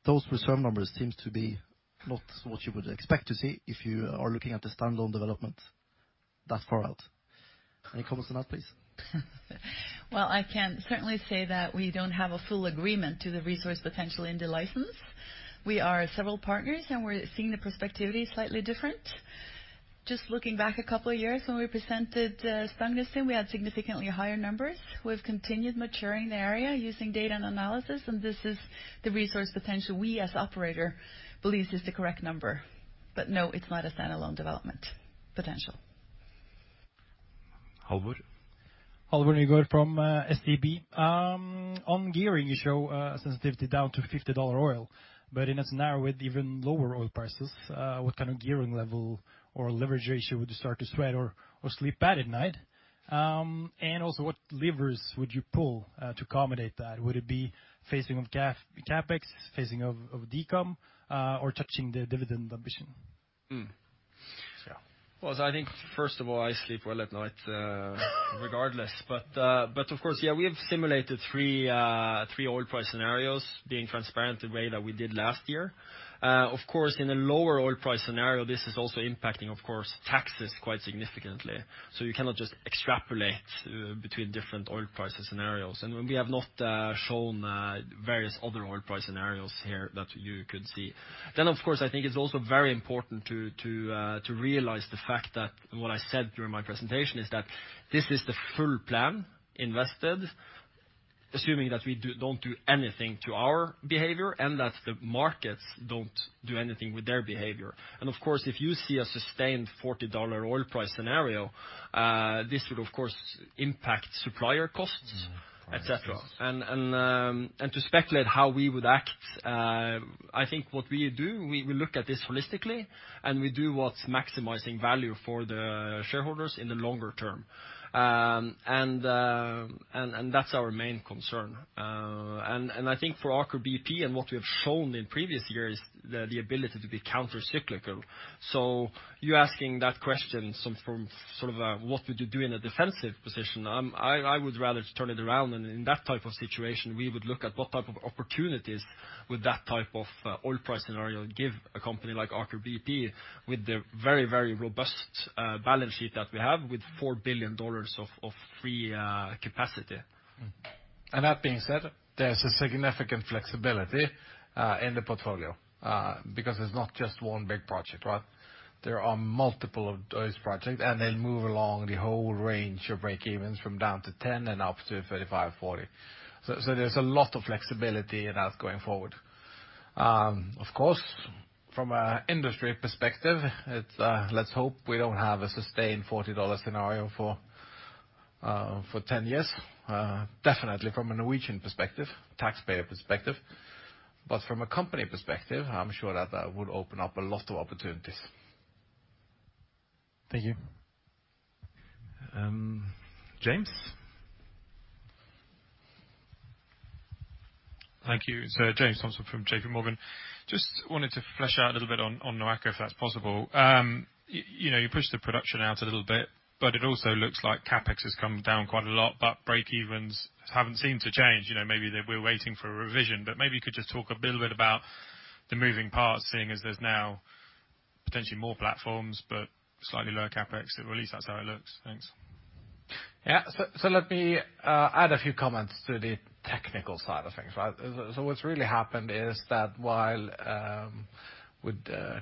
those reserve numbers seem to be not what you would expect to see if you are looking at the standalone development that far out. Any comments on that, please? Well, I can certainly say that we don't have a full agreement to the resource potential in the license. We are several partners, and we're seeing the prospectivity slightly different. Just looking back a couple of years when we presented Stangnestind, we had significantly higher numbers. We've continued maturing the area using data and analysis, and this is the resource potential we, as operator, believes is the correct number. No, it's not a standalone development potential. Halvor? Halvor Nygård from SEB. On gearing, you show a sensitivity down to $50 oil. In a scenario with even lower oil prices, what kind of gearing level or leverage ratio would you start to sweat or sleep bad at night? Also what levers would you pull to accommodate that? Would it be phasing of CapEx, phasing of decom, or touching the dividend ambition? Well, I think first of all, I sleep well at night regardless. Of course, yeah, we have simulated three oil price scenarios, being transparent the way that we did last year. Of course, in a lower oil price scenario, this is also impacting, of course, taxes quite significantly. You cannot just extrapolate between different oil price scenarios. We have not shown various other oil price scenarios here that you could see. Of course, I think it's also very important to realize the fact that what I said during my presentation is that this is the full plan invested, assuming that we don't do anything to our behavior, and that the markets don't do anything with their behavior. Of course, if you see a sustained $40 oil price scenario, this would of course impact supplier costs, et cetera. To speculate how we would act, I think what we do, we look at this holistically, and we do what's maximizing value for the shareholders in the longer term. That's our main concern. I think for Aker BP and what we have shown in previous years is the ability to be counter-cyclical. You're asking that question from sort of a, what would you do in a defensive position? I would rather turn it around, and in that type of situation, we would look at what type of opportunities would that type of oil price scenario give a company like Aker BP with the very robust balance sheet that we have with $4 billion of free capacity. That being said, there's a significant flexibility in the portfolio, because it's not just one big project, right? There are multiple of those projects, and they move along the whole range of breakevens from down to 10 and up to 35, 40. There's a lot of flexibility in that going forward. Of course, from an industry perspective, let's hope we don't have a sustained $40 scenario for 10 years. Definitely from a Norwegian perspective, taxpayer perspective. From a company perspective, I'm sure that that would open up a lot of opportunities. Thank you. James? Thank you, sir. James Thompson from JPMorgan. Just wanted to flesh out a little bit on NOAKA, if that's possible. You pushed the production out a little bit, but it also looks like CapEx has come down quite a lot, but breakevens haven't seemed to change. Maybe they were waiting for a revision, but maybe you could just talk a little bit about the moving parts, seeing as there's now potentially more platforms, but slightly lower CapEx. At least that's how it looks. Thanks. Yeah. Let me add a few comments to the technical side of things, right? What's really happened is that while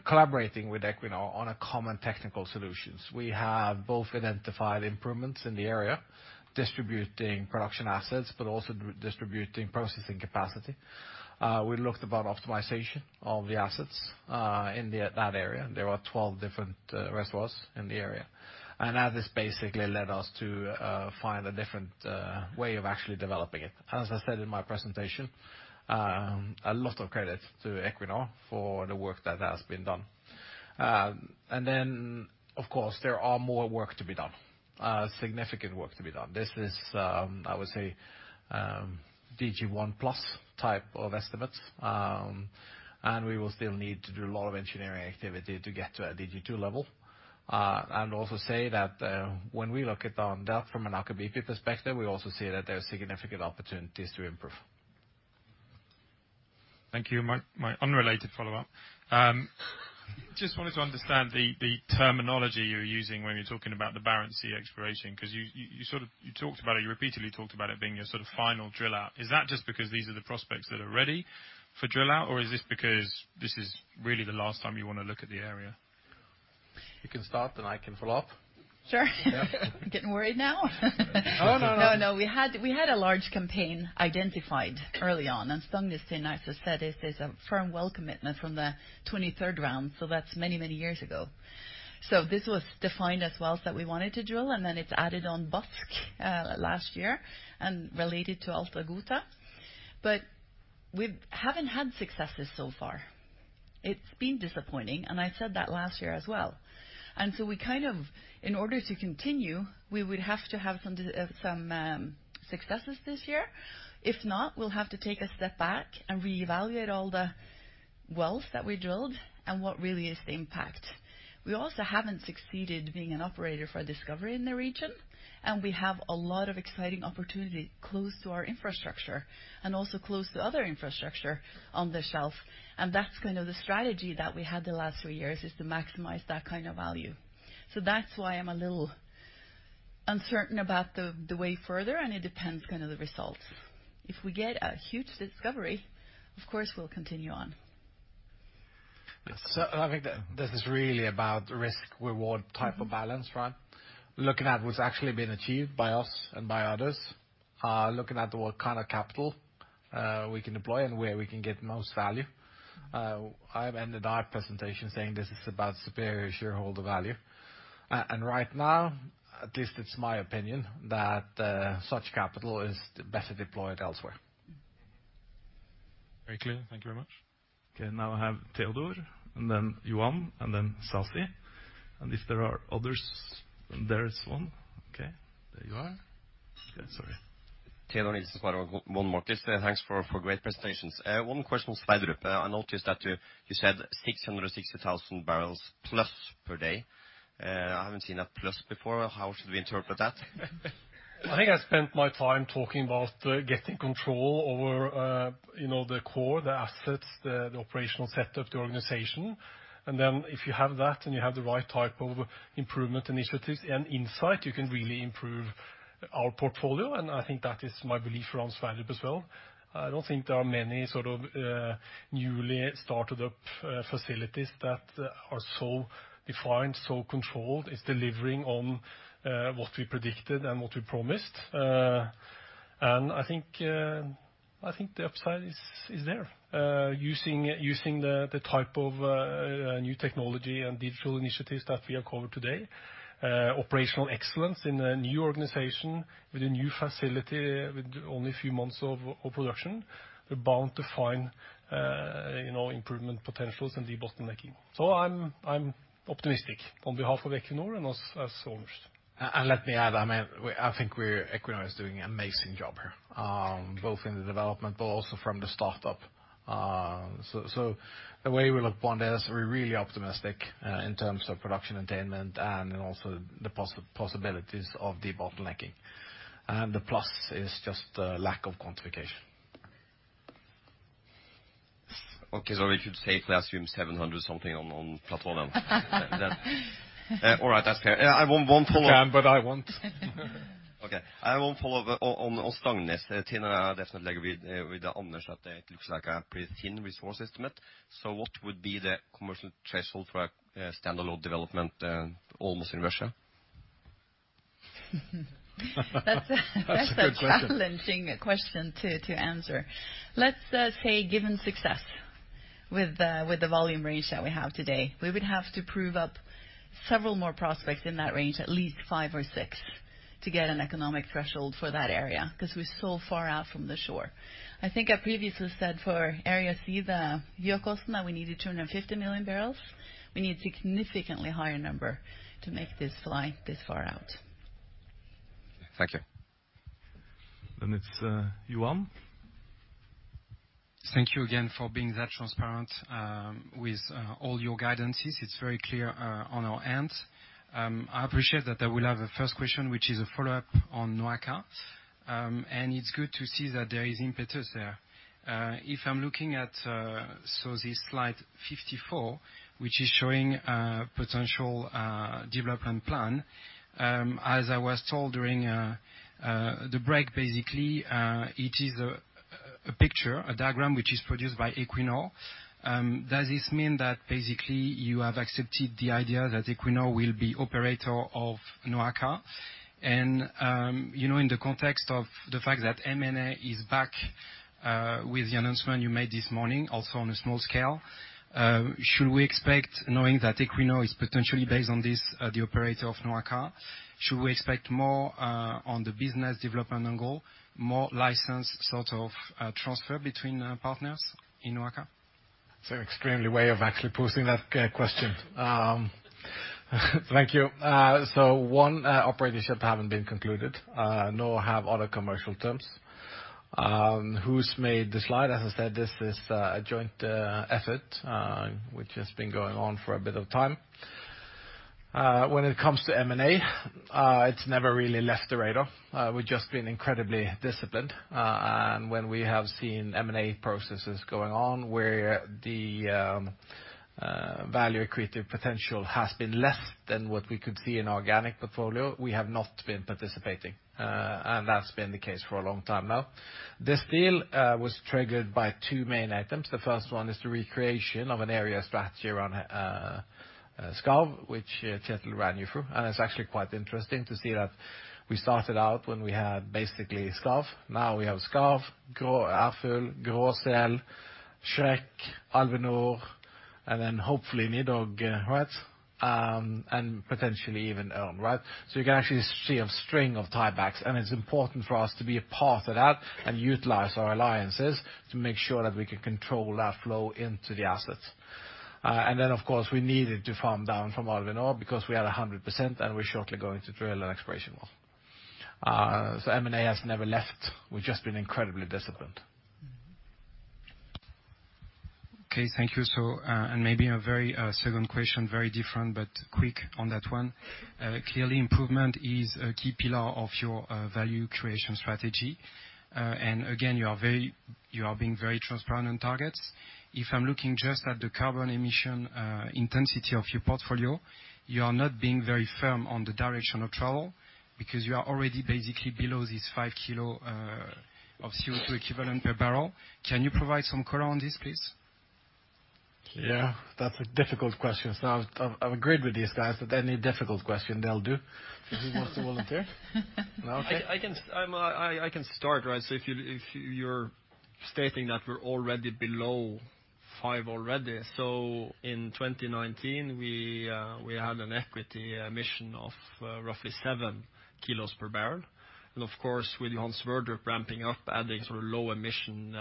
collaborating with Equinor on a common technical solutions, we have both identified improvements in the area, distributing production assets, but also distributing processing capacity. We looked about optimization of the assets in that area. There are 12 different reservoirs in the area. This basically led us to find a different way of actually developing it. As I said in my presentation, a lot of credit to Equinor for the work that has been done. Of course, there are more work to be done, significant work to be done. This is, I would say, DG1 plus type of estimates. We will still need to do a lot of engineering activity to get to a DG2 level. I'll also say that when we look at that from an Aker BP perspective, we also see that there are significant opportunities to improve. Thank you. My unrelated follow-up. Just wanted to understand the terminology you're using when you're talking about the Barents Sea exploration, because you repeatedly talked about it being a sort of final drill out. Is that just because these are the prospects that are ready for drill out, or is this because this is really the last time you want to look at the area? You can start and I can follow up. Sure. Yeah. Getting worried now? Oh, no. We had a large campaign identified early on, Stangnestind, I just said, is a firm well commitment from the 23rd round. That's many years ago. This was defined as wells that we wanted to drill, and then it's added on Bøsk last year and related to Ærfugl. We haven't had successes so far. It's been disappointing, and I said that last year as well. In order to continue, we would have to have some successes this year. If not, we'll have to take a step back and reevaluate all the wells that we drilled and what really is the impact. We also haven't succeeded being an operator for discovery in the region, and we have a lot of exciting opportunity close to our infrastructure and also close to other infrastructure on the shelf. That's kind of the strategy that we had the last three years is to maximize that kind of value. That's why I'm a little uncertain about the way further, and it depends kind of the results. If we get a huge discovery, of course we'll continue on. I think this is really about risk reward type of balance, right? Looking at what's actually been achieved by us and by others, looking at what kind of capital we can deploy and where we can get the most value. I have ended our presentation saying this is about superior shareholder value. Right now, at least it's my opinion, that such capital is better deployed elsewhere. Very clear. Thank you very much. Okay, now I have Teodor, and then Johan, and then Sasi. If there are others, there is one. Okay, there you are. Okay, sorry. Teodor Sveen-Nilsen from SpareBank 1 Markets. Thanks for great presentations. One question on Sleipner. I noticed that you said 660,000 barrels plus per day. I haven't seen a plus before. How should we interpret that? I think I spent my time talking about getting control over the core, the assets, the operational setup, the organization. If you have that and you have the right type of improvement initiatives and insight, you can really improve our portfolio. I think that is my belief around Sleipner as well. I don't think there are many sort of newly started facilities that are so defined, so controlled. It's delivering on what we predicted and what we promised. I think the upside is there, using the type of new technology and digital initiatives that we have covered today. Operational excellence in a new organization with a new facility with only a few months of production, we're bound to find improvement potentials and debottlenecking. I'm optimistic on behalf of Equinor and us as owners. Let me add, I think Equinor is doing an amazing job here. Both in the development, but also from the start-up. The way we look upon this, we're really optimistic in terms of production attainment and also the possibilities of debottlenecking. The plus is just a lack of quantification. Okay. We should safely assume 700 something on platform then. All right. That's clear. I won't follow- Damn, I won't. Okay. I want to follow up on Stangnestind. I definitely agree with Anders that it looks like a pretty thin resource estimate. What would be the commercial threshold for a standalone development almost in Russia? That's a good question. That's a challenging question to answer. Let's say given success with the volume range that we have today, we would have to prove up several more prospects in that range, at least five or six, to get an economic threshold for that Area C, because we're so far out from the shore. I think I previously said for Area C, the, that we need 250 million barrels. We need a significantly higher number to make this fly this far out. Thank you. It's Johan. Thank you again for being that transparent with all your guidances. It's very clear on our end. I appreciate that I will have a first question, which is a follow-up on NOAKA, and it's good to see that there is impetus there. If I'm looking at this slide 54, which is showing potential development plan, as I was told during the break, basically, it is a picture, a diagram, which is produced by Equinor. Does this mean that basically you have accepted the idea that Equinor will be operator of NOAKA? In the context of the fact that M&A is back with the announcement you made this morning, also on a small scale, should we expect, knowing that Equinor is potentially based on this, the operator of NOAKA, more on the business development angle, more license sort of transfer between partners in NOAKA? It's an extremely good way of actually posing that question. Thank you. One operatorship haven't been concluded, nor have other commercial terms. Who's made the slide? As I said, this is a joint effort, which has been going on for a bit of time. When it comes to M&A, it's never really left the radar. We've just been incredibly disciplined. When we have seen M&A processes going on where the value accretive potential has been less than what we could see in organic portfolio, we have not been participating. That's been the case for a long time now. This deal was triggered by two main items. The first one is the recreation of an area strategy around Skarv, which Kjetel ran you through. It's actually quite interesting to see that we started out when we had basically Skarv. Now we have Skarv, Ærfugl, Gro, Shrek, Alve Nord, and then hopefully Nidhogg, right? Potentially even Ørn, right? You can actually see a string of tie-backs, and it's important for us to be a part of that and utilize our alliances to make sure that we can control that flow into the assets. Then, of course, we needed to farm down from Alve Nord because we had 100% and we're shortly going to drill an exploration well. M&A has never left. We've just been incredibly disciplined. Okay, thank you. Maybe a very second question, very different, but quick on that one. Clearly, improvement is a key pillar of your value creation strategy. Again, you are being very transparent on targets. If I'm looking just at the carbon emission intensity of your portfolio, you are not being very firm on the direction of travel because you are already basically below this five kilo of CO2 equivalent per barrel. Can you provide some color on this, please? Yeah. That's a difficult question. I've agreed with these guys that any difficult question they'll do. Who wants to volunteer? Okay. I can start, right? If you're stating that we're already below five already. In 2019, we had an equity emission of roughly seven kilos per barrel. Of course, with Johan Sverdrup ramping up, adding low emission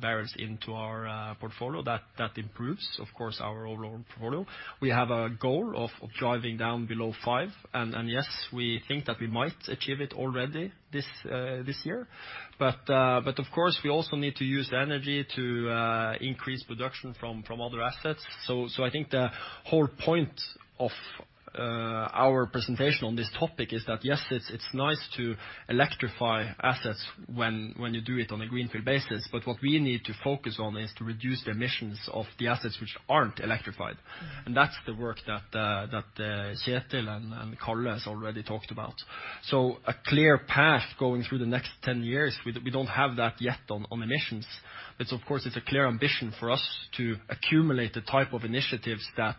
barrels into our portfolio, that improves, of course, our overall portfolio. We have a goal of driving down below five, and yes, we think that we might achieve it already this year. Of course, we also need to use the energy to increase production from other assets. I think the whole point of our presentation on this topic is that, yes, it's nice to electrify assets when you do it on a greenfield basis. What we need to focus on is to reduce the emissions of the assets which aren't electrified. That's the work that Kjetel and Karl has already talked about. A clear path going through the next 10 years, we don't have that yet on emissions. Of course, it's a clear ambition for us to accumulate the type of initiatives that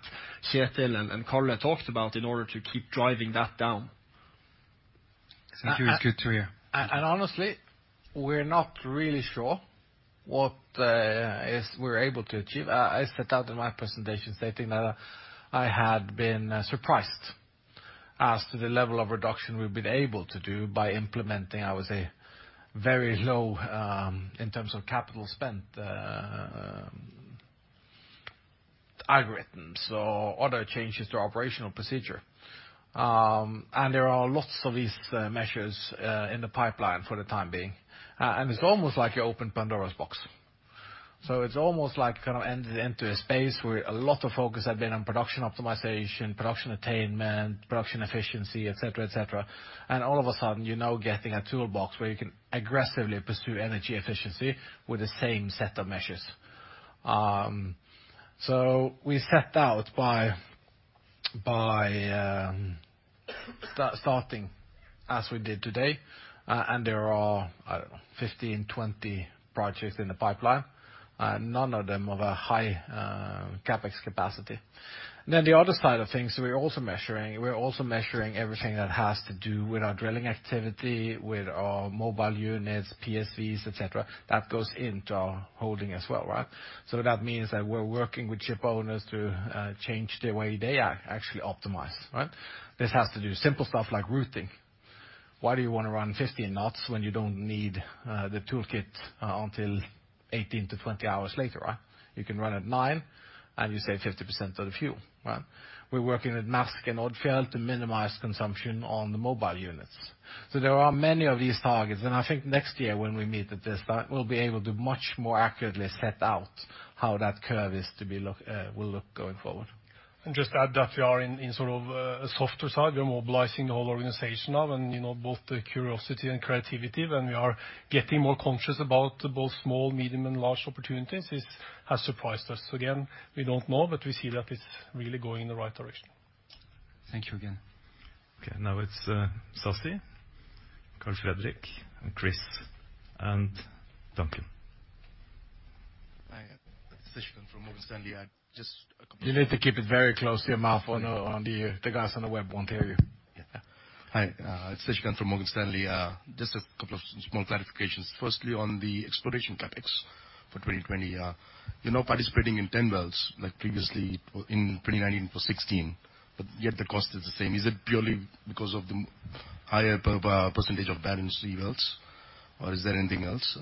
Kjetel and Karl talked about in order to keep driving that down. Thank you. It's good to hear. Honestly, we're not really sure what it is we're able to achieve. I set out in my presentation stating that I had been surprised as to the level of reduction we've been able to do by implementing, I would say, very low, in terms of capital spent, algorithms or other changes to operational procedure. There are lots of these measures in the pipeline for the time being. It's almost like you opened Pandora's box. It's almost like entering into a space where a lot of focus had been on production optimization, production attainment, production efficiency, et cetera. All of a sudden, you're now getting a toolbox where you can aggressively pursue energy efficiency with the same set of measures. We set out by starting as we did today. There are, I don't know, 15, 20 projects in the pipeline. None of them of a high CapEx capacity. The other side of things, we're also measuring everything that has to do with our drilling activity, with our mobile units, PSVs, et cetera. That goes into our holding as well, right? That means that we're working with ship owners to change the way they actually optimize. Right? This has to do simple stuff like routing. Why do you want to run 15 knots when you don't need the toolkit until 18-20 hours later, right? You can run at nine, and you save 50% of the fuel, right? We're working with Maersk and Odfjell to minimize consumption on the mobile units. There are many of these targets, and I think next year, when we meet at this time, we'll be able to much more accurately set out how that curve will look going forward. Just add that we are in sort of a softer side. We are mobilizing the whole organization now and both the curiosity and creativity when we are getting more conscious about both small, medium, and large opportunities has surprised us. Again, we don't know, but we see that it's really going in the right direction. Thank you again. Okay, now it's Sasi, Karl-Fredrik, and Chris, and Duncan. Hi, it's Sasikanth from Morgan Stanley. You need to keep it very close to your mouth, or the guys on the web won't hear you. Hi, it's Sasikanth from Morgan Stanley. Just a couple of small clarifications. Firstly, on the exploration CapEx for 2020. You're now participating in 10 wells, like previously in 2019 it was 16. Yet the cost is the same. Is it purely because of the higher percentage of Barents Sea wells? Is there anything else?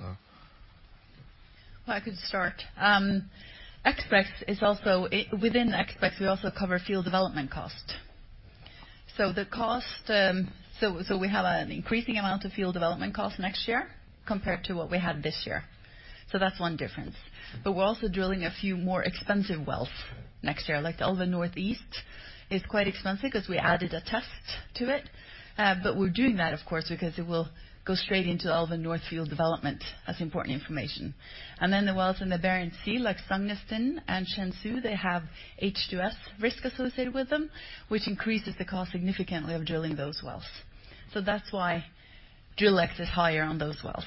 I could start. Within the CapEx, we also cover field development cost. We have an increasing amount of field development cost next year compared to what we had this year. That's one difference. We're also drilling a few more expensive wells next year. Like Alvheim Northeast is quite expensive because we added a test to it. We're doing that, of course, because it will go straight into Alvheim North field development. That's important information. The wells in the Barents Sea, like Stangnestind and Shenzhou, they have H2S risk associated with them, which increases the cost significantly of drilling those wells. That's why drill X is higher on those wells.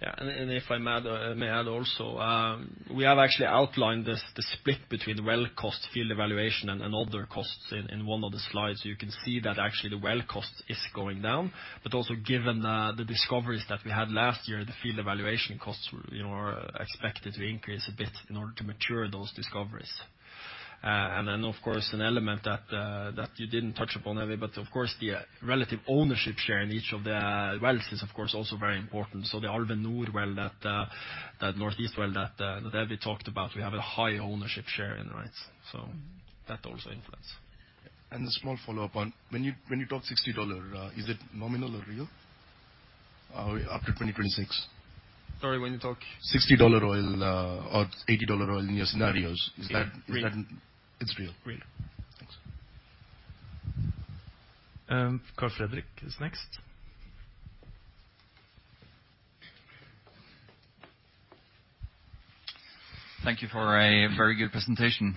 Yeah. If I may add also, we have actually outlined the split between well cost, field evaluation, and other costs in one of the slides. You can see that actually the well cost is going down. Also given the discoveries that we had last year, the field evaluation costs are expected to increase a bit in order to mature those discoveries. Then, of course, an element that you didn't touch upon, Evy, but of course, the relative ownership share in each of the wells is of course also very important. The Alvheim Nord well, that northeast well that Evy talked about, we have a high ownership share in, right? That also influence. A small follow-up on when you talk $60, is it nominal or real after 2026? Sorry, when you talk? $60 oil or $80 oil in your scenarios. Is that? Real. It's real. Real. Thanks. Karl Fredrik is next. Thank you for a very good presentation.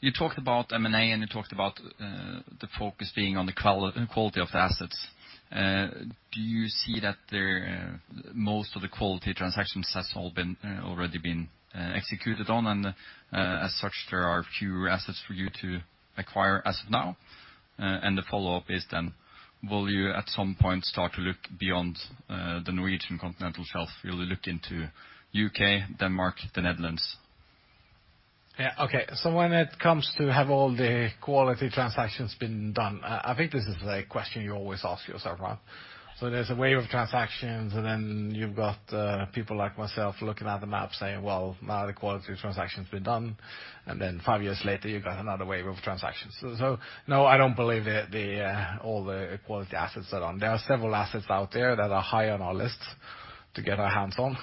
You talked about M&A, and you talked about the focus being on the quality of the assets. Do you see that most of the quality transactions has already been executed on, and as such, there are fewer assets for you to acquire as of now? The follow-up is then, will you at some point start to look beyond the Norwegian continental shelf? Will you look into U.K., Denmark, the Netherlands? Yeah. Okay. When it comes to have all the quality transactions been done, I think this is the question you always ask yourself, right? There's a wave of transactions, and then you've got people like myself looking at the map saying, "Well, now the quality transaction's been done." Five years later, you've got another wave of transactions. No, I don't believe all the quality assets are done. There are several assets out there that are high on our list to get our hands on,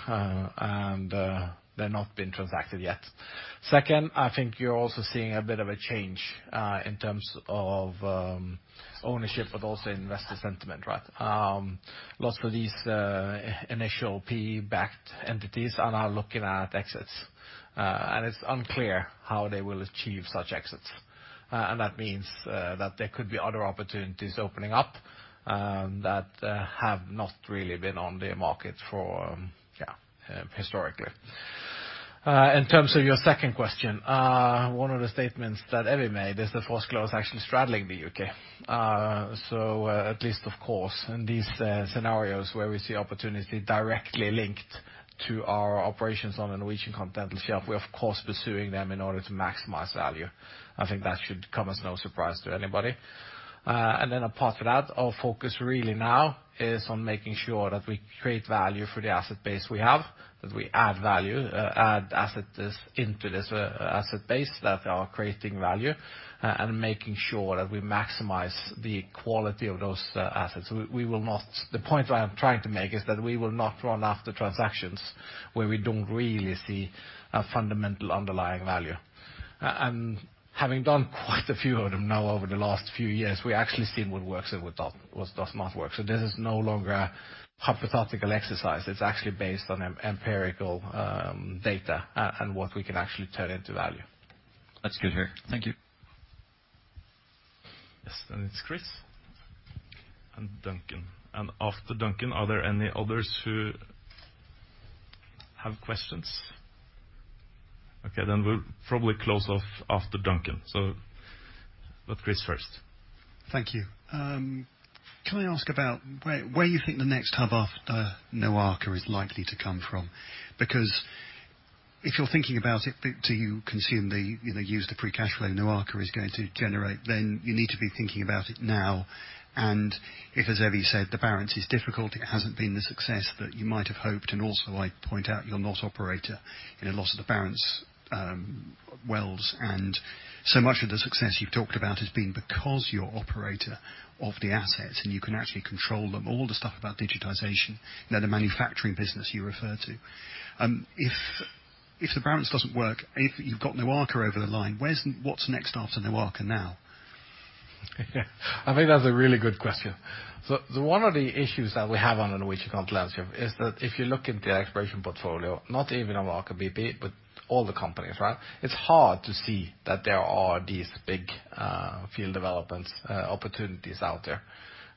and they've not been transacted yet. Second, I think you're also seeing a bit of a change in terms of ownership, but also investor sentiment, right? Lots of these initial PE-backed entities are now looking at exits. It's unclear how they will achieve such exits. That means that there could be other opportunities opening up that have not really been on the market historically. In terms of your second question, one of the statements that Evy made is that Froskelår actually straddling the U.K. At least of course, in these scenarios where we see opportunity directly linked to our operations on the Norwegian Continental Shelf, we're of course pursuing them in order to maximize value. I think that should come as no surprise to anybody. Apart from that, our focus really now is on making sure that we create value for the asset base we have, that we add value, add assets into this asset base that are creating value, and making sure that we maximize the quality of those assets. The point I am trying to make is that we will not run after transactions where we don't really see a fundamental underlying value. Having done quite a few of them now over the last few years, we actually seen what works and what does not work. This is no longer a hypothetical exercise. It's actually based on empirical data and what we can actually turn into value. That's good to hear. Thank you. It's Chris, and Duncan. After Duncan, are there any others who have questions? Okay, we'll probably close off after Duncan. Chris first. Thank you. Can I ask about where you think the next hub after NOAKA is likely to come from? If you're thinking about it, use the free cash flow NOAKA is going to generate, then you need to be thinking about it now. If, as Evy said, the Barents is difficult, it hasn't been the success that you might have hoped, also I point out you're not operator in a lot of the Barents wells. So much of the success you've talked about has been because you're operator of the assets and you can actually control them, all the stuff about digitization, the manufacturing business you refer to. If the Barents doesn't work, if you've got NOAKA over the line, what's next after NOAKA now? I think that's a really good question. One of the issues that we have on the Norwegian Continental Shelf is that if you look at the exploration portfolio, not even Aker BP, but all the companies, right? It's hard to see that there are these big field development opportunities out there.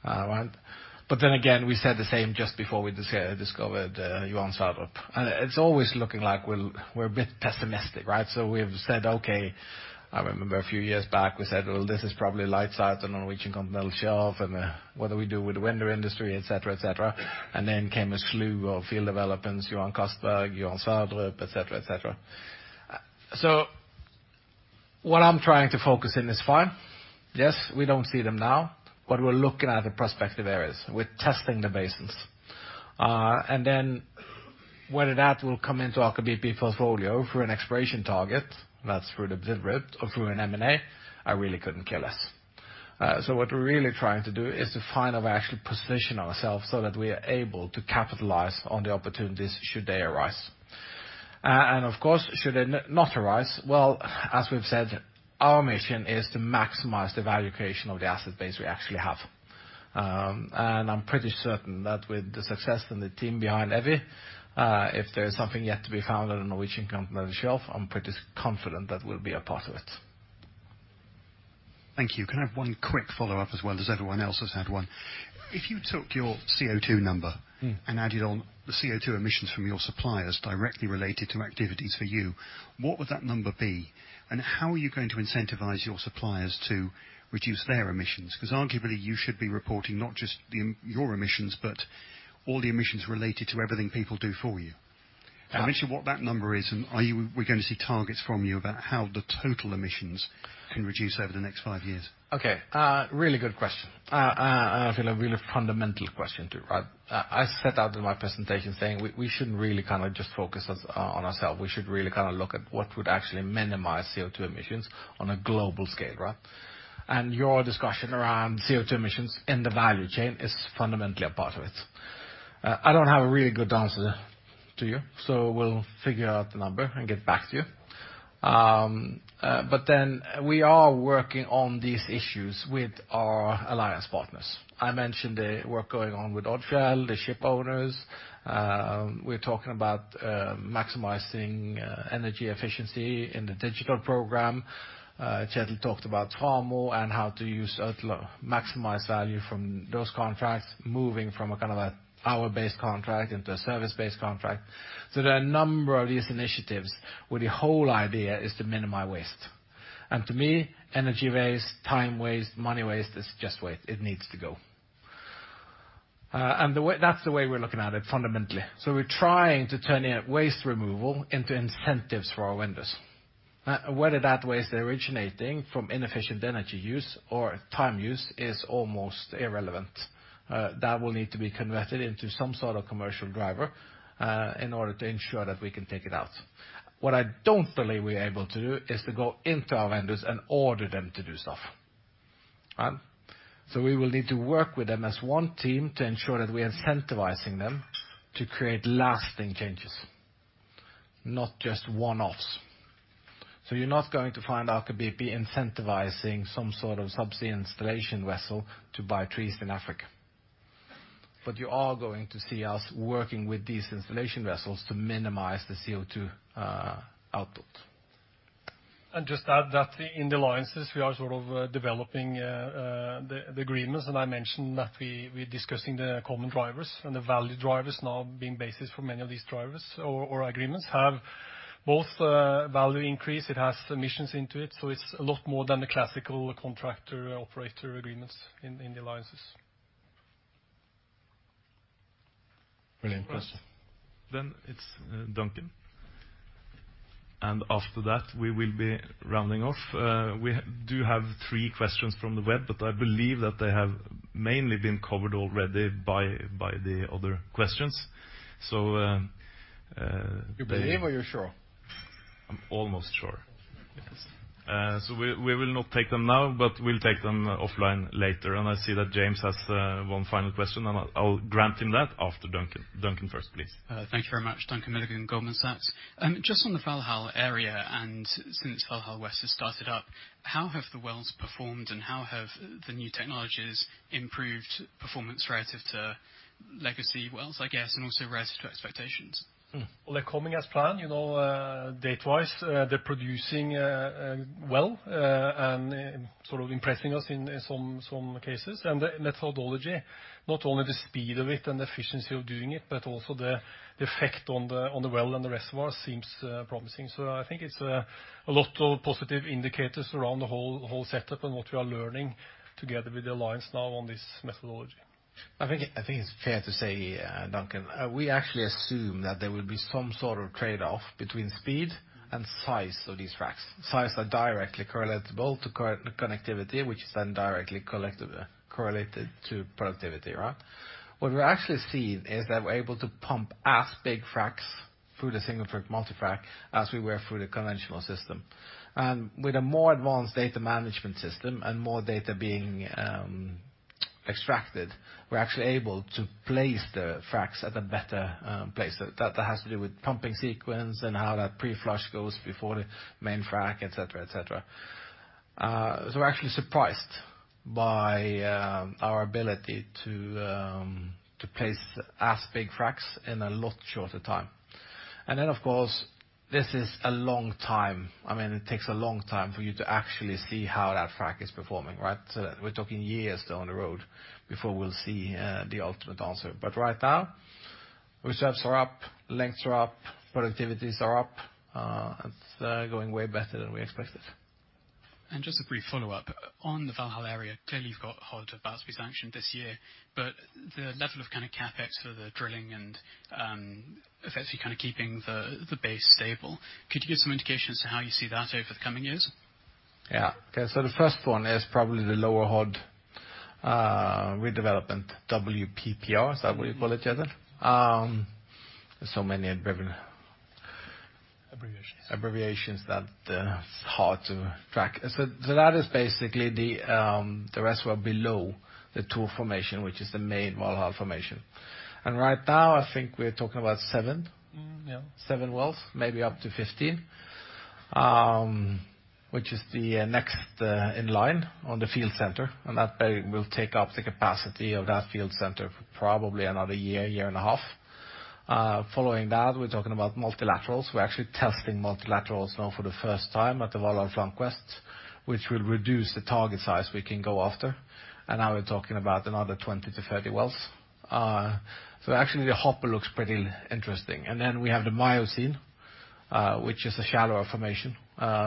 We said the same just before we discovered Johan Sverdrup. It's always looking like we're a bit pessimistic, right? We've said, okay, I remember a few years back, we said, "Well, this is probably lights out on the Norwegian Continental Shelf, and what do we do with the vendor industry, et cetera." Then came a slew of field developments, Johan Castberg, Johan Sverdrup, et cetera. What I'm trying to focus in is fine. Yes, we don't see them now, but we're looking at the prospective areas. We're testing the basins. Whether that will come into Aker BP portfolio through an exploration target, that's through the bid round or through an M&A, really couldn't kill us. What we're really trying to do is to kind of actually position ourselves so that we are able to capitalize on the opportunities should they arise. Of course, should they not arise, well, as we've said, our mission is to maximize the valuation of the asset base we actually have. I'm pretty certain that with the success and the team behind Evy, if there's something yet to be found on the Norwegian Continental Shelf, I'm pretty confident that we'll be a part of it. Thank you. Can I have one quick follow-up as well, as everyone else has had one? If you took your CO2 number- Added on the CO2 emissions from your suppliers directly related to activities for you, what would that number be? How are you going to incentivize your suppliers to reduce their emissions? Arguably, you should be reporting not just your emissions, but all the emissions related to everything people do for you. Yeah. I mentioned what that number is, and are we going to see targets from you about how the total emissions can reduce over the next five years? Okay. Really good question. I feel a really fundamental question, too, right? I set out in my presentation saying we shouldn't really kind of just focus on ourselves. We should really kind of look at what would actually minimize CO2 emissions on a global scale, right? Your discussion around CO2 emissions in the value chain is fundamentally a part of it. I don't have a really good answer to you, so we'll figure out the number and get back to you. We are working on these issues with our alliance partners. I mentioned the work going on with Odfjell, the ship owners. We're talking about maximizing energy efficiency in the digital program. Kjetel talked about Framo and how to maximize value from those contracts, moving from a kind of hour-based contract into a service-based contract. There are a number of these initiatives where the whole idea is to minimize waste. To me, energy waste, time waste, money waste is just waste. It needs to go. That's the way we're looking at it fundamentally. We're trying to turn waste removal into incentives for our vendors. Whether that waste originating from inefficient energy use or time use is almost irrelevant. That will need to be converted into some sort of commercial driver, in order to ensure that we can take it out. What I don't believe we are able to do is to go into our vendors and order them to do stuff. We will need to work with them as one team to ensure that we are incentivizing them to create lasting changes, not just one-offs. You're not going to find Aker BP incentivizing some sort of subsea installation vessel to buy trees in Africa. You are going to see us working with these installation vessels to minimize the CO2 output. Just add that in the alliances, we are sort of developing the agreements. I mentioned that we're discussing the common drivers and the value drivers now being basis for many of these drivers or agreements have both value increase. It has emissions into it. It's a lot more than the classical contractor operator agreements in the alliances. Brilliant. It's Duncan. After that, we will be rounding off. We do have three questions from the web, but I believe that they have mainly been covered already by the other questions. You believe or you're sure? I'm almost sure. Yes. We will not take them now, but we'll take them offline later. I see that James has one final question, and I'll grant him that after Duncan. Duncan first, please. Thank you very much. Duncan Milligan, Goldman Sachs. Just on the Valhall area, since Valhall West has started up, how have the wells performed and how have the new technologies improved performance relative to legacy wells, I guess, and also relative to expectations? Well, they're coming as planned. Best Day, they're producing well, and sort of impressing us in some cases. The methodology, not only the speed of it and the efficiency of doing it, but also the effect on the well and the reservoir seems promising. I think it's a lot of positive indicators around the whole setup and what we are learning together with the Alliance now on this methodology. I think it's fair to say, Duncan, we actually assume that there will be some sort of trade-off between speed and size of these fracs. Size are directly correlatable to connectivity, which is then directly correlated to productivity, right? What we're actually seeing is that we're able to pump as big fracs through the single trip multi-frac as we were through the conventional system. With a more advanced data management system and more data being extracted, we're actually able to place the fracs at a better place. That has to do with pumping sequence and how that pre-flush goes before the main frac, et cetera. We're actually surprised by our ability to place as big fracs in a lot shorter time. Of course, this is a long time. It takes a long time for you to actually see how that frac is performing, right? We're talking years down the road before we'll see the ultimate answer. Right now, reserves are up, lengths are up, productivities are up. It's going way better than we expected. Just a brief follow-up. On the Valhall area, clearly you've got Hod about to be sanctioned this year, but the level of CapEx for the drilling and effectively keeping the base stable, could you give some indications to how you see that over the coming years? Yeah. Okay. The first one is probably the lower Hod redevelopment. WPPR, is that what you call it, Kjetil? Abbreviations abbreviations that hard to track. That is basically the reservoir below the Tor formation, which is the main Valhall formation. Right now, I think we're talking about seven. Yeah. seven wells, maybe up to 15, which is the next in line on the field center, and that will take up the capacity of that field center for probably another year and a half. Following that, we're talking about multilaterals. We're actually testing multilaterals now for the first time at the Valhall Flank West, which will reduce the target size we can go after. Now we're talking about another 20 to 30 wells. Actually the hopper looks pretty interesting. Then we have the Miocene, which is a shallower formation,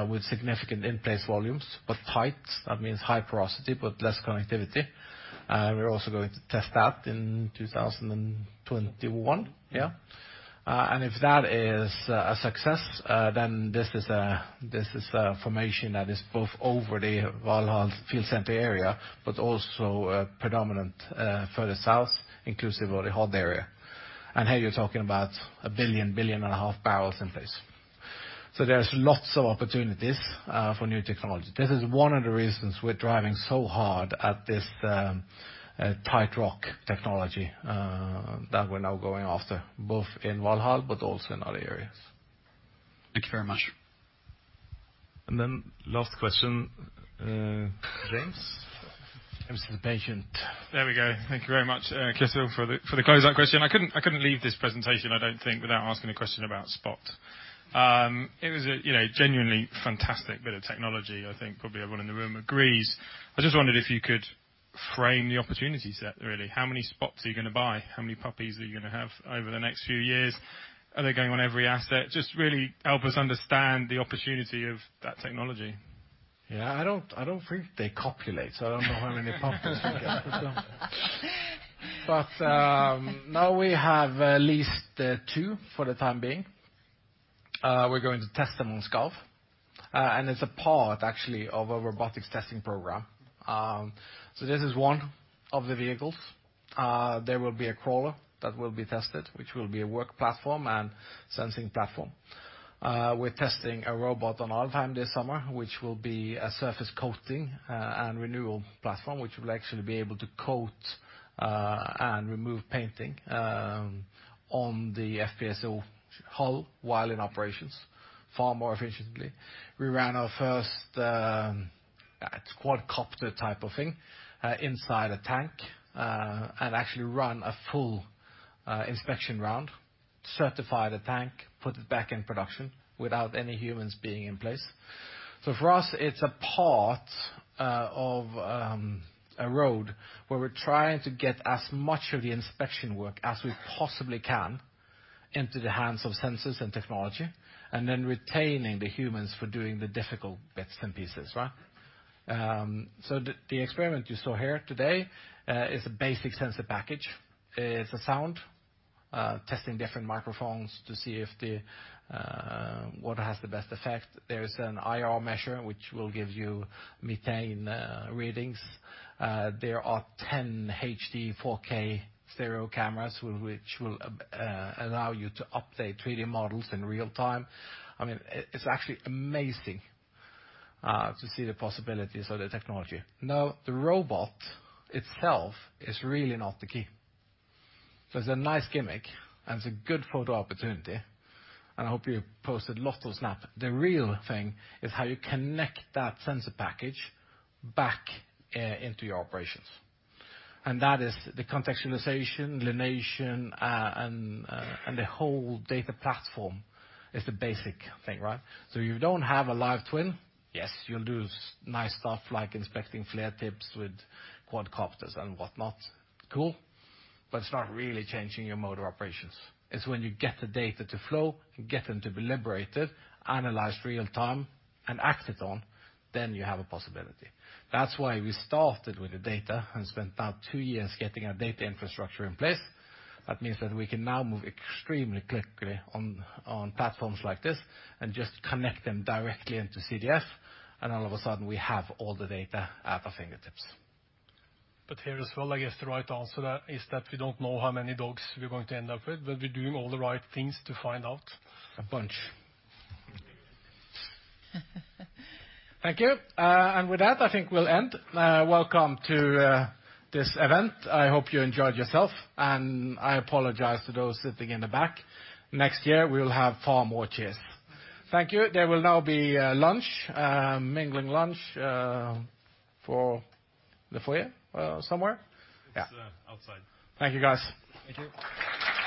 with significant in-place volumes, but tight. That means high porosity, but less connectivity. We're also going to test that in 2021, yeah. If that is a success, then this is a formation that is both over the Valhall field center area, but also predominant further south, inclusive of the Hod area. Here you're talking about a billion and a half barrels in place. There's lots of opportunities for new technology. This is one of the reasons we're driving so hard at this tight rock technology that we're now going after, both in Valhall but also in other areas. Thank you very much. Last question, James. James has been patient. There we go. Thank you very much, Kjetil, for the closeout question. I couldn't leave this presentation, I don't think, without asking a question about Spot. It was a genuinely fantastic bit of technology. I think probably everyone in the room agrees. I just wondered if you could frame the opportunity set, really. How many Spots are you gonna buy? How many puppies are you gonna have over the next few years? Are they going on every asset? Just really help us understand the opportunity of that technology. Yeah, I don't think they copulate. I don't know how many puppies we get. Now we have at least two for the time being. We're going to test them on Skarv. It's a part, actually, of a robotics testing program. This is one of the vehicles. There will be a crawler that will be tested, which will be a work platform and sensing platform. We're testing a robot on Alvheim this summer, which will be a surface coating and renewal platform, which will actually be able to coat and remove painting on the FPSO hull while in operations far more efficiently. We ran our first quadcopter type of thing inside a tank. Actually run a full inspection round, certify the tank, put it back in production without any humans being in place. For us, it's a part of a road where we're trying to get as much of the inspection work as we possibly can into the hands of sensors and technology, and then retaining the humans for doing the difficult bits and pieces. The experiment you saw here today is a basic sensor package. It's a sound, testing different microphones to see what has the best effect. There's an IR measure, which will give you methane readings. There are 10 HD 4K stereo cameras, which will allow you to update 3D models in real time. It's actually amazing to see the possibilities of the technology. The robot itself is really not the key. It's a nice gimmick, and it's a good photo opportunity, and I hope you posted lots of snap. The real thing is how you connect that sensor package back into your operations. That is the contextualization, lineation, and the whole data platform is the basic thing. You don't have a live twin. Yes, you'll do nice stuff like inspecting flare tips with quadcopters and whatnot. Cool. It's not really changing your mode of operations. It's when you get the data to flow, get them to be liberated, analyzed real time, and acted on, then you have a possibility. That's why we started with the data and spent about two years getting our data infrastructure in place. That means that we can now move extremely quickly on platforms like this and just connect them directly into CDF, and all of a sudden we have all the data at our fingertips. Here as well, I guess the right answer is that we don't know how many dogs we're going to end up with, but we're doing all the right things to find out. A bunch. Thank you. With that, I think we'll end. Welcome to this event. I hope you enjoyed yourself. I apologize to those sitting in the back. Next year, we will have far more chairs. Thank you. There will now be lunch, a mingling lunch for the foyer somewhere? It's outside. Thank you, guys. Thank you.